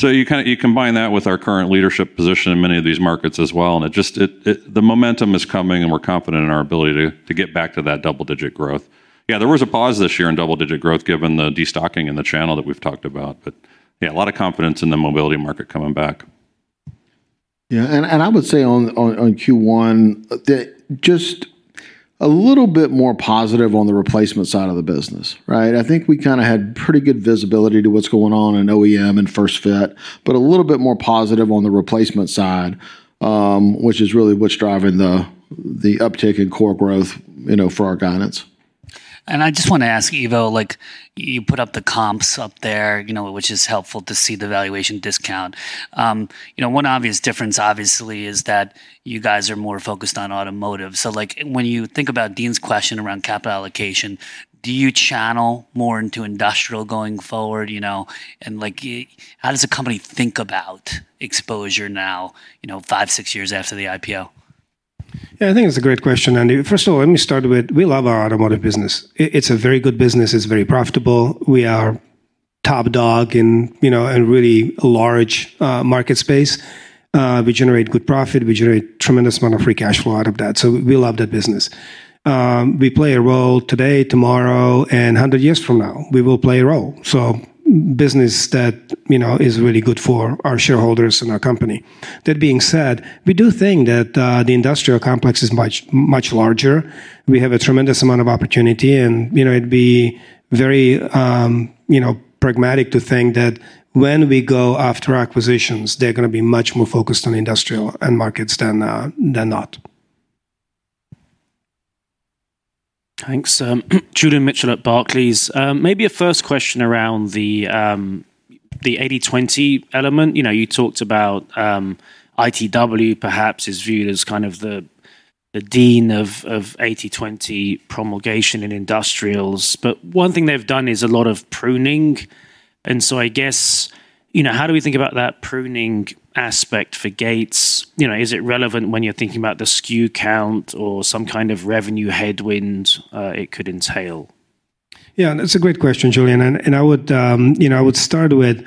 So you kinda, you combine that with our current leadership position in many of these markets as well, and it just the momentum is coming, and we're confident in our ability to get back to that double-digit growth. Yeah, there was a pause this year in double-digit growth, given the destocking in the channel that we've talked about. But yeah, a lot of confidence in the mobility market coming back. Yeah, and I would say on Q1, that just a little bit more positive on the replacement side of the business, right? I think we kinda had pretty good visibility to what's going on in OEM and first fit, but a little bit more positive on the replacement side, which is really what's driving the uptick in core growth, you know, for our guidance. I just want to ask Ivo, like, you put up the comps up there, you know, which is helpful to see the valuation discount. You know, one obvious difference, obviously, is that you guys are more focused on automotive. So, like, when you think about Deane's question around capital allocation, do you channel more into industrial going forward, you know? And like, how does the company think about exposure now, you know, 5, 6 years after the IPO? Yeah, I think it's a great question, Andy. First of all, let me start with, we love our automotive business. It's a very good business, it's very profitable. We are top dog in, you know, a really large market space. We generate good profit, we generate tremendous amount of free cash flow out of that, so we love that business. We play a role today, tomorrow, and 100 years from now, we will play a role. So business that, you know, is really good for our shareholders and our company. That being said, we do think that the industrial complex is much, much larger. We have a tremendous amount of opportunity, and, you know, it'd be very, you know, pragmatic to think that when we go after acquisitions, they're gonna be much more focused on industrial end markets than than not. Thanks. Julian Mitchell at Barclays. Maybe a first question around the 80/20 element. You know, you talked about ITW perhaps is viewed as kind of the the dean of of 80/20 promulgation in industrials. But one thing they've done is a lot of pruning, and so I guess, you know, how do we think about that pruning aspect for Gates? You know, is it relevant when you're thinking about the SKU count or some kind of revenue headwind it could entail? Yeah, that's a great question, Julian. And I would, you know, I would start with,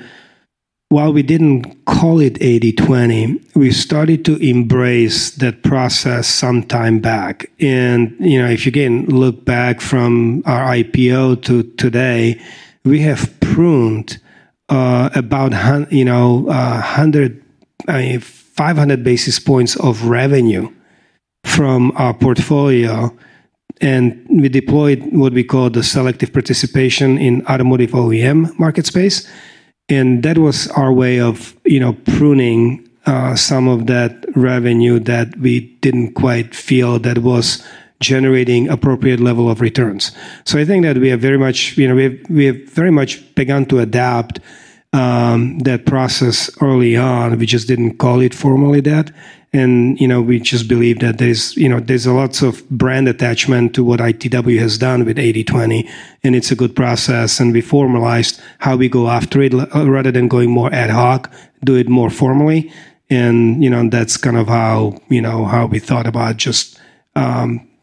while we didn't call it 80/20, we started to embrace that process some time back. And, you know, if you, again, look back from our IPO to today, we have pruned, you know, about 500 basis points of revenue from our portfolio, and we deployed what we call the selective participation in automotive OEM market space. And that was our way of, you know, pruning some of that revenue that we didn't quite feel that was generating appropriate level of returns. So I think that we have very much, you know, we've very much begun to adapt that process early on, we just didn't call it formally that. You know, we just believe that there's, you know, there's lots of brand attachment to what ITW has done with 80/20, and it's a good process, and we formalized how we go after it, rather than going more ad hoc, do it more formally. You know, that's kind of how, you know, how we thought about just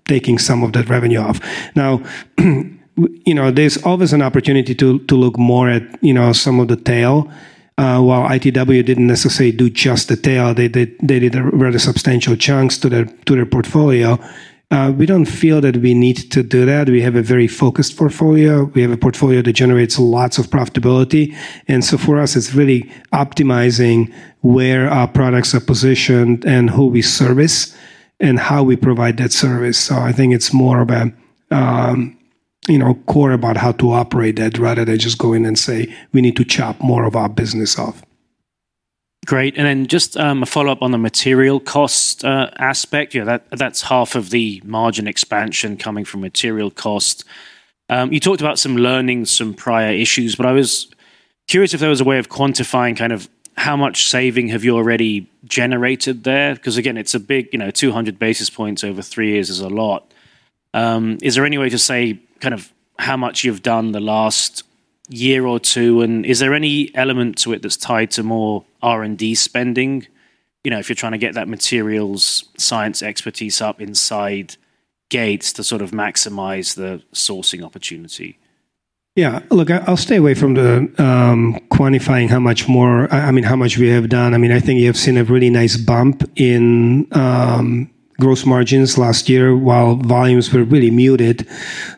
taking some of that revenue off. Now, you know, there's always an opportunity to look more at, you know, some of the tail. While ITW didn't necessarily do just the tail, they did a rather substantial chunks to their portfolio. We don't feel that we need to do that. We have a very focused portfolio. We have a portfolio that generates lots of profitability, and so for us, it's really optimizing where our products are positioned and who we service, and how we provide that service. So I think it's more about, you know, core about how to operate that, rather than just go in and say, "We need to chop more of our business off. Great. And then just a follow-up on the material cost aspect. Yeah, that, that's half of the margin expansion coming from material cost. You talked about some learnings, some prior issues, but I was curious if there was a way of quantifying kind of how much saving have you already generated there? Because, again, it's a big, you know, 200 basis points over 3 years is a lot. Is there any way to say kind of how much you've done the last year or two, and is there any element to it that's tied to more R&D spending? You know, if you're trying to get that materials science expertise up inside Gates to sort of maximize the sourcing opportunity. Yeah, look, I, I'll stay away from the, quantifying how much more. I, I mean, how much we have done. I mean, I think you have seen a really nice bump in, gross margins last year, while volumes were really muted.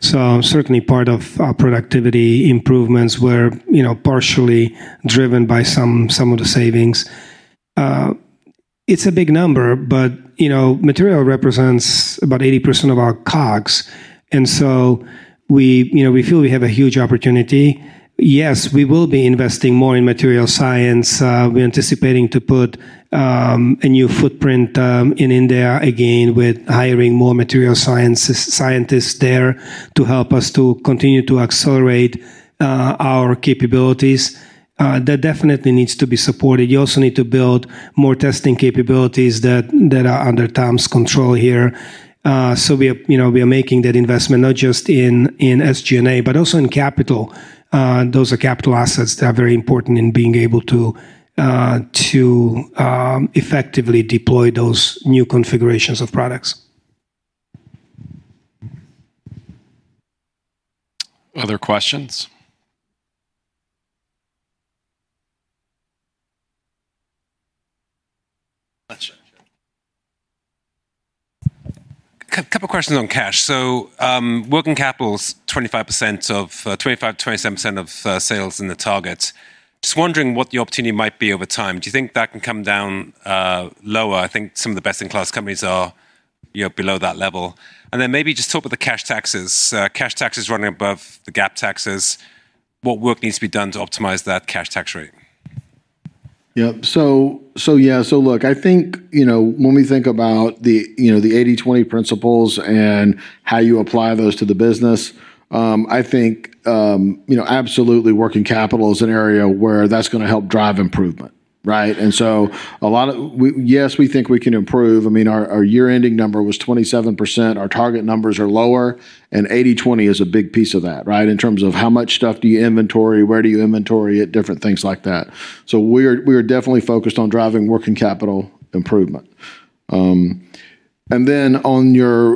So certainly part of our productivity improvements were, you know, partially driven by some, some of the savings. It's a big number, but, you know, material represents about 80% of our COGS, and so we, you know, we feel we have a huge opportunity. Yes, we will be investing more in material science. We're anticipating to put, a new footprint, in India, again, with hiring more material sciences- scientists there to help us to continue to accelerate, our capabilities. That definitely needs to be supported. You also need to build more testing capabilities that, that are under Tom's control here. So we are, you know, we are making that investment, not just in, in SG&A, but also in capital. Those are capital assets that are very important in being able to effectively deploy those new configurations of products. Other questions? Couple questions on cash. Working capital is 25%-27% of sales in the target. Just wondering what the opportunity might be over time. Do you think that can come down lower? I think some of the best-in-class companies are, you know, below that level. And then maybe just talk about the cash taxes. Cash taxes running above the GAAP taxes, what work needs to be done to optimize that cash tax rate? Yep. So yeah, look, I think you know when we think about the you know the 80/20 principles and how you apply those to the business, I think you know absolutely working capital is an area where that's going to help drive improvement, right? And so yes, we think we can improve. I mean, our year-ending number was 27%. Our target numbers are lower, and 80/20 is a big piece of that, right? In terms of how much stuff do you inventory, where do you inventory it, different things like that. So we are definitely focused on driving working capital improvement. And then on your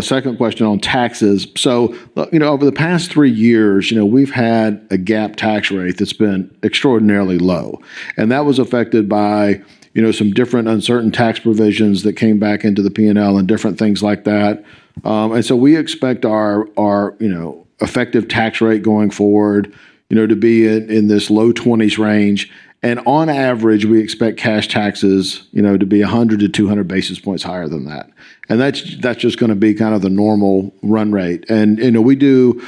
second question on taxes. So, look, you know, over the past three years, you know, we've had a GAAP tax rate that's been extraordinarily low, and that was affected by, you know, some different uncertain tax provisions that came back into the P&L and different things like that. And so we expect our, our, you know, effective tax rate going forward, you know, to be in, in this low 20s range, and on average, we expect cash taxes, you know, to be 100-200 basis points higher than that. And that's, that's just gonna be kind of the normal run rate. And, you know, we do.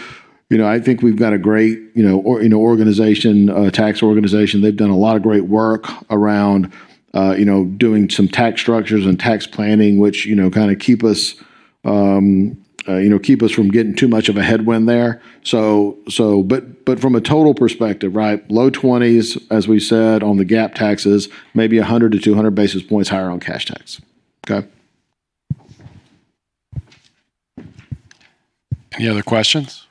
You know, I think we've got a great, you know, or, you know, organization, tax organization. They've done a lot of great work around, you know, doing some tax structures and tax planning, which, you know, kind of keep us, you know, keep us from getting too much of a headwind there. So, but from a total perspective, right, low 20s, as we said, on the GAAP taxes, maybe 100-200 basis points higher on cash tax. Okay? Any other questions?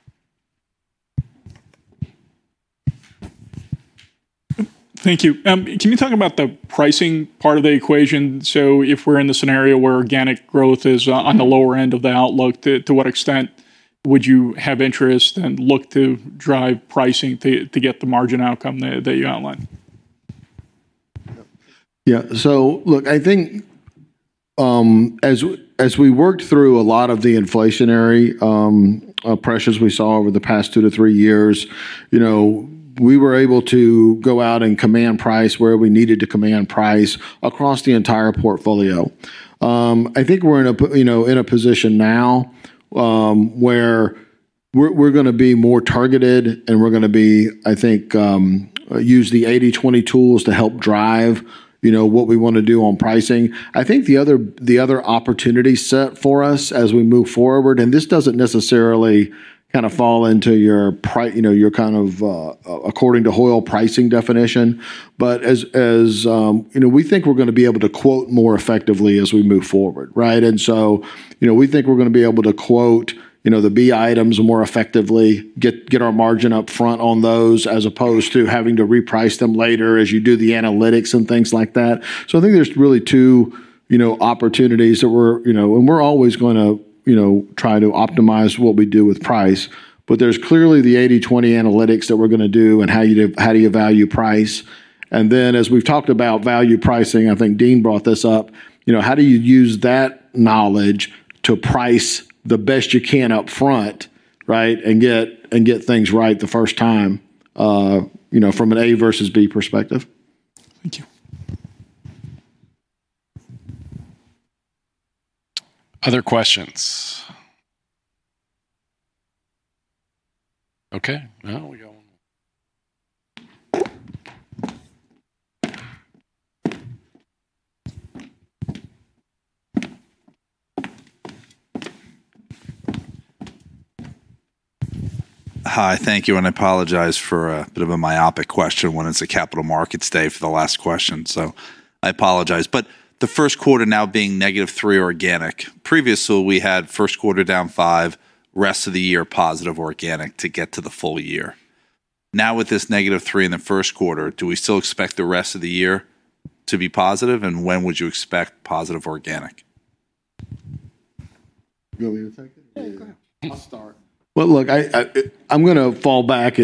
Thank you. Can you talk about the pricing part of the equation? So if we're in the scenario where organic growth is on the lower end of the outlook, to what extent would you have interest and look to drive pricing to get the margin outcome that you outlined? Yeah. So look, I think, as we worked through a lot of the inflationary pressures we saw over the past 2-3 years, you know, we were able to go out and command price where we needed to command price across the entire portfolio. I think we're in a position now, where we're gonna be more targeted and we're gonna be, I think, use the 80/20 tools to help drive, you know, what we want to do on pricing. I think the other opportunity set for us as we move forward, and this doesn't necessarily kind of fall into your pricing definition, you know, according to Hoyle, but as we think we're gonna be able to quote more effectively as we move forward, right? So, you know, we think we're gonna be able to quote, you know, the B items more effectively, get, get our margin up front on those, as opposed to having to reprice them later as you do the analytics and things like that. So I think there's really 2, you know, opportunities that we're, you know. And we're always gonna, you know, try to optimize what we do with price. But there's clearly the 80/20 analytics that we're gonna do and how you, how do you value price. And then, as we've talked about value pricing, I think Deane brought this up, you know, how do you use that knowledge to price the best you can up front, right? And get, and get things right the first time, you know, from an A versus B perspective. Thank you. Other questions? Okay, well- We got one more. Hi, thank you, and I apologize for a bit of a myopic question when it's a capital markets day for the last question, so I apologize. But the first quarter now being -3% organic. Previously, we had first quarter down 5%, rest of the year positive organic to get to the full-year. Now, with this -3% in the first quarter, do we still expect the rest of the year to be positive, and when would you expect positive organic? You want me to take it? Yeah, go ahead. I'll start. Well, look, I'm gonna fall back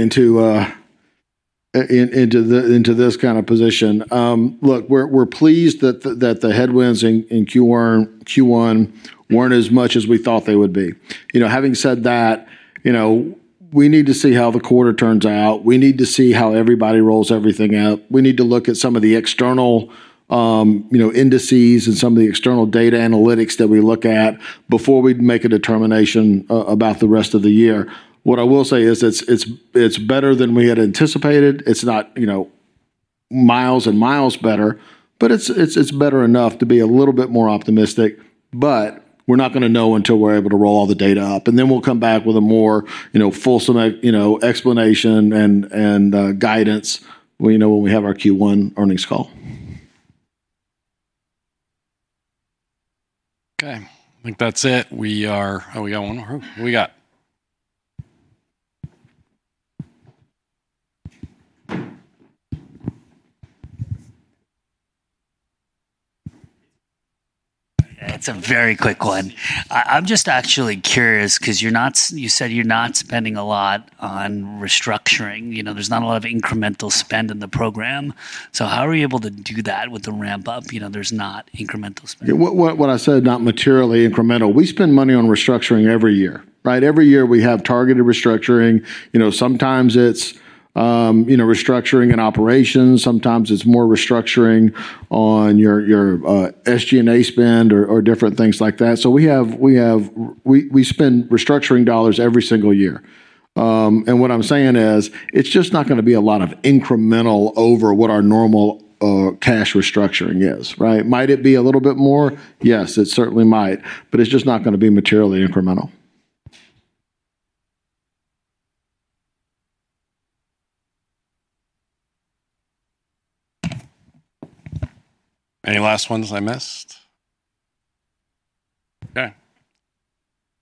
into this kind of position. Look, we're pleased that the headwinds in Q1 weren't as much as we thought they would be. You know, having said that, you know, we need to see how the quarter turns out. We need to see how everybody rolls everything out. We need to look at some of the external indices and some of the external data analytics that we look at before we'd make a determination about the rest of the year. What I will say is it's better than we had anticipated. It's not, you know, miles and miles better, but it's better enough to be a little bit more optimistic. But we're not gonna know until we're able to roll all the data up, and then we'll come back with a more, you know, fulsome, you know, explanation and guidance, you know, when we have our Q1 earnings call. Okay, I think that's it. We are. Oh, we got one more. What we got? It's a very quick one. I'm just actually curious, 'cause you're not—you said you're not spending a lot on restructuring. You know, there's not a lot of incremental spend in the program. So how are you able to do that with the ramp-up? You know, there's not incremental spend. Yeah, what, what, what I said, not materially incremental. We spend money on restructuring every year, right? Every year, we have targeted restructuring. You know, sometimes it's, you know, restructuring in operations, sometimes it's more restructuring on your, your, SG&A spend or, or different things like that. So we have, we have we, we spend restructuring dollars every single year. And what I'm saying is, it's just not gonna be a lot of incremental over what our normal, cash restructuring is, right? Might it be a little bit more? Yes, it certainly might, but it's just not gonna be materially incremental. Any last ones I missed? Okay.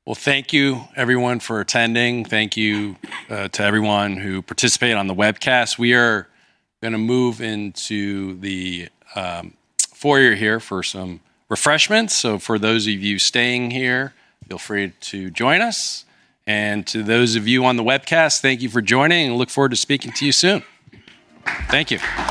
Well, thank you everyone for attending. Thank you to everyone who participated on the webcast. We are gonna move into the foyer here for some refreshments. So for those of you staying here, feel free to join us. And to those of you on the webcast, thank you for joining, and look forward to speaking to you soon. Thank you.